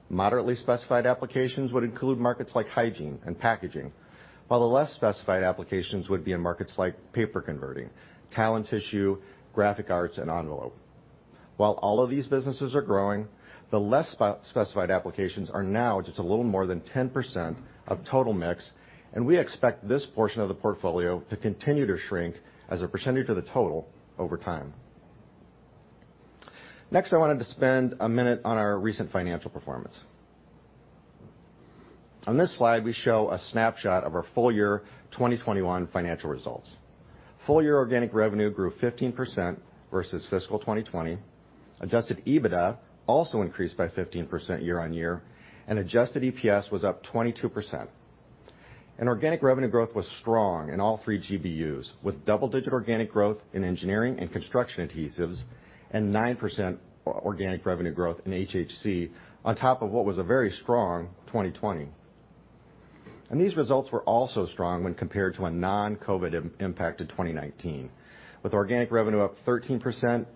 Moderately specified applications would include markets like hygiene and packaging, while the less specified applications would be in markets like paper converting, tapes and tissue, graphic arts, and envelope. While all of these businesses are growing, the less specified applications are now just a little more than 10% of total mix, and we expect this portion of the portfolio to continue to shrink as a percentage of the total over time. Next, I wanted to spend a minute on our recent financial performance. On this slide, we show a snapshot of our full year 2021 financial results. Full year organic revenue grew 15% versus fiscal 2020. Adjusted EBITDA also increased by 15% year-on-year, and adjusted EPS was up 22%. Organic revenue growth was strong in all three GBUs, with double-digit organic growth in engineering and construction adhesives and 9% organic revenue growth in HHC on top of what was a very strong 2020. These results were also strong when compared to a non-COVID impacted 2019, with organic revenue up 13%,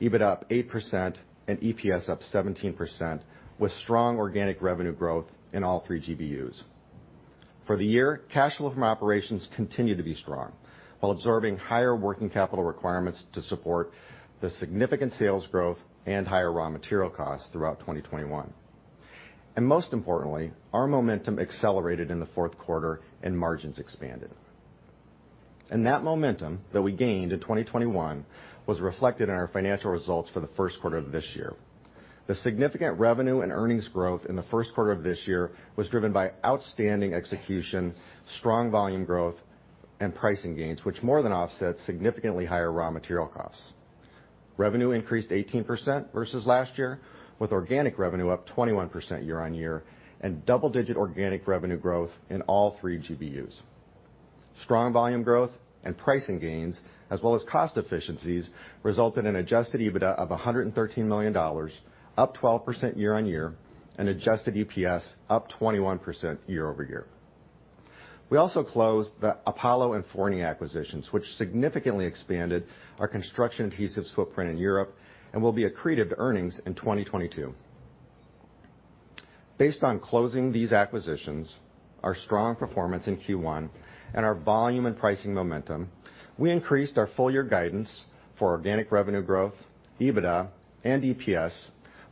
EBIT up 8%, and EPS up 17%, with strong organic revenue growth in all three GBUs. For the year, cash flow from operations continued to be strong while absorbing higher working capital requirements to support the significant sales growth and higher raw material costs throughout 2021. Most importantly, our momentum accelerated in the fourth quarter and margins expanded. That momentum that we gained in 2021 was reflected in our financial results for the first quarter of this year. The significant revenue and earnings growth in the first quarter of this year was driven by outstanding execution, strong volume growth, and pricing gains, which more than offset significantly higher raw material costs. Revenue increased 18% versus last year, with organic revenue up 21% year-on-year and double-digit organic revenue growth in all three GBUs. Strong volume growth and pricing gains, as well as cost efficiencies, resulted in adjusted EBITDA of $113 million, up 12% year-on-year and adjusted EPS up 21% year-over-year. We also closed the Apollo and Fourny acquisitions, which significantly expanded our construction adhesives footprint in Europe and will be accretive to earnings in 2022. Based on closing these acquisitions, our strong performance in Q1, and our volume and pricing momentum, we increased our full year guidance for organic revenue growth, EBITDA, and EPS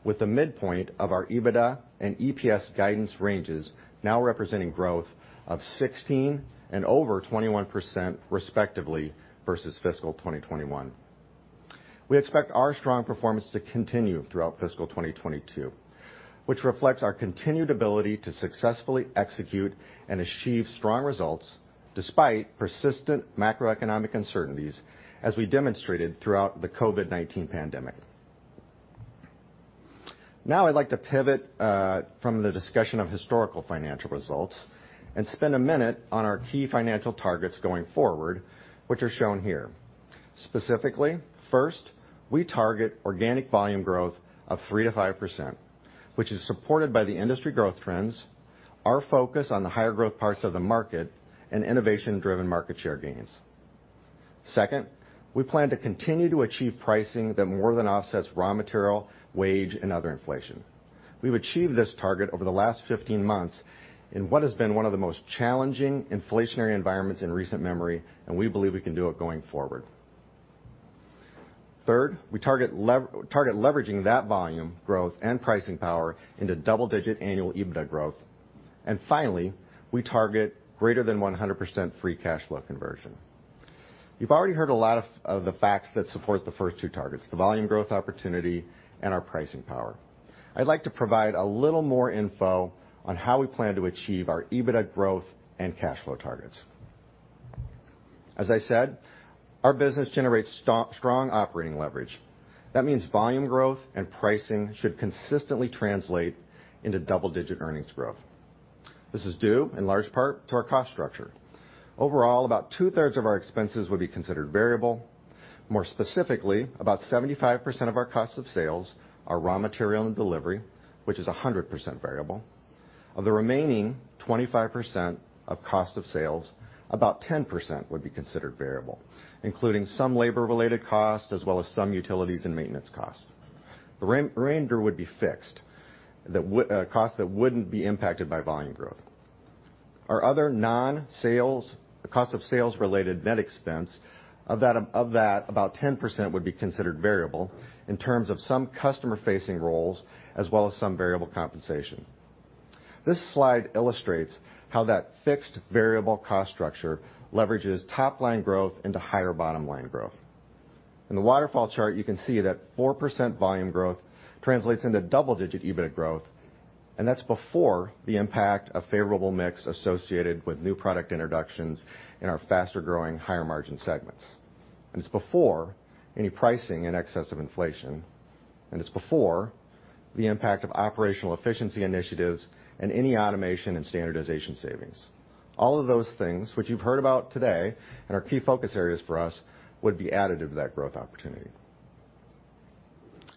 with the midpoint of our EBITDA and EPS guidance ranges now representing growth of 16% and over 21% respectively versus fiscal 2021. We expect our strong performance to continue throughout fiscal 2022, which reflects our continued ability to successfully execute and achieve strong results despite persistent macroeconomic uncertainties as we demonstrated throughout the COVID-19 pandemic. Now I'd like to pivot from the discussion of historical financial results and spend a minute on our key financial targets going forward, which are shown here. Specifically, first, we target organic volume growth of 3%-5%, which is supported by the industry growth trends, our focus on the higher growth parts of the market, and innovation driven market share gains. Second, we plan to continue to achieve pricing that more than offsets raw material, wage, and other inflation. We've achieved this target over the last 15 months in what has been one of the most challenging inflationary environments in recent memory, and we believe we can do it going forward. Third, we target leveraging that volume growth and pricing power into double-digit annual EBITDA growth. Finally, we target greater than 100% free cash flow conversion. You've already heard a lot of the facts that support the first two targets, the volume growth opportunity and our pricing power. I'd like to provide a little more info on how we plan to achieve our EBITDA growth and cash flow targets. As I said, our business generates strong operating leverage. That means volume growth and pricing should consistently translate into double-digit earnings growth. This is due in large part to our cost structure. Overall, about two-thirds of our expenses would be considered variable. More specifically, about 75% of our cost of sales are raw material and delivery, which is 100% variable. Of the remaining 25% of cost of sales, about 10% would be considered variable, including some labor related costs as well as some utilities and maintenance costs. The remainder would be fixed, costs that wouldn't be impacted by volume growth. Our other non-sales, cost of sales related net expense, of that about 10% would be considered variable in terms of some customer facing roles as well as some variable compensation. This slide illustrates how that fixed variable cost structure leverages top line growth into higher bottom line growth. In the waterfall chart, you can see that 4% volume growth translates into double-digit EBITDA growth, and that's before the impact of favorable mix associated with new product introductions in our faster growing, higher margin segments. It's before any pricing in excess of inflation, and it's before the impact of operational efficiency initiatives and any automation and standardization savings. All of those things, which you've heard about today and are key focus areas for us, would be additive to that growth opportunity.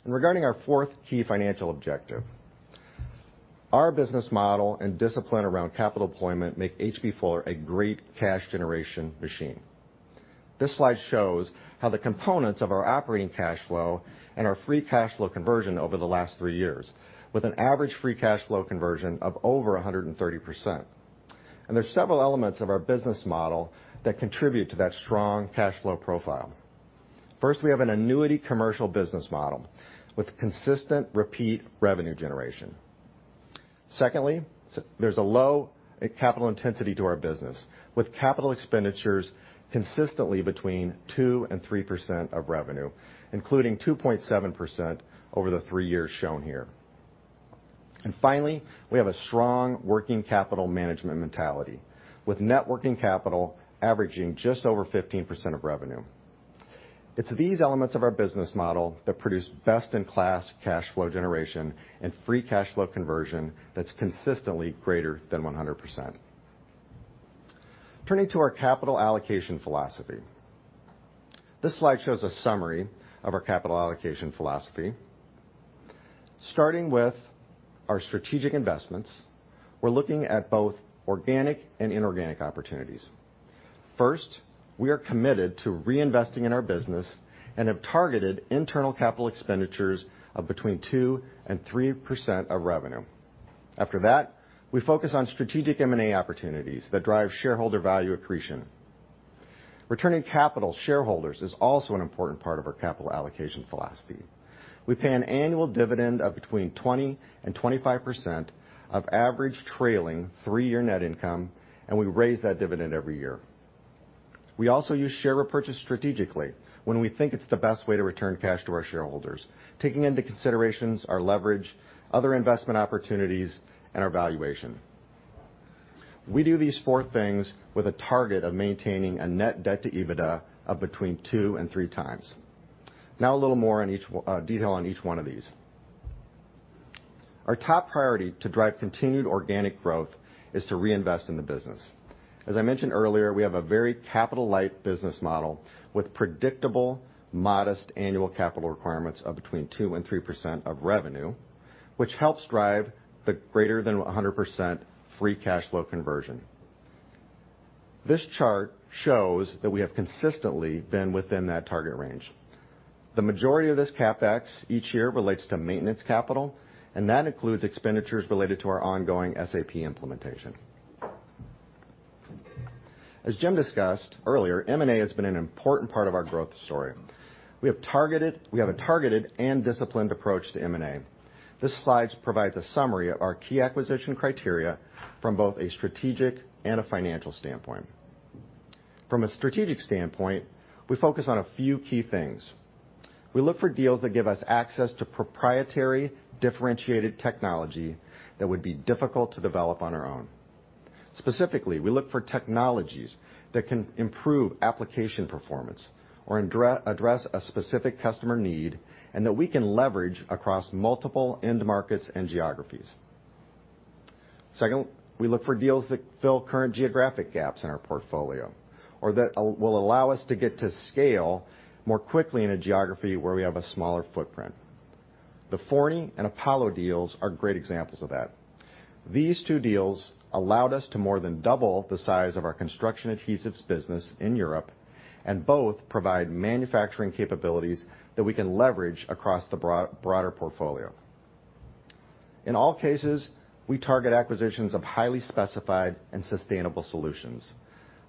Regarding our fourth key financial objective, our business model and discipline around capital deployment make H.B. Fuller a great cash generation machine. This slide shows how the components of our operating cash flow and our free cash flow conversion over the last three years, with an average free cash flow conversion of over 130%. There are several elements of our business model that contribute to that strong cash flow profile. First, we have an annuity commercial business model with consistent repeat revenue generation. Secondly, there's a low capital intensity to our business, with capital expenditures consistently between 2%-3% of revenue, including 2.7% over the three years shown here. Finally, we have a strong working capital management mentality, with net working capital averaging just over 15% of revenue. It's these elements of our business model that produce best-in-class cash flow generation and free cash flow conversion that's consistently greater than 100%. Turning to our capital allocation philosophy. This slide shows a summary of our capital allocation philosophy. Starting with our strategic investments, we're looking at both organic and inorganic opportunities. First, we are committed to reinvesting in our business and have targeted internal capital expenditures of between 2%-3% of revenue. After that, we focus on strategic M&A opportunities that drive shareholder value accretion. Returning capital to shareholders is also an important part of our capital allocation philosophy. We pay an annual dividend of between 20%-25% of average trailing three-year net income, and we raise that dividend every year. We also use share repurchase strategically when we think it's the best way to return cash to our shareholders, taking into consideration our leverage, other investment opportunities, and our valuation. We do these four things with a target of maintaining a net debt to EBITDA of between 2-3 times. Now, a little more detail on each one of these. Our top priority to drive continued organic growth is to reinvest in the business. As I mentioned earlier, we have a very capital-light business model with predictable, modest annual capital requirements of between 2% and 3% of revenue, which helps drive the greater than 100% free cash flow conversion. This chart shows that we have consistently been within that target range. The majority of this CapEx each year relates to maintenance capital, and that includes expenditures related to our ongoing SAP implementation. As Jim discussed earlier, M&A has been an important part of our growth story. We have a targeted and disciplined approach to M&A. This slide provides a summary of our key acquisition criteria from both a strategic and a financial standpoint. From a strategic standpoint, we focus on a few key things. We look for deals that give us access to proprietary, differentiated technology that would be difficult to develop on our own. Specifically, we look for technologies that can improve application performance or address a specific customer need, and that we can leverage across multiple end markets and geographies. Second, we look for deals that fill current geographic gaps in our portfolio or that will allow us to get to scale more quickly in a geography where we have a smaller footprint. The Fourny and Apollo deals are great examples of that. These two deals allowed us to more than double the size of our Construction Adhesives business in Europe, and both provide manufacturing capabilities that we can leverage across the broader portfolio. In all cases, we target acquisitions of highly specified and sustainable solutions,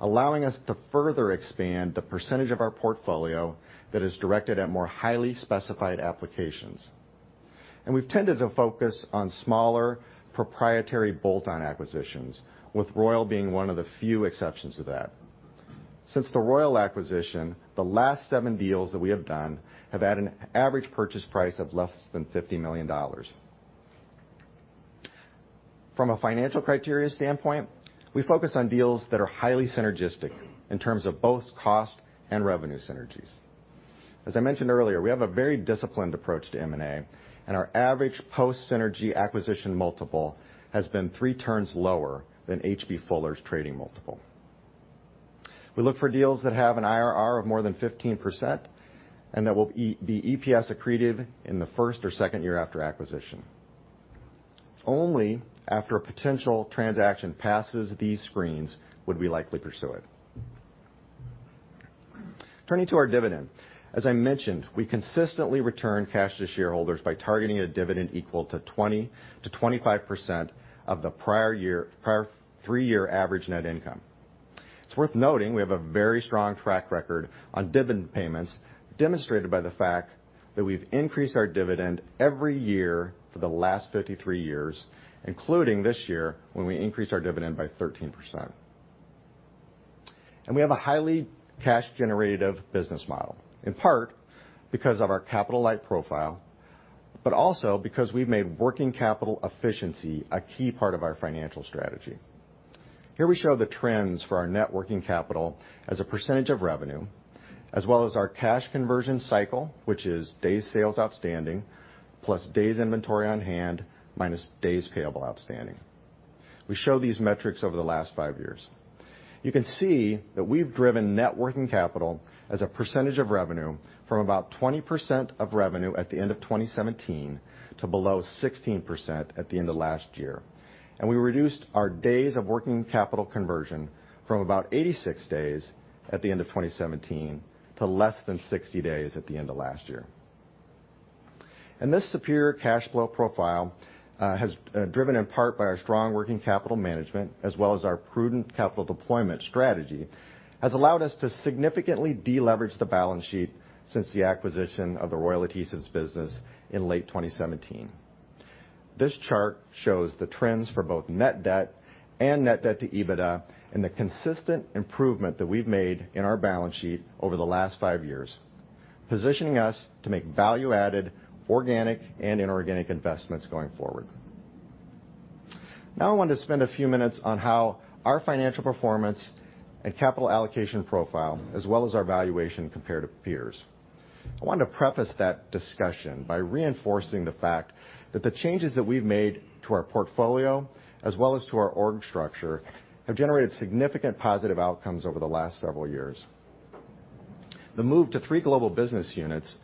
allowing us to further expand the percentage of our portfolio that is directed at more highly specified applications. We've tended to focus on smaller, proprietary bolt-on acquisitions, with Royal being one of the few exceptions to that. Since the Royal acquisition, the last seven deals that we have done have had an average purchase price of less than $50 million. From a financial criteria standpoint, we focus on deals that are highly synergistic in terms of both cost and revenue synergies. As I mentioned earlier, we have a very disciplined approach to M&A, and our average post-synergy acquisition multiple has been 3 turns lower than H.B. Fuller's trading multiple. We look for deals that have an IRR of more than 15% and that will be EPS accretive in the first or second year after acquisition. Only after a potential transaction passes these screens would we likely pursue it. Turning to our dividend, as I mentioned, we consistently return cash to shareholders by targeting a dividend equal to 20%-25% of the prior three-year average net income. It's worth noting we have a very strong track record on dividend payments, demonstrated by the fact that we've increased our dividend every year for the last 53 years, including this year when we increased our dividend by 13%. We have a highly cash generative business model, in part because of our capital-light profile, but also because we've made working capital efficiency a key part of our financial strategy. Here we show the trends for our net working capital as a percentage of revenue, as well as our cash conversion cycle, which is days sales outstanding plus days inventory on hand minus days payable outstanding. We show these metrics over the last five years. You can see that we've driven net working capital as a percentage of revenue from about 20% of revenue at the end of 2017 to below 16% at the end of last year. We reduced our days of working capital conversion from about 86 days at the end of 2017 to less than 60 days at the end of last year. This superior cash flow profile, driven in part by our strong working capital management as well as our prudent capital deployment strategy, has allowed us to significantly deleverage the balance sheet since the acquisition of the Royal Adhesives business in late 2017. This chart shows the trends for both net debt and net debt to EBITDA and the consistent improvement that we've made in our balance sheet over the last five years, positioning us to make value-added organic and inorganic investments going forward. Now I want to spend a few minutes on how our financial performance and capital allocation profile, as well as our valuation compared to peers. I want to preface that discussion by reinforcing the fact that the changes that we've made to our portfolio, as well as to our org structure, have generated significant positive outcomes over the last several years. The move to three global business units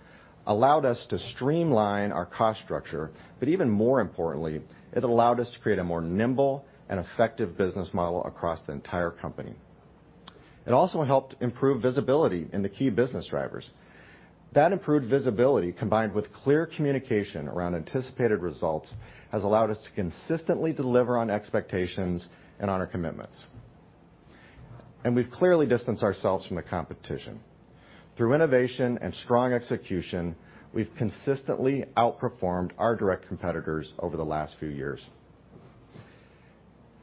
allowed us to streamline our cost structure, but even more importantly, it allowed us to create a more nimble and effective business model across the entire company. It also helped improve visibility in the key business drivers. That improved visibility, combined with clear communication around anticipated results, has allowed us to consistently deliver on expectations and on our commitments. We've clearly distanced ourselves from the competition. Through innovation and strong execution, we've consistently outperformed our direct competitors over the last few years.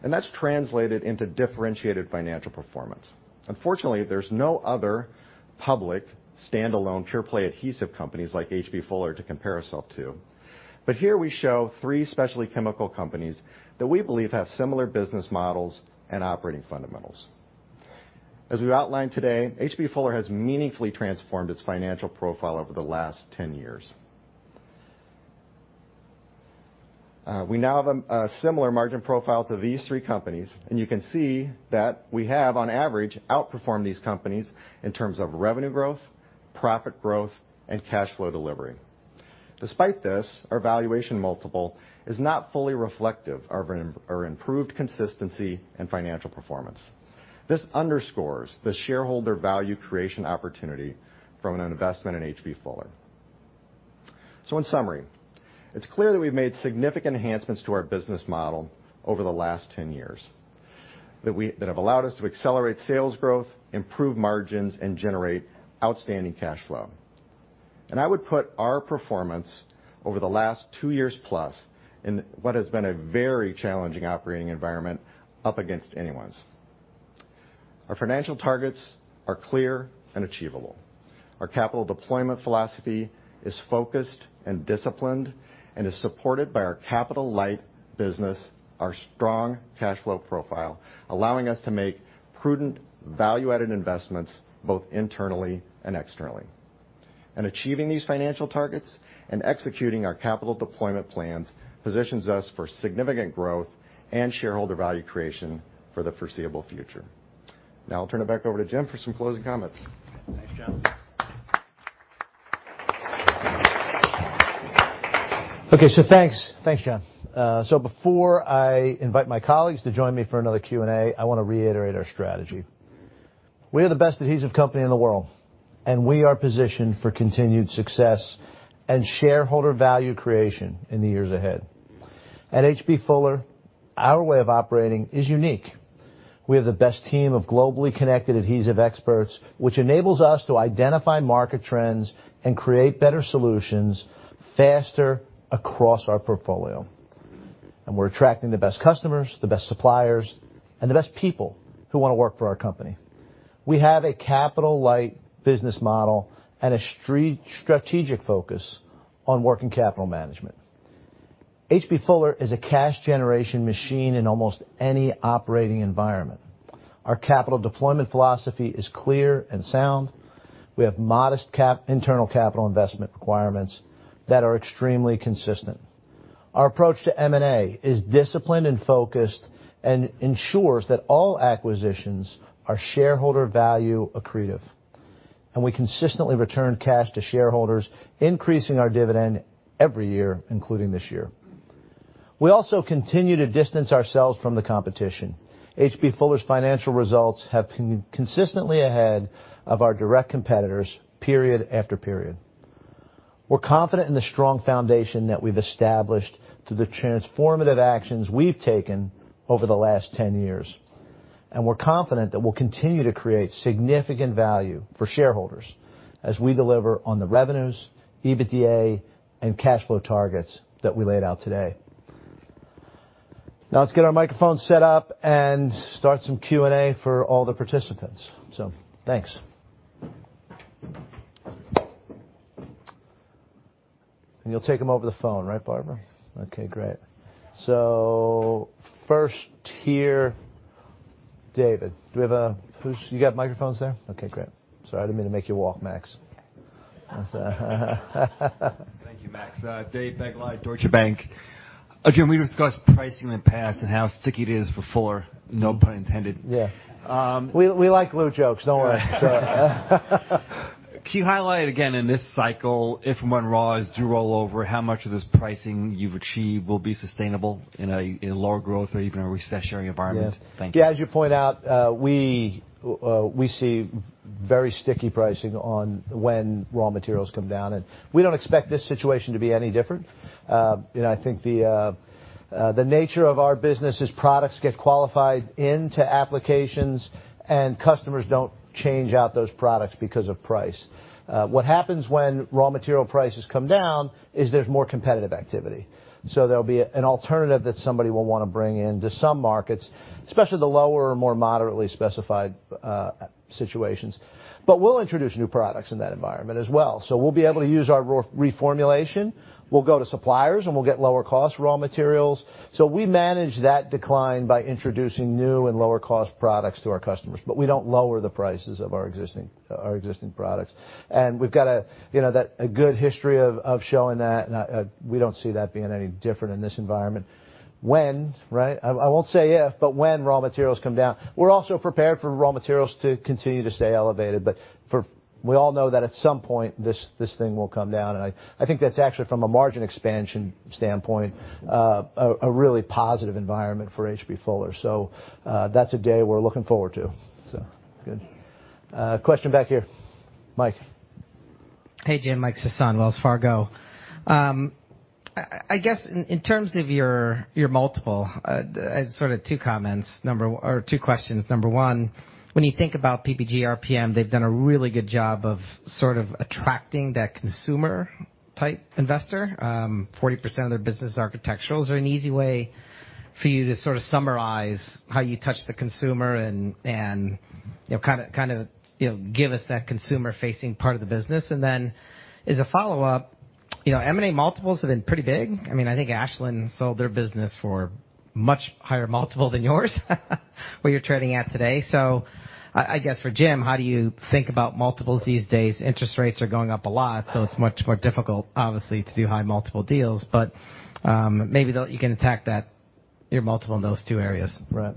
That's translated into differentiated financial performance. Unfortunately, there's no other public standalone pure play adhesive companies like H.B. Fuller to compare ourselves to. Here we show three specialty chemical companies that we believe have similar business models and operating fundamentals. As we've outlined today, H.B. Fuller has meaningfully transformed its financial profile over the last 10 years. We now have a similar margin profile to these three companies, and you can see that we have on average outperformed these companies in terms of revenue growth, profit growth, and cash flow delivery. Despite this, our valuation multiple is not fully reflective of our improved consistency and financial performance. This underscores the shareholder value creation opportunity from an investment in H.B. Fuller. In summary, it's clear that we've made significant enhancements to our business model over the last 10 years, that have allowed us to accelerate sales growth, improve margins, and generate outstanding cash flow. I would put our performance over the last two years plus in what has been a very challenging operating environment up against anyone's. Our financial targets are clear and achievable. Our capital deployment philosophy is focused and disciplined and is supported by our capital light business, our strong cash flow profile, allowing us to make prudent value-added investments both internally and externally. Achieving these financial targets and executing our capital deployment plans positions us for significant growth and shareholder value creation for the foreseeable future. Now I'll turn it back over to Jim for some closing comments. Thanks, John. Before I invite my colleagues to join me for another Q&A, I want to reiterate our strategy. We are the best adhesive company in the world, and we are positioned for continued success and shareholder value creation in the years ahead. At H.B. Fuller, our way of operating is unique. We have the best team of globally connected adhesive experts, which enables us to identify market trends and create better solutions faster across our portfolio. We're attracting the best customers, the best suppliers, and the best people who wanna work for our company. We have a capital light business model and a strategic focus on working capital management. H.B. Fuller is a cash generation machine in almost any operating environment. Our capital deployment philosophy is clear and sound. We have modest internal capital investment requirements that are extremely consistent. Our approach to M&A is disciplined and focused and ensures that all acquisitions are shareholder value accretive. We consistently return cash to shareholders, increasing our dividend every year, including this year. We also continue to distance ourselves from the competition. H.B. Fuller's financial results have been consistently ahead of our direct competitors period after period. We're confident in the strong foundation that we've established through the transformative actions we've taken over the last 10 years, and we're confident that we'll continue to create significant value for shareholders as we deliver on the revenues, EBITDA, and cash flow targets that we laid out today. Now let's get our microphone set up and start some Q&A for all the participants. Thanks. You'll take them over the phone, right, Barbara? Okay, great. First here, David. You got microphones there? Okay, great. Sorry, I didn't mean to make you walk, Max. Thank you, Max. Dave Begleiter, Deutsche Bank. Jim, we discussed pricing in the past and how sticky it is for Fuller, no pun intended. Yeah. Um- We like glue jokes. Don't worry. Can you highlight again in this cycle, if and when raws do roll over, how much of this pricing you've achieved will be sustainable in a lower growth or even a recessionary environment? Yeah. Thank you. Yeah, as you point out, we see very sticky pricing on when raw materials come down, and we don't expect this situation to be any different. You know, I think the nature of our business is products get qualified into applications, and customers don't change out those products because of price. What happens when raw material prices come down is there's more competitive activity. There'll be an alternative that somebody will wanna bring in to some markets, especially the lower, more moderately specified situations. We'll introduce new products in that environment as well. We'll be able to use our reformulation, we'll go to suppliers, and we'll get lower-cost raw materials. We manage that decline by introducing new and lower-cost products to our customers. We don't lower the prices of our existing products. We've got a good history of showing that we don't see that being any different in this environment. I won't say if, but when raw materials come down. We're also prepared for raw materials to continue to stay elevated, but we all know that at some point this thing will come down, and I think that's actually from a margin expansion standpoint a really positive environment for H.B. Fuller. That's a day we're looking forward to. Good. Question back here. Mike. Hey, Jim. Mike Sison, Wells Fargo. I guess in terms of your multiple, sort of two questions. Number one, when you think about PPG, RPM, they've done a really good job of sort of attracting that consumer-type investor. 40% of their business architectural. Is there an easy way for you to sort of summarize how you touch the consumer and, you know, kind of give us that consumer-facing part of the business? And then as a follow-up, you know, M&A multiples have been pretty big. I mean, I think Ashland sold their business for much higher multiple than yours, where you're trading at today. I guess for Jim, how do you think about multiples these days? Interest rates are going up a lot, so it's much more difficult, obviously, to do high multiple deals. Maybe you can attack that, your multiple in those two areas. Right.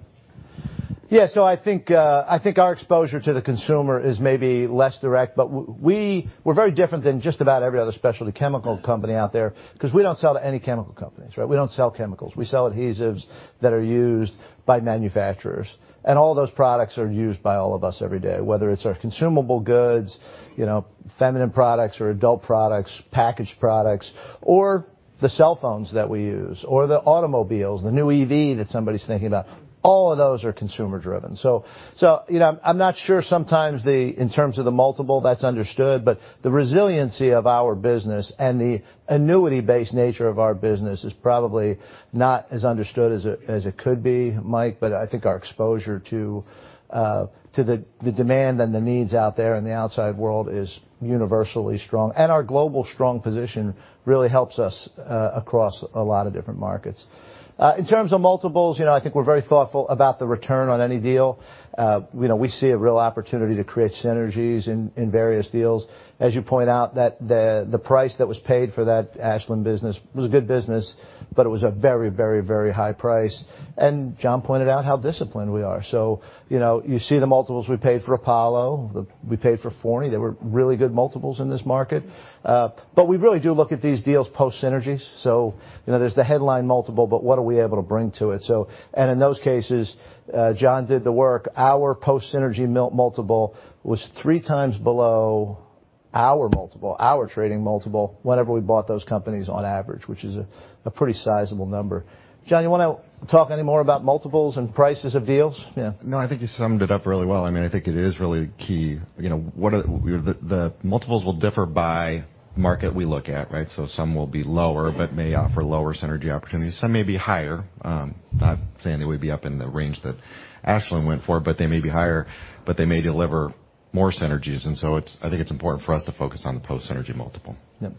Yeah. I think our exposure to the consumer is maybe less direct, but we're very different than just about every other specialty chemical company out there, 'cause we don't sell to any chemical companies, right? We don't sell chemicals. We sell adhesives that are used by manufacturers. All those products are used by all of us every day, whether it's our consumable goods, you know, feminine products or adult products, packaged products, or the cell phones that we use, or the automobiles, the new EV that somebody's thinking about. All of those are consumer driven. You know, I'm not sure sometimes in terms of the multiple that's understood, but the resiliency of our business and the annuity-based nature of our business is probably not as understood as it could be, Mike. I think our exposure to the demand and the needs out there in the outside world is universally strong. Our global strong position really helps us across a lot of different markets. In terms of multiples, you know, I think we're very thoughtful about the return on any deal. You know, we see a real opportunity to create synergies in various deals. As you point out that the price that was paid for that Ashland business was a good business, but it was a very high price. John pointed out how disciplined we are. You know, you see the multiples we paid for Apollo, we paid for Fourny. They were really good multiples in this market. We really do look at these deals post synergies. You know, there's the headline multiple, but what are we able to bring to it? In those cases, John did the work. Our post synergy multiple was 3x below our multiple, our trading multiple, whenever we bought those companies on average, which is a pretty sizable number. John, you wanna talk any more about multiples and prices of deals? Yeah. No, I think you summed it up really well. I mean, I think it is really key. You know, the multiples will differ by market we look at, right? Some will be lower, but may offer lower synergy opportunities. Some may be higher. Not saying they would be up in the range that Ashland went for, but they may be higher, but they may deliver more synergies. I think it's important for us to focus on the post synergy multiple. Yeah.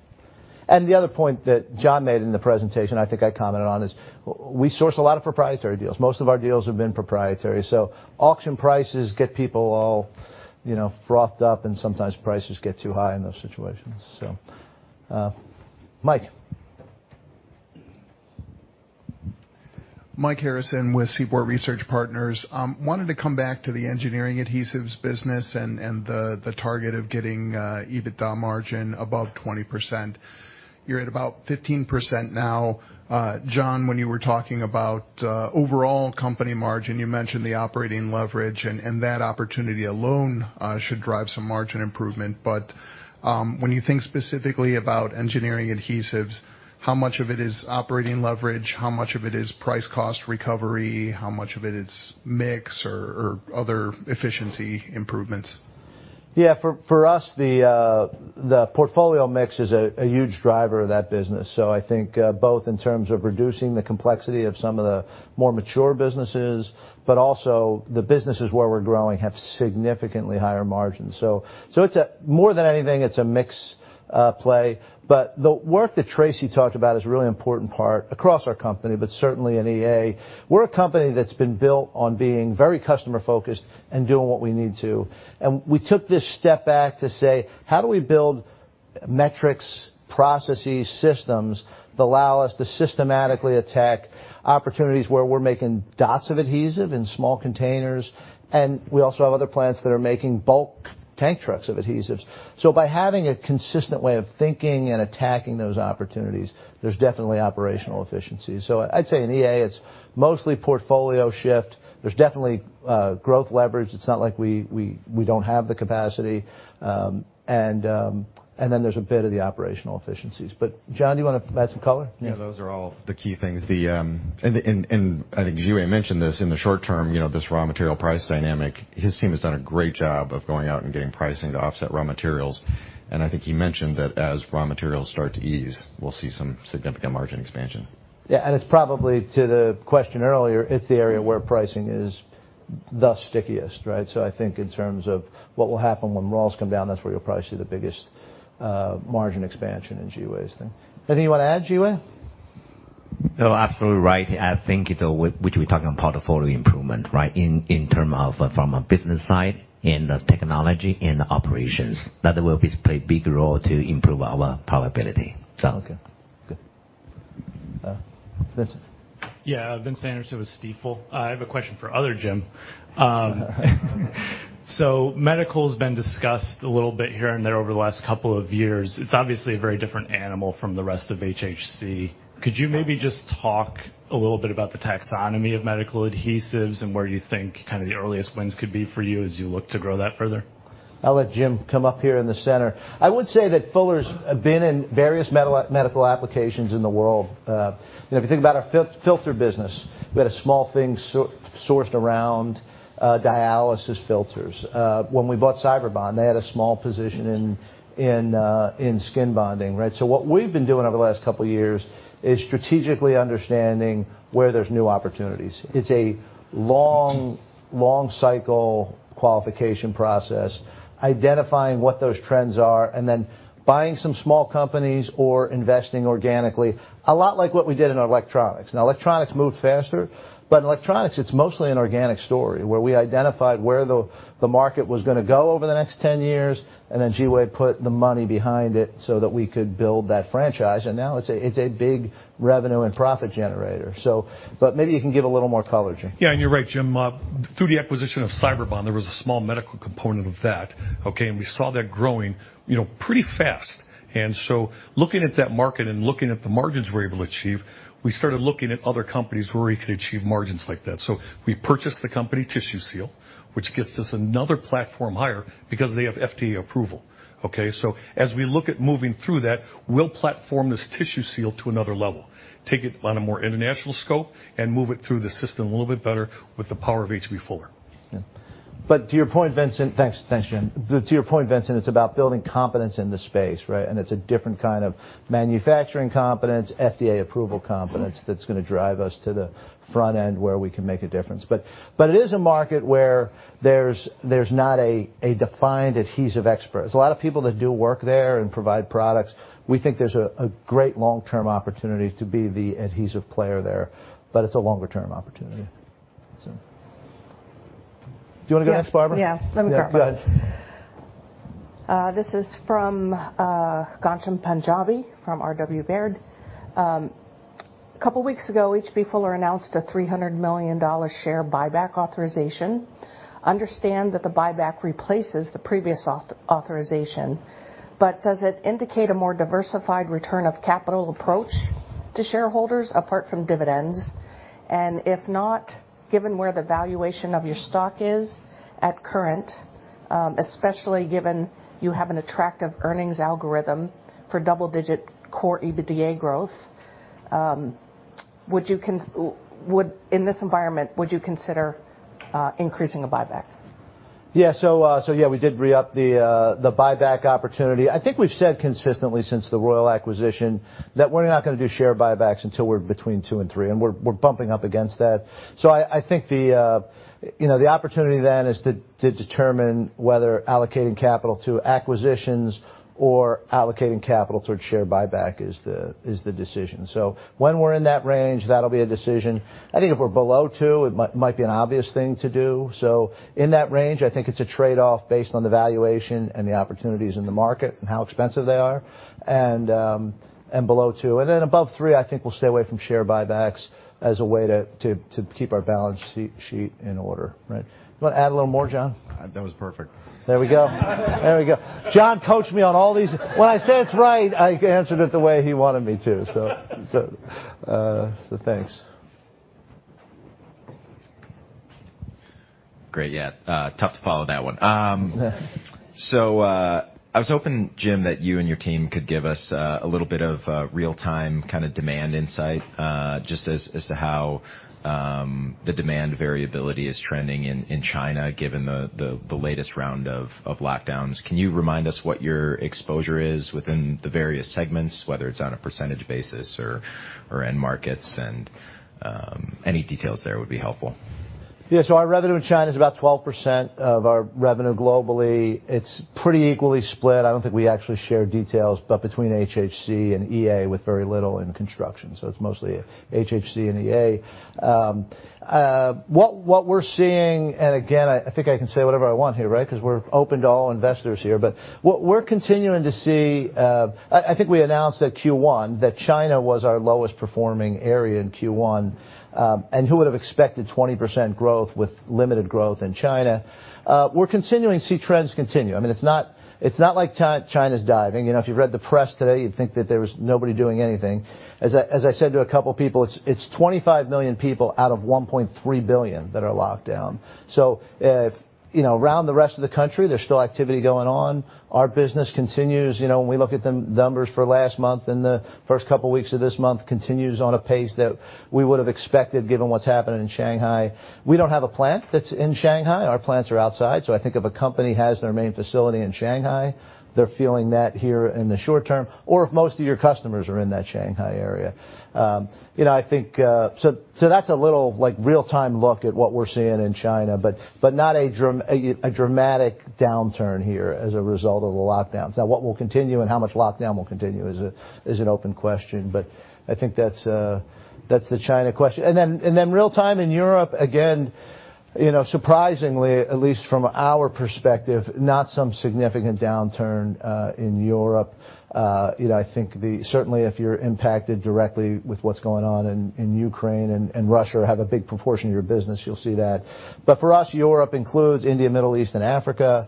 The other point that John made in the presentation, I think I commented on, is we source a lot of proprietary deals. Most of our deals have been proprietary. Auction prices get people all, you know, frothed up, and sometimes prices get too high in those situations. Mike. Mike Harrison with Seaport Research Partners. Wanted to come back to the Engineering Adhesives business and the target of getting EBITDA margin above 20%. You're at about 15% now. John, when you were talking about overall company margin, you mentioned the operating leverage and that opportunity alone should drive some margin improvement. When you think specifically about Engineering Adhesives, how much of it is operating leverage? How much of it is price cost recovery? How much of it is mix or other efficiency improvements? Yeah. For us, the portfolio mix is a huge driver of that business. So I think both in terms of reducing the complexity of some of the more mature businesses, but also the businesses where we're growing have significantly higher margins. So it's a, more than anything, it's a mix play. But the work that Traci talked about is a really important part across our company, but certainly in EA. We're a company that's been built on being very customer-focused and doing what we need to. We took this step back to say, "How do we build metrics, processes, systems that allow us to systematically attack opportunities where we're making dots of adhesive in small containers?" We also have other plants that are making bulk tank trucks of adhesives. By having a consistent way of thinking and attacking those opportunities, there's definitely operational efficiency. I'd say in EA, it's mostly portfolio shift. There's definitely growth leverage. It's not like we don't have the capacity. Then there's a bit of the operational efficiencies. John, do you wanna add some color? Yeah, those are all the key things. I think Zhiwei mentioned this in the short term, you know, this raw material price dynamic. His team has done a great job of going out and getting pricing to offset raw materials, and I think he mentioned that as raw materials start to ease, we'll see some significant margin expansion. Yeah. It's probably to the question earlier, it's the area where pricing is the stickiest, right? I think in terms of what will happen when raws come down, that's where you'll probably see the biggest margin expansion in Zhiwei's thing. Anything you wanna add, Zhiwei? No, absolutely right. I think it's all with what we talk on portfolio improvement, right? In terms of from a business side and the technology and the operations, that will play a big role to improve our profitability. So. Okay. Good. Vincent. Yeah. Vincent Anderson with Stifel. I have a question for other Jim. So medical's been discussed a little bit here and there over the last couple of years. It's obviously a very different animal from the rest of HHC. Could you maybe just talk a little bit about the taxonomy of medical adhesives and where you think kinda the earliest wins could be for you as you look to grow that further? I'll let Jim come up here in the center. I would say that Fuller's been in various medical applications in the world. You know, if you think about our filter business. We had a small thing sourced around dialysis filters. When we bought Cyberbond, they had a small position in skin bonding, right? What we've been doing over the last couple years is strategically understanding where there's new opportunities. It's a long cycle qualification process, identifying what those trends are, and then buying some small companies or investing organically, a lot like what we did in our electronics. Now, electronics moved faster, but in electronics it's mostly an organic story, where we identified where the market was gonna go over the next 10 years, and then Zhiwei put the money behind it so that we could build that franchise. Now it's a big revenue and profit generator. Maybe you can give a little more color, Jim. Yeah, you're right, Jim. Through the acquisition of Cyberbond, there was a small medical component of that, okay? We saw that growing, you know, pretty fast. Looking at that market and looking at the margins we're able to achieve, we started looking at other companies where we could achieve margins like that. We purchased the company Tissue Seal, which gets us another platform higher because they have FDA approval, okay? As we look at moving through that, we'll platform this Tissue Seal to another level, take it on a more international scope, and move it through the system a little bit better with the power of H.B. Fuller. To your point, Vincent. Thanks. Thanks, Jim. To your point, Vincent, it's about building competence in the space, right? It's a different kind of manufacturing competence, FDA approval competence that's gonna drive us to the front end where we can make a difference. It is a market where there's not a defined adhesive expert. There's a lot of people that do work there and provide products. We think there's a great long-term opportunity to be the adhesive player there, but it's a longer-term opportunity. Do you wanna go next, Barbara? Yes. Yes. Yeah, go ahead. This is from Ghanshyam Panjabi from R.W. Baird. Couple weeks ago, H.B. Fuller announced a $300 million share buyback authorization. Understand that the buyback replaces the previous authorization, but does it indicate a more diversified return of capital approach to shareholders apart from dividends? If not, given where the valuation of your stock is at current, especially given you have an attractive earnings algorithm for double-digit core EBITDA growth, in this environment, would you consider increasing a buyback? Yeah, we did re-up the buyback opportunity. I think we've said consistently since the Royal acquisition that we're not gonna do share buybacks until we're between two and three, and we're bumping up against that. I think you know the opportunity then is to determine whether allocating capital to acquisitions or allocating capital towards share buyback is the decision. When we're in that range, that'll be a decision. I think if we're below two, it might be an obvious thing to do. In that range, I think it's a trade-off based on the valuation and the opportunities in the market and how expensive they are and below two. Above three, I think we'll stay away from share buybacks as a way to keep our balance sheet in order, right? You wanna add a little more, John? That was perfect. There we go. John coached me on all these. When I say it's right, I answered it the way he wanted me to. Thanks. Great. Yeah. Tough to follow that one. I was hoping, Jim, that you and your team could give us a little bit of real-time kinda demand insight, just as to how the demand variability is trending in China, given the latest round of lockdowns. Can you remind us what your exposure is within the various segments, whether it's on a percentage basis or end markets and any details there would be helpful. Yeah. Our revenue in China is about 12% of our revenue globally. It's pretty equally split. I don't think we actually share details, but between HHC and EA with very little in construction, so it's mostly HHC and EA. What we're seeing, and again, I think I can say whatever I want here, right? 'Cause we're open to all investors here, but what we're continuing to see, I think we announced at Q1 that China was our lowest performing area in Q1. Who would have expected 20% growth with limited growth in China? We're continuing to see trends continue. I mean, it's not like China's diving. You know, if you read the press today, you'd think that there was nobody doing anything. As I said to a couple people, it's 25 million people out of 1.3 billion that are locked down. You know, around the rest of the country, there's still activity going on. Our business continues. You know, when we look at the numbers for last month and the first couple weeks of this month continues on a pace that we would've expected given what's happening in Shanghai. We don't have a plant that's in Shanghai. Our plants are outside. I think if a company has their main facility in Shanghai, they're feeling that here in the short term, or if most of your customers are in that Shanghai area. You know, I think... That's a little, like, real-time look at what we're seeing in China, but not a dramatic downturn here as a result of the lockdowns. Now, what will continue and how much lockdown will continue is an open question, but I think that's the China question. Then real-time in Europe, again, you know, surprisingly, at least from our perspective, not some significant downturn in Europe. You know, I think certainly, if you're impacted directly with what's going on in Ukraine and Russia have a big proportion of your business, you'll see that. For us, Europe includes India, Middle East, and Africa.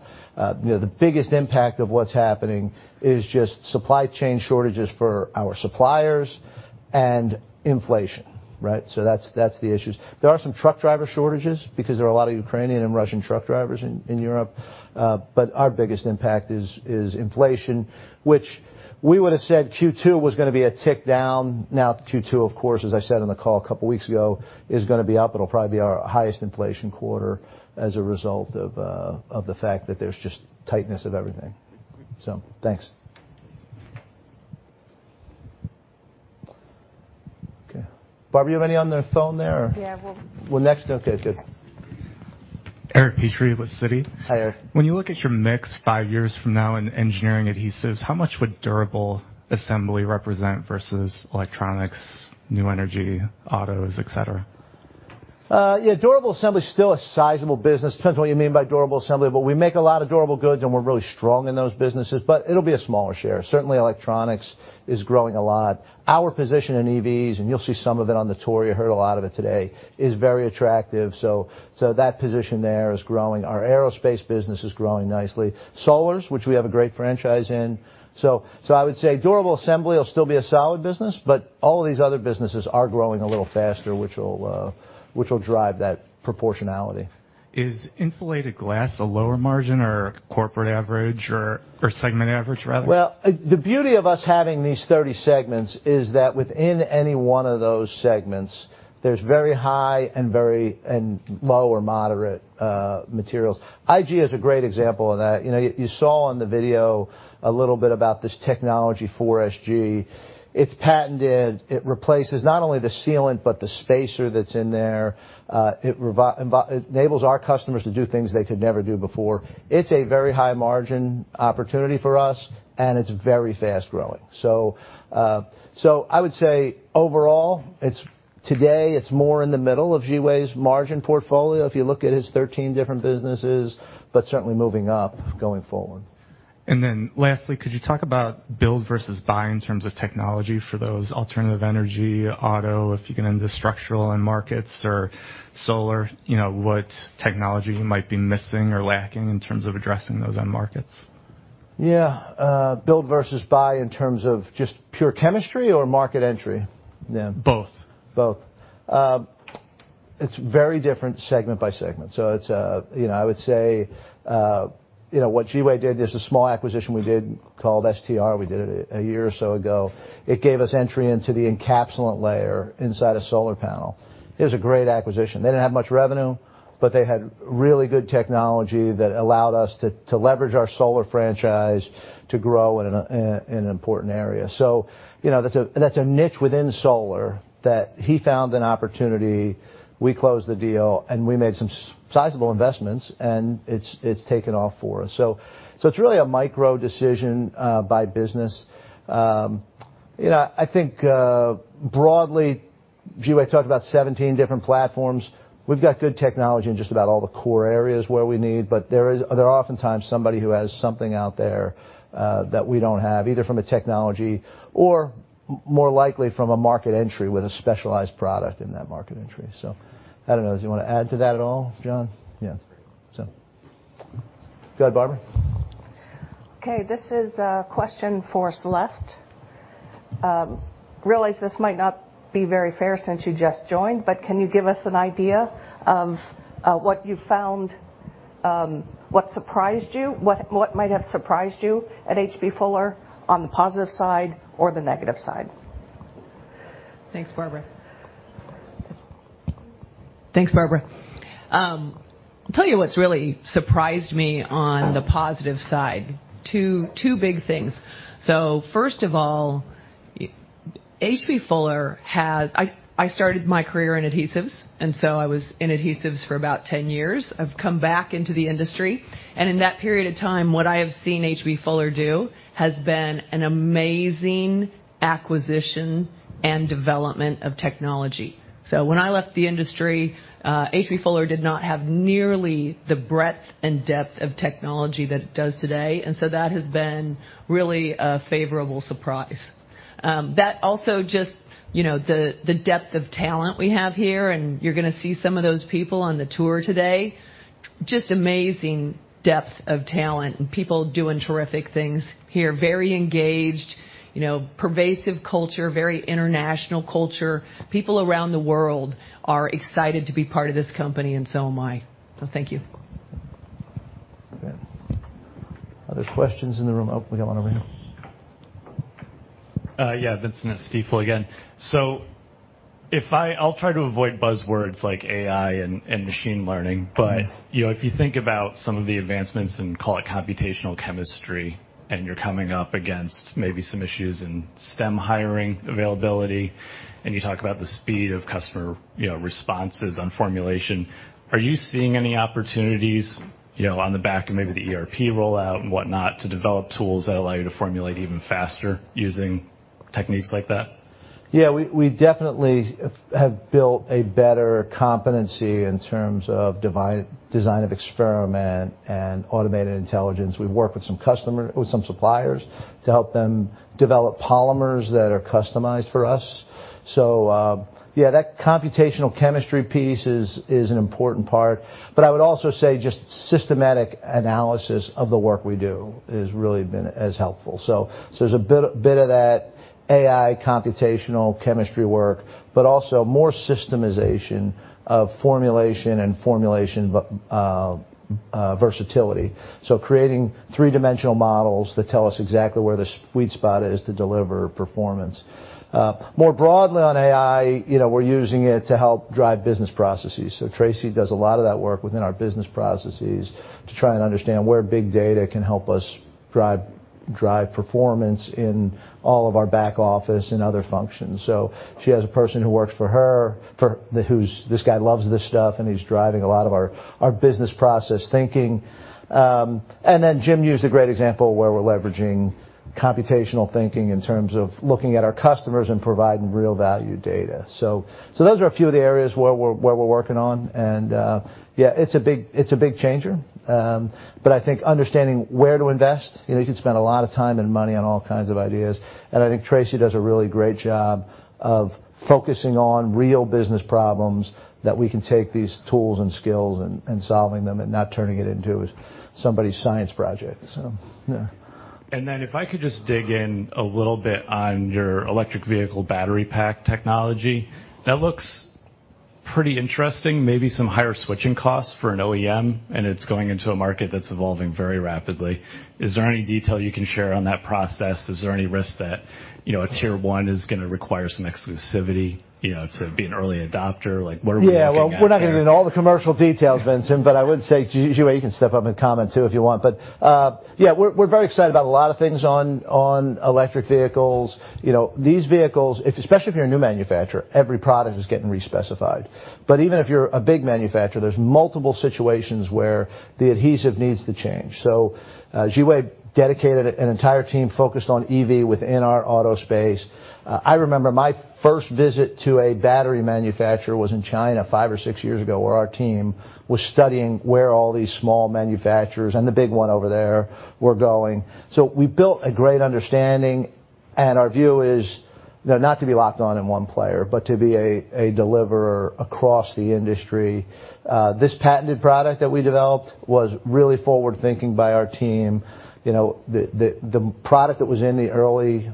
You know, the biggest impact of what's happening is just supply chain shortages for our suppliers and inflation, right? That's the issues. There are some truck driver shortages because there are a lot of Ukrainian and Russian truck drivers in Europe. But our biggest impact is inflation, which we would've said Q2 was gonna be a tick down. Now, Q2, of course, as I said on the call a couple weeks ago, is gonna be up. It'll probably be our highest inflation quarter as a result of the fact that there's just tightness of everything. Thanks. Okay. Barbara, you have any on the phone there or? Yeah. We're next? Okay. Good. Okay. Eric Petrie with Citi. Hi, Eric. When you look at your mix five years from now in Engineering Adhesives, how much would durable assembly represent versus electronics, new energy, autos, et cetera? Yeah, durable assembly is still a sizable business. Depends on what you mean by durable assembly, but we make a lot of durable goods, and we're really strong in those businesses, but it'll be a smaller share. Certainly, electronics is growing a lot. Our position in EVs, and you'll see some of it on the tour, you heard a lot of it today, is very attractive, so that position there is growing. Our aerospace business is growing nicely. Solars, which we have a great franchise in. I would say durable assembly will still be a solid business, but all of these other businesses are growing a little faster, which will drive that proportionality. Is insulated glass a lower margin or corporate average or segment average, rather? Well, the beauty of us having these 30 segments is that within any one of those segments, there's very high and low or moderate materials. IG is a great example of that. You know, you saw on the video a little bit about this technology, 4SG. It's patented. It replaces not only the sealant, but the spacer that's in there. It enables our customers to do things they could never do before. It's a very high margin opportunity for us, and it's very fast-growing. I would say overall, it's today it's more in the middle of Zhiwei's margin portfolio if you look at his 13 different businesses, but certainly moving up going forward. Lastly, could you talk about build versus buy in terms of technology for those alternative energy, auto, and the structural end markets or solar, you know, what technology you might be missing or lacking in terms of addressing those end markets? Yeah. Build versus buy in terms of just pure chemistry or market entry? Yeah. Both. Both. It's very different segment by segment. It's you know I would say you know what Zhiwei did. There's a small acquisition we did called STR. We did it a year or so ago. It gave us entry into the encapsulant layer inside a solar panel. It was a great acquisition. They didn't have much revenue, but they had really good technology that allowed us to leverage our solar franchise to grow in an important area. You know, that's a niche within solar that he found an opportunity, we closed the deal, and we made some sizable investments, and it's taken off for us. It's really a micro decision by business. You know, I think broadly, Zhiwei talked about 17 different platforms. We've got good technology in just about all the core areas where we need, but there are oftentimes somebody who has something out there that we don't have, either from a technology or more likely from a market entry with a specialized product in that market entry. I don't know. Do you want to add to that at all, John? Yeah. Go ahead, Barbara. Okay, this is a question for Celeste. Realize this might not be very fair since you just joined, but can you give us an idea of what you found, what surprised you, what might have surprised you at H.B. Fuller on the positive side or the negative side? Thanks, Barbara. I'll tell you what's really surprised me on the positive side. Two big things. First of all, I started my career in adhesives, and I was in adhesives for about 10 years. I've come back into the industry, and in that period of time, what I have seen H.B. Fuller do has been an amazing acquisition and development of technology. When I left the industry, H.B. Fuller did not have nearly the breadth and depth of technology that it does today. That has been really a favorable surprise. That also just the depth of talent we have here, and you're gonna see some of those people on the tour today, just amazing depth of talent and people doing terrific things here. Very engaged, pervasive culture, very international culture. People around the world are excited to be part of this company, and so am I. Thank you. Okay. Other questions in the room? Oh, we got one over here. Vincent Anderson again. I'll try to avoid buzzwords like AI and machine learning. Mm-hmm. You know, if you think about some of the advancements and call it computational chemistry, and you're coming up against maybe some issues in STEM hiring availability, and you talk about the speed of customer, you know, responses on formulation, are you seeing any opportunities, you know, on the back of maybe the ERP rollout and whatnot, to develop tools that allow you to formulate even faster using techniques like that? Yeah, we definitely have built a better competency in terms of design of experiment and artificial intelligence. We've worked with some suppliers to help them develop polymers that are customized for us. Yeah, that computational chemistry piece is an important part. I would also say just systematic analysis of the work we do has really been as helpful. There's a bit of that AI computational chemistry work, but also more systemization of formulation and formulation versatility. Creating three-dimensional models that tell us exactly where the sweet spot is to deliver performance. More broadly on AI, you know, we're using it to help drive business processes. Traci does a lot of that work within our business processes to try and understand where big data can help us drive performance in all of our back office and other functions. She has a person who works for her who's this guy loves this stuff, and he's driving a lot of our business process thinking. Then Jim used a great example where we're leveraging computational thinking in terms of looking at our customers and providing real value data. Those are a few of the areas where we're working on. It's a big changer. I think understanding where to invest, you know, you could spend a lot of time and money on all kinds of ideas, and I think Traci does a really great job of focusing on real business problems, that we can take these tools and skills and solving them and not turning it into somebody's science project. Yeah. If I could just dig in a little bit on your electric vehicle battery pack technology. That looks pretty interesting. Maybe some higher switching costs for an OEM, and it's going into a market that's evolving very rapidly. Is there any detail you can share on that process? Is there any risk that, you know, a tier one is gonna require some exclusivity, you know, to be an early adopter? Like, where are we looking at there? Well, we're not gonna get into all the commercial details, Vincent, but I would say, Zhiwei, you can step up and comment too if you want. We're very excited about a lot of things on electric vehicles. You know, these vehicles, if especially if you're a new manufacturer, every product is getting respecified. Even if you're a big manufacturer, there's multiple situations where the adhesive needs to change. Zhiwei dedicated an entire team focused on EV within our auto space. I remember my first visit to a battery manufacturer was in China five or six years ago, where our team was studying where all these small manufacturers and the big one over there were going. We built a great understanding, and our view is, you know, not to be locked in on one player, but to be a deliverer across the industry. This patented product that we developed was really forward-thinking by our team. You know, the product that was in the early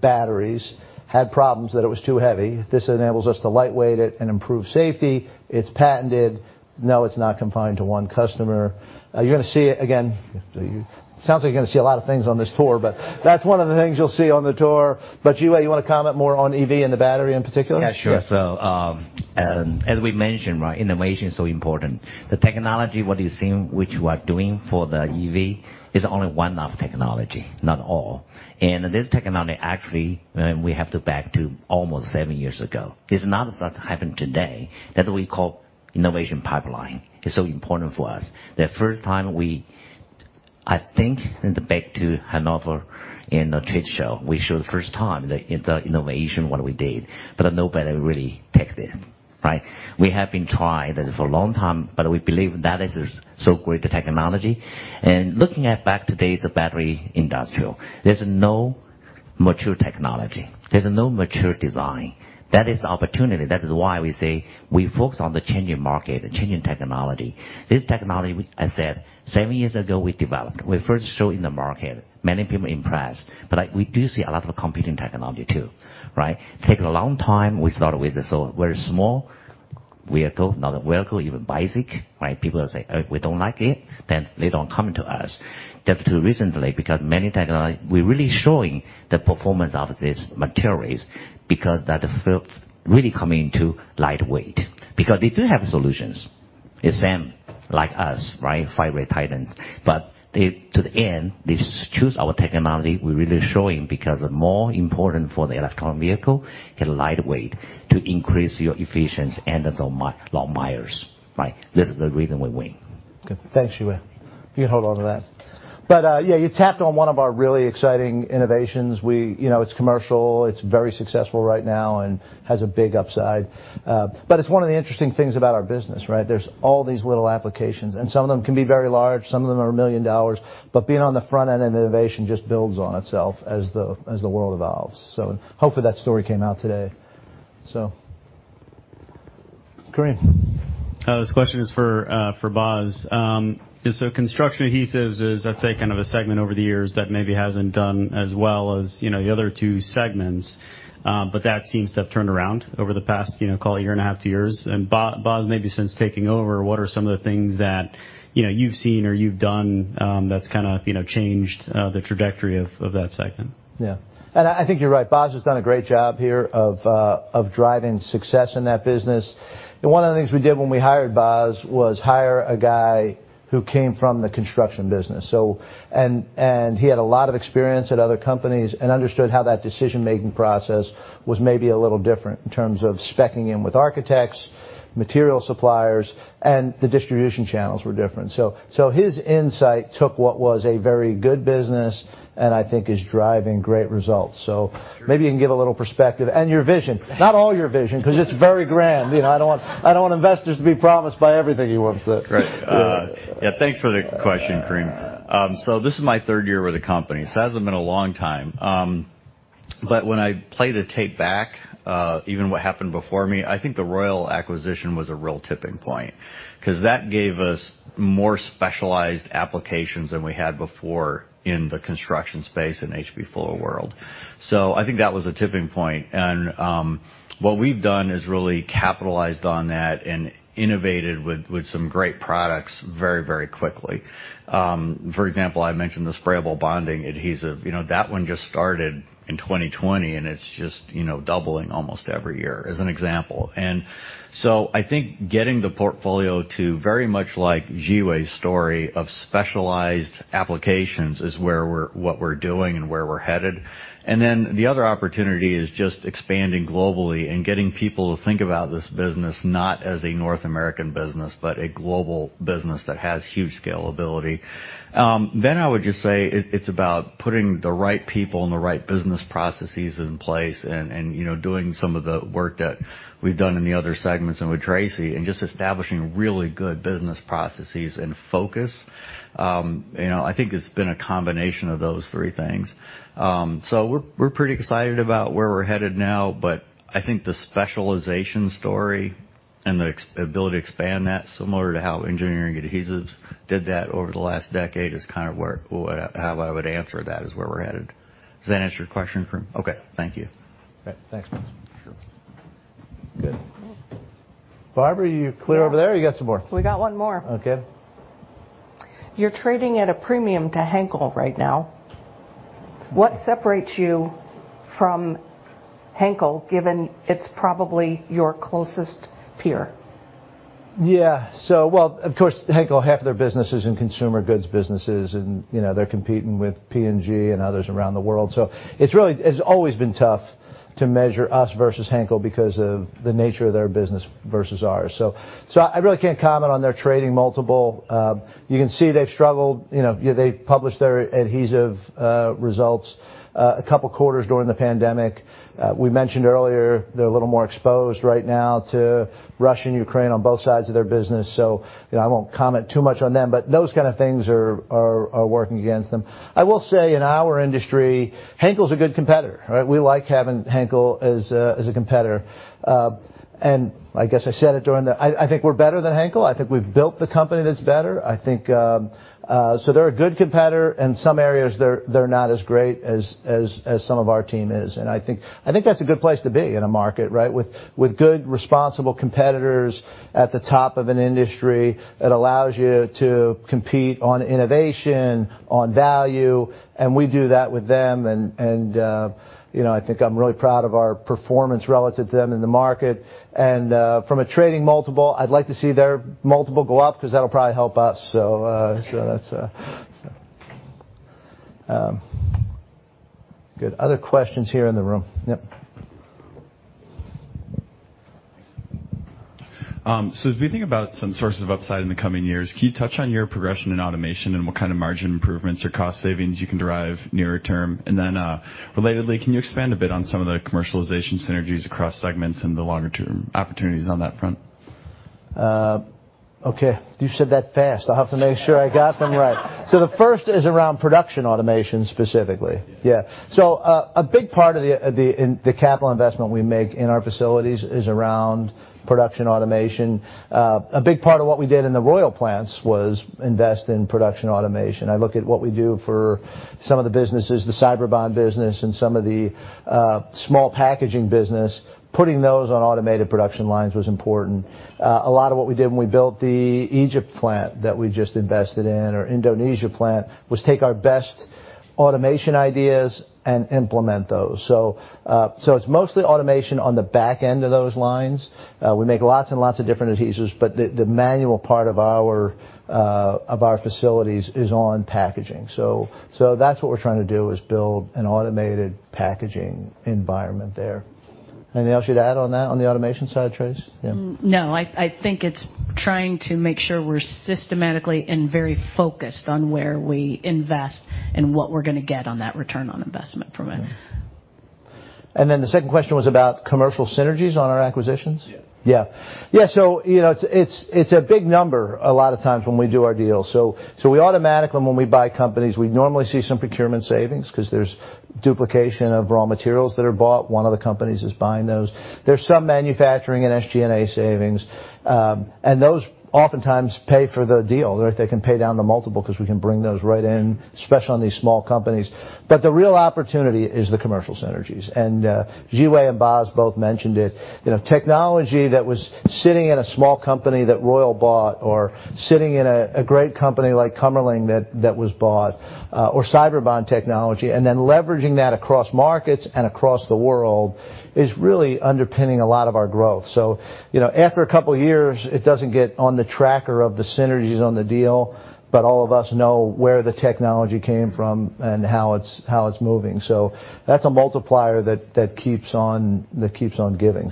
batteries had problems that it was too heavy. This enables us to lightweight it and improve safety. It's patented. No, it's not confined to one customer. You're gonna see it again. It sounds like you're gonna see a lot of things on this tour, but that's one of the things you'll see on the tour. Zhiwei, you wanna comment more on EV and the battery in particular? Yeah, sure. As we mentioned, right, innovation is so important. The technology, what you're seeing, which we are doing for the EV, is only one of technology, not all. This technology, actually, we have to back to almost seven years ago. This not happened today. That we call innovation pipeline. It's so important for us. I think back to Hannover in a trade show, we showed the first time the innovation, what we did, but nobody really take this, right? We have been trying for a long time, but we believe that is so great technology. Looking back at today's battery industry, there's no mature technology. There's no mature design. That is the opportunity. That is why we say we focus on the changing market, the changing technology. This technology, I said, seven years ago, we developed. We first show in the market. Many people impressed, but like, we do see a lot of competing technology too, right? It takes a long time. We start with such a very small vehicle, not a vehicle, even basic, right? People say, "Oh, we don't like it." Then they don't come to us. Just until recently, because many technologies, we're really showing the performance of these materials because the field really is coming to lightweighting. They do have solutions. It's same like us, right? Fiber-based solutions. They in the end choose our technology. We're really showing because the more important for the electric vehicle and lightweight to increase your efficiency and the long miles, right? This is the reason we win. Good. Thanks, Zhiwei. You hold onto that. Yeah, you tapped on one of our really exciting innovations. We, you know, it's commercial, it's very successful right now, and has a big upside. It's one of the interesting things about our business, right? There's all these little applications, and some of them can be very large, some of them are $1 million, but being on the front end of innovation just builds on itself as the world evolves. Hopefully that story came out today. Kareem. This question is for Boz. So Construction Adhesives is, I'd say, kind of a segment over the years that maybe hasn't done as well as, you know, the other two segments. But that seems to have turned around over the past, you know, call it a year and a half, two years. Boz maybe since taking over, what are some of the things that, you know, you've seen or you've done, that's kind of, you know, changed the trajectory of that segment? Yeah. I think you're right. Boz has done a great job here of driving success in that business. One of the things we did when we hired Boz was hire a guy who came from the construction business. He had a lot of experience at other companies and understood how that decision-making process was maybe a little different in terms of spec-ing in with architects, material suppliers, and the distribution channels were different. His insight took what was a very good business and I think is driving great results. Maybe you can give a little perspective and your vision. Not all your vision, because it's very grand. You know, I don't want investors to be promised by everything he wants to. Right. Yeah, thanks for the question, Kareem. This is my third year with the company, so it hasn't been a long time. When I play the tape back, even what happened before me, I think the Royal acquisition was a real tipping point, 'cause that gave us more specialized applications than we had before in the construction space in H.B. Fuller world. I think that was a tipping point. What we've done is really capitalized on that and innovated with some great products very, very quickly. For example, I mentioned the sprayable bonding adhesive. You know, that one just started in 2020, and it's just, you know, doubling almost every year, as an example. I think getting the portfolio to very much like Zhiwei's story of specialized applications is what we're doing and where we're headed. Then the other opportunity is just expanding globally and getting people to think about this business not as a North American business, but a global business that has huge scalability. I would just say it's about putting the right people and the right business processes in place and, you know, doing some of the work that we've done in the other segments and with Tracy, and just establishing really good business processes and focus. You know, I think it's been a combination of those three things. We're pretty excited about where we're headed now, but I think the specialization story and the ability to expand that, similar to how Engineering Adhesives did that over the last decade, is kind of where or how I would answer that is where we're headed. Does that answer your question, Kareem? Okay. Thank you. Great. Thanks, Boz. Sure. Good. Barbara, are you clear over there or you got some more? We got one more. Okay. You're trading at a premium to Henkel right now. What separates you from Henkel, given it's probably your closest peer? Yeah. Well, of course, Henkel, half their business is in consumer goods businesses, and, you know, they're competing with P&G and others around the world. It's really, it's always been tough to measure us versus Henkel because of the nature of their business versus ours. I really can't comment on their trading multiple. You can see they've struggled. You know, they've published their adhesive results a couple quarters during the pandemic. We mentioned earlier, they're a little more exposed right now to Russia and Ukraine on both sides of their business. You know, I won't comment too much on them, but those kind of things are working against them. I will say in our industry, Henkel's a good competitor, right? We like having Henkel as a competitor. I think we're better than Henkel. I think we've built the company that's better. I think so they're a good competitor. In some areas, they're not as great as some of our team is. I think that's a good place to be in a market, right? With good, responsible competitors at the top of an industry, it allows you to compete on innovation, on value, and we do that with them. You know, I think I'm really proud of our performance relative to them in the market. From a trading multiple, I'd like to see their multiple go up 'cause that'll probably help us. Good. Other questions here in the room? Yep. As we think about some sources of upside in the coming years, can you touch on your progression in automation and what kind of margin improvements or cost savings you can derive near term? Then, relatedly, can you expand a bit on some of the commercialization synergies across segments and the longer term opportunities on that front? Okay. You said that fast. I'll have to make sure I got them right. The first is around production automation specifically. Yeah. A big part of the capital investment we make in our facilities is around production automation. A big part of what we did in the Royal plants was invest in production automation. I look at what we do for some of the businesses, the Cyberbond business and some of the small packaging business, putting those on automated production lines was important. A lot of what we did when we built the Egypt plant that we just invested in or Indonesia plant was take our best automation ideas and implement those. It's mostly automation on the back end of those lines. We make lots and lots of different adhesives, but the manual part of our facilities is on packaging. That's what we're trying to do, is build an automated packaging environment there. Anything else you'd add on that, on the automation side, Traci? Yeah. No, I think it's trying to make sure we're systematically and very focused on where we invest and what we're gonna get on that return on investment from it. The second question was about commercial synergies on our acquisitions? Yeah. Yeah, you know, it's a big number a lot of times when we do our deals. We automatically, when we buy companies, we normally see some procurement savings 'cause there's duplication of raw materials that are bought. One of the companies is buying those. There's some manufacturing and SG&A savings, and those oftentimes pay for the deal. They're. They can pay down the multiple 'cause we can bring those right in, especially on these small companies. The real opportunity is the commercial synergies. Zhiwei and Muhammed both mentioned it. You know, technology that was sitting in a small company that Royal bought or sitting in a great company like Kömmerling that was bought, or Cyberbond technology, and then leveraging that across markets and across the world is really underpinning a lot of our growth. You know, after a couple years, it doesn't get on the tracker of the synergies on the deal, but all of us know where the technology came from and how it's moving. That's a multiplier that keeps on giving.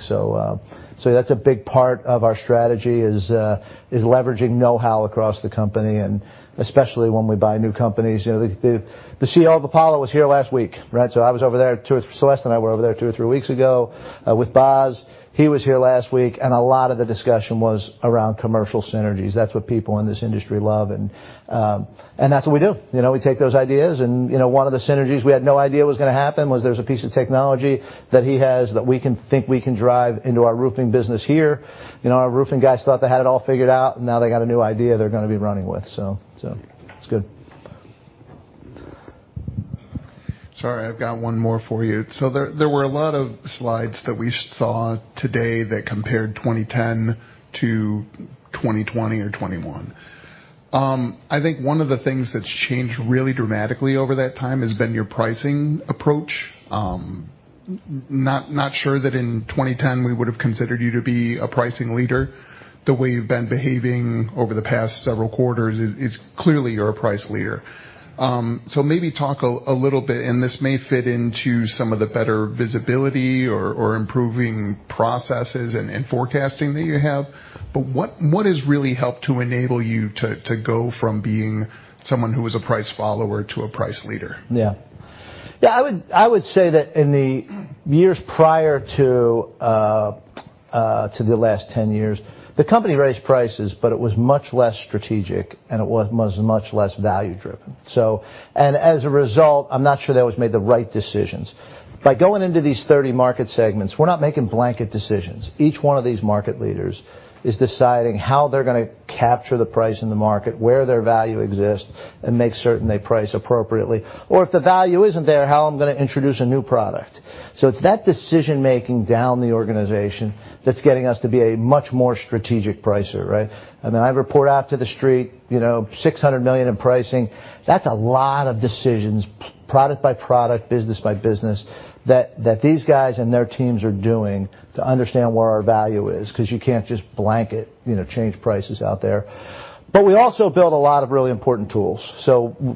That's a big part of our strategy is leveraging know-how across the company and especially when we buy new companies. You know, the CEO of Apollo was here last week, right? Celeste and I were over there two or three weeks ago with Bas. He was here last week, and a lot of the discussion was around commercial synergies. That's what people in this industry love, and that's what we do. You know, we take those ideas and, you know, one of the synergies we had no idea was gonna happen was there's a piece of technology that he has that we can think we can drive into our roofing business here. You know, our roofing guys thought they had it all figured out, and now they got a new idea they're gonna be running with. So it's good. Sorry, I've got one more for you. There were a lot of slides that we saw today that compared 2010 to 2020 or 2021. I think one of the things that's changed really dramatically over that time has been your pricing approach. Not sure that in 2010 we would've considered you to be a pricing leader. The way you've been behaving over the past several quarters is clearly you're a price leader. Maybe talk a little bit, and this may fit into some of the better visibility or improving processes and forecasting that you have. What has really helped to enable you to go from being someone who was a price follower to a price leader? Yeah. Yeah, I would say that in the years prior to the last 10 years, the company raised prices, but it was much less strategic, and it was much less value-driven. As a result, I'm not sure they always made the right decisions. By going into these 30 market segments, we're not making blanket decisions. Each one of these market leaders is deciding how they're gonna capture the price in the market, where their value exists, and make certain they price appropriately. Or if the value isn't there, how I'm gonna introduce a new product. It's that decision-making down the organization that's getting us to be a much more strategic pricer, right? I mean, I report out to the street, you know, $600 million in pricing. That's a lot of decisions, product by product, business by business that these guys and their teams are doing to understand where our value is 'cause you can't just blanket, you know, change prices out there. We also build a lot of really important tools.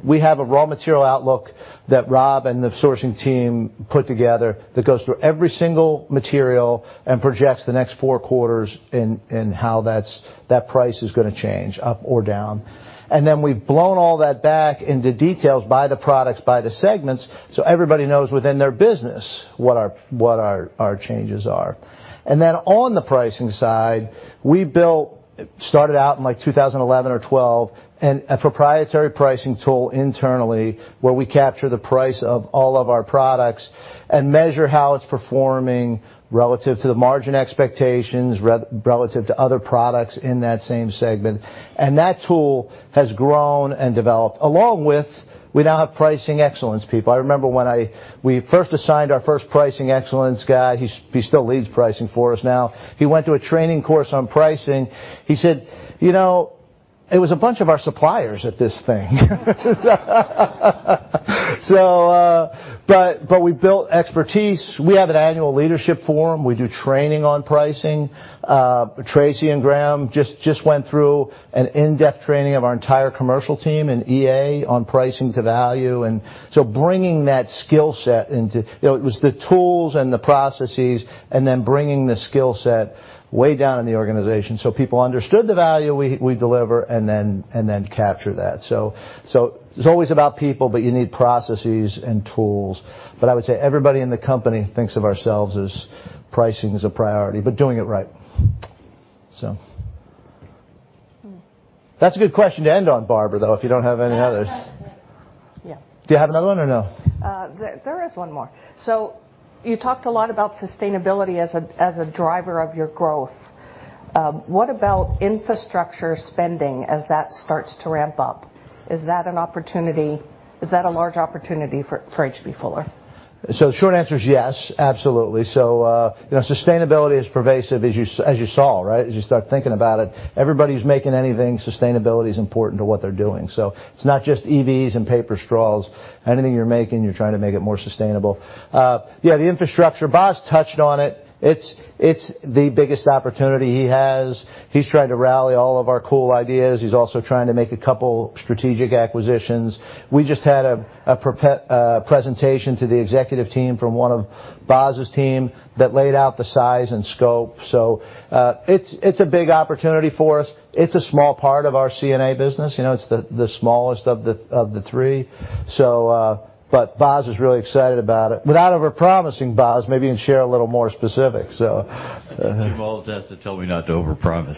We have a raw material outlook that Rob and the sourcing team put together that goes through every single material and projects the next four quarters in how that price is gonna change up or down. Then we've blown all that back into details by the products, by the segments, so everybody knows within their business what our changes are. On the pricing side, we started out in like 2011 or 2012, a proprietary pricing tool internally where we capture the price of all of our products and measure how it's performing relative to the margin expectations, relative to other products in that same segment. That tool has grown and developed along with, we now have pricing excellence people. I remember when we first assigned our first pricing excellence guy, he still leads pricing for us now. He went to a training course on pricing. He said, "You know, it was a bunch of our suppliers at this thing." We built expertise. We have an annual leadership forum. We do training on pricing. Tracy and Graham went through an in-depth training of our entire commercial team in EA on pricing to value. Bringing that skill set into... You know, it was the tools and the processes and then bringing the skill set way down in the organization so people understood the value we deliver and then capture that. It's always about people, but you need processes and tools. I would say everybody in the company thinks of ourselves as pricing is a priority, but doing it right. That's a good question to end on, Barbara, though, if you don't have any others. Yeah. Do you have another one or no? There is one more. You talked a lot about sustainability as a driver of your growth. What about infrastructure spending as that starts to ramp up? Is that a large opportunity for H.B. Fuller? The short answer is yes, absolutely. You know, sustainability is pervasive as you saw, right? As you start thinking about it, everybody's making anything, sustainability is important to what they're doing. It's not just EVs and paper straws. Anything you're making, you're trying to make it more sustainable. Yeah, the infrastructure, Boz touched on it. It's the biggest opportunity he has. He's trying to rally all of our cool ideas. He's also trying to make a couple strategic acquisitions. We just had a presentation to the executive team from one of Boz's team that laid out the size and scope. It's a big opportunity for us. It's a small part of our CNA business, you know, it's the smallest of the three. Boz is really excited about it. Without over-promising, Boz, maybe you can share a little more specifics, so. Jim Owens has to tell me not to overpromise.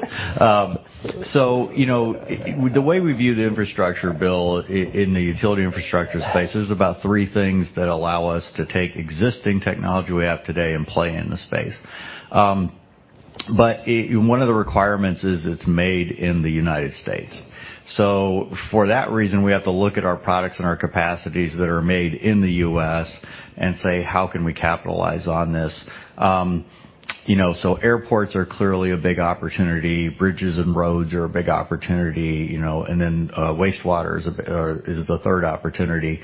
You know, the way we view the infrastructure bill in the utility infrastructure space, there's about three things that allow us to take existing technology we have today and play in the space. One of the requirements is it's made in the United States. For that reason, we have to look at our products and our capacities that are made in the U.S. and say, "How can we capitalize on this?" You know, airports are clearly a big opportunity. Bridges and roads are a big opportunity, you know. Wastewater is the third opportunity.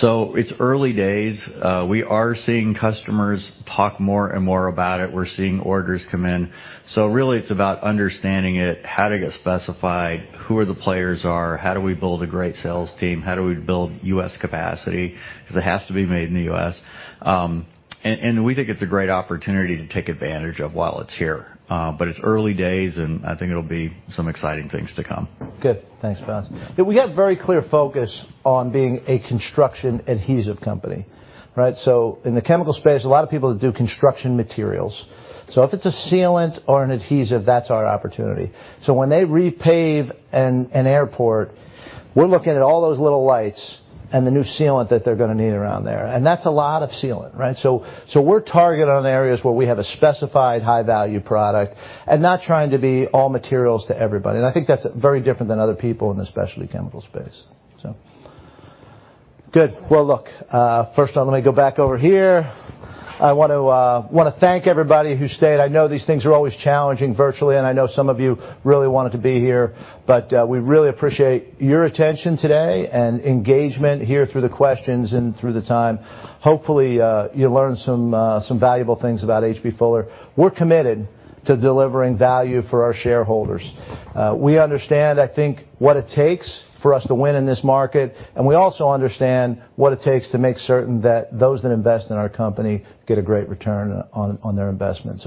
It's early days. We are seeing customers talk more and more about it. We're seeing orders come in. Really it's about understanding it, how to get specified, who the players are, how do we build a great sales team, how do we build U.S. capacity, 'cause it has to be made in the U.S. And we think it's a great opportunity to take advantage of while it's here. But it's early days, and I think it'll be some exciting things to come. Good. Thanks, Boz. Yeah, we have very clear focus on being a construction adhesive company, right? In the chemical space, a lot of people do construction materials. If it's a sealant or an adhesive, that's our opportunity. When they repave an airport, we're looking at all those little lights and the new sealant that they're gonna need around there. That's a lot of sealant, right? We're targeted on areas where we have a specified high-value product and not trying to be all materials to everybody. I think that's very different than other people in the specialty chemical space. Good. Well, look, first let me go back over here. I want to thank everybody who stayed. I know these things are always challenging virtually, and I know some of you really wanted to be here, but we really appreciate your attention today and engagement here through the questions and through the time. Hopefully, you learned some valuable things about H.B. Fuller. We're committed to delivering value for our shareholders. We understand, I think, what it takes for us to win in this market, and we also understand what it takes to make certain that those that invest in our company get a great return on their investment.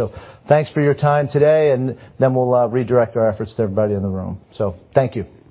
Thanks for your time today, and then we'll redirect our efforts to everybody in the room. Thank you.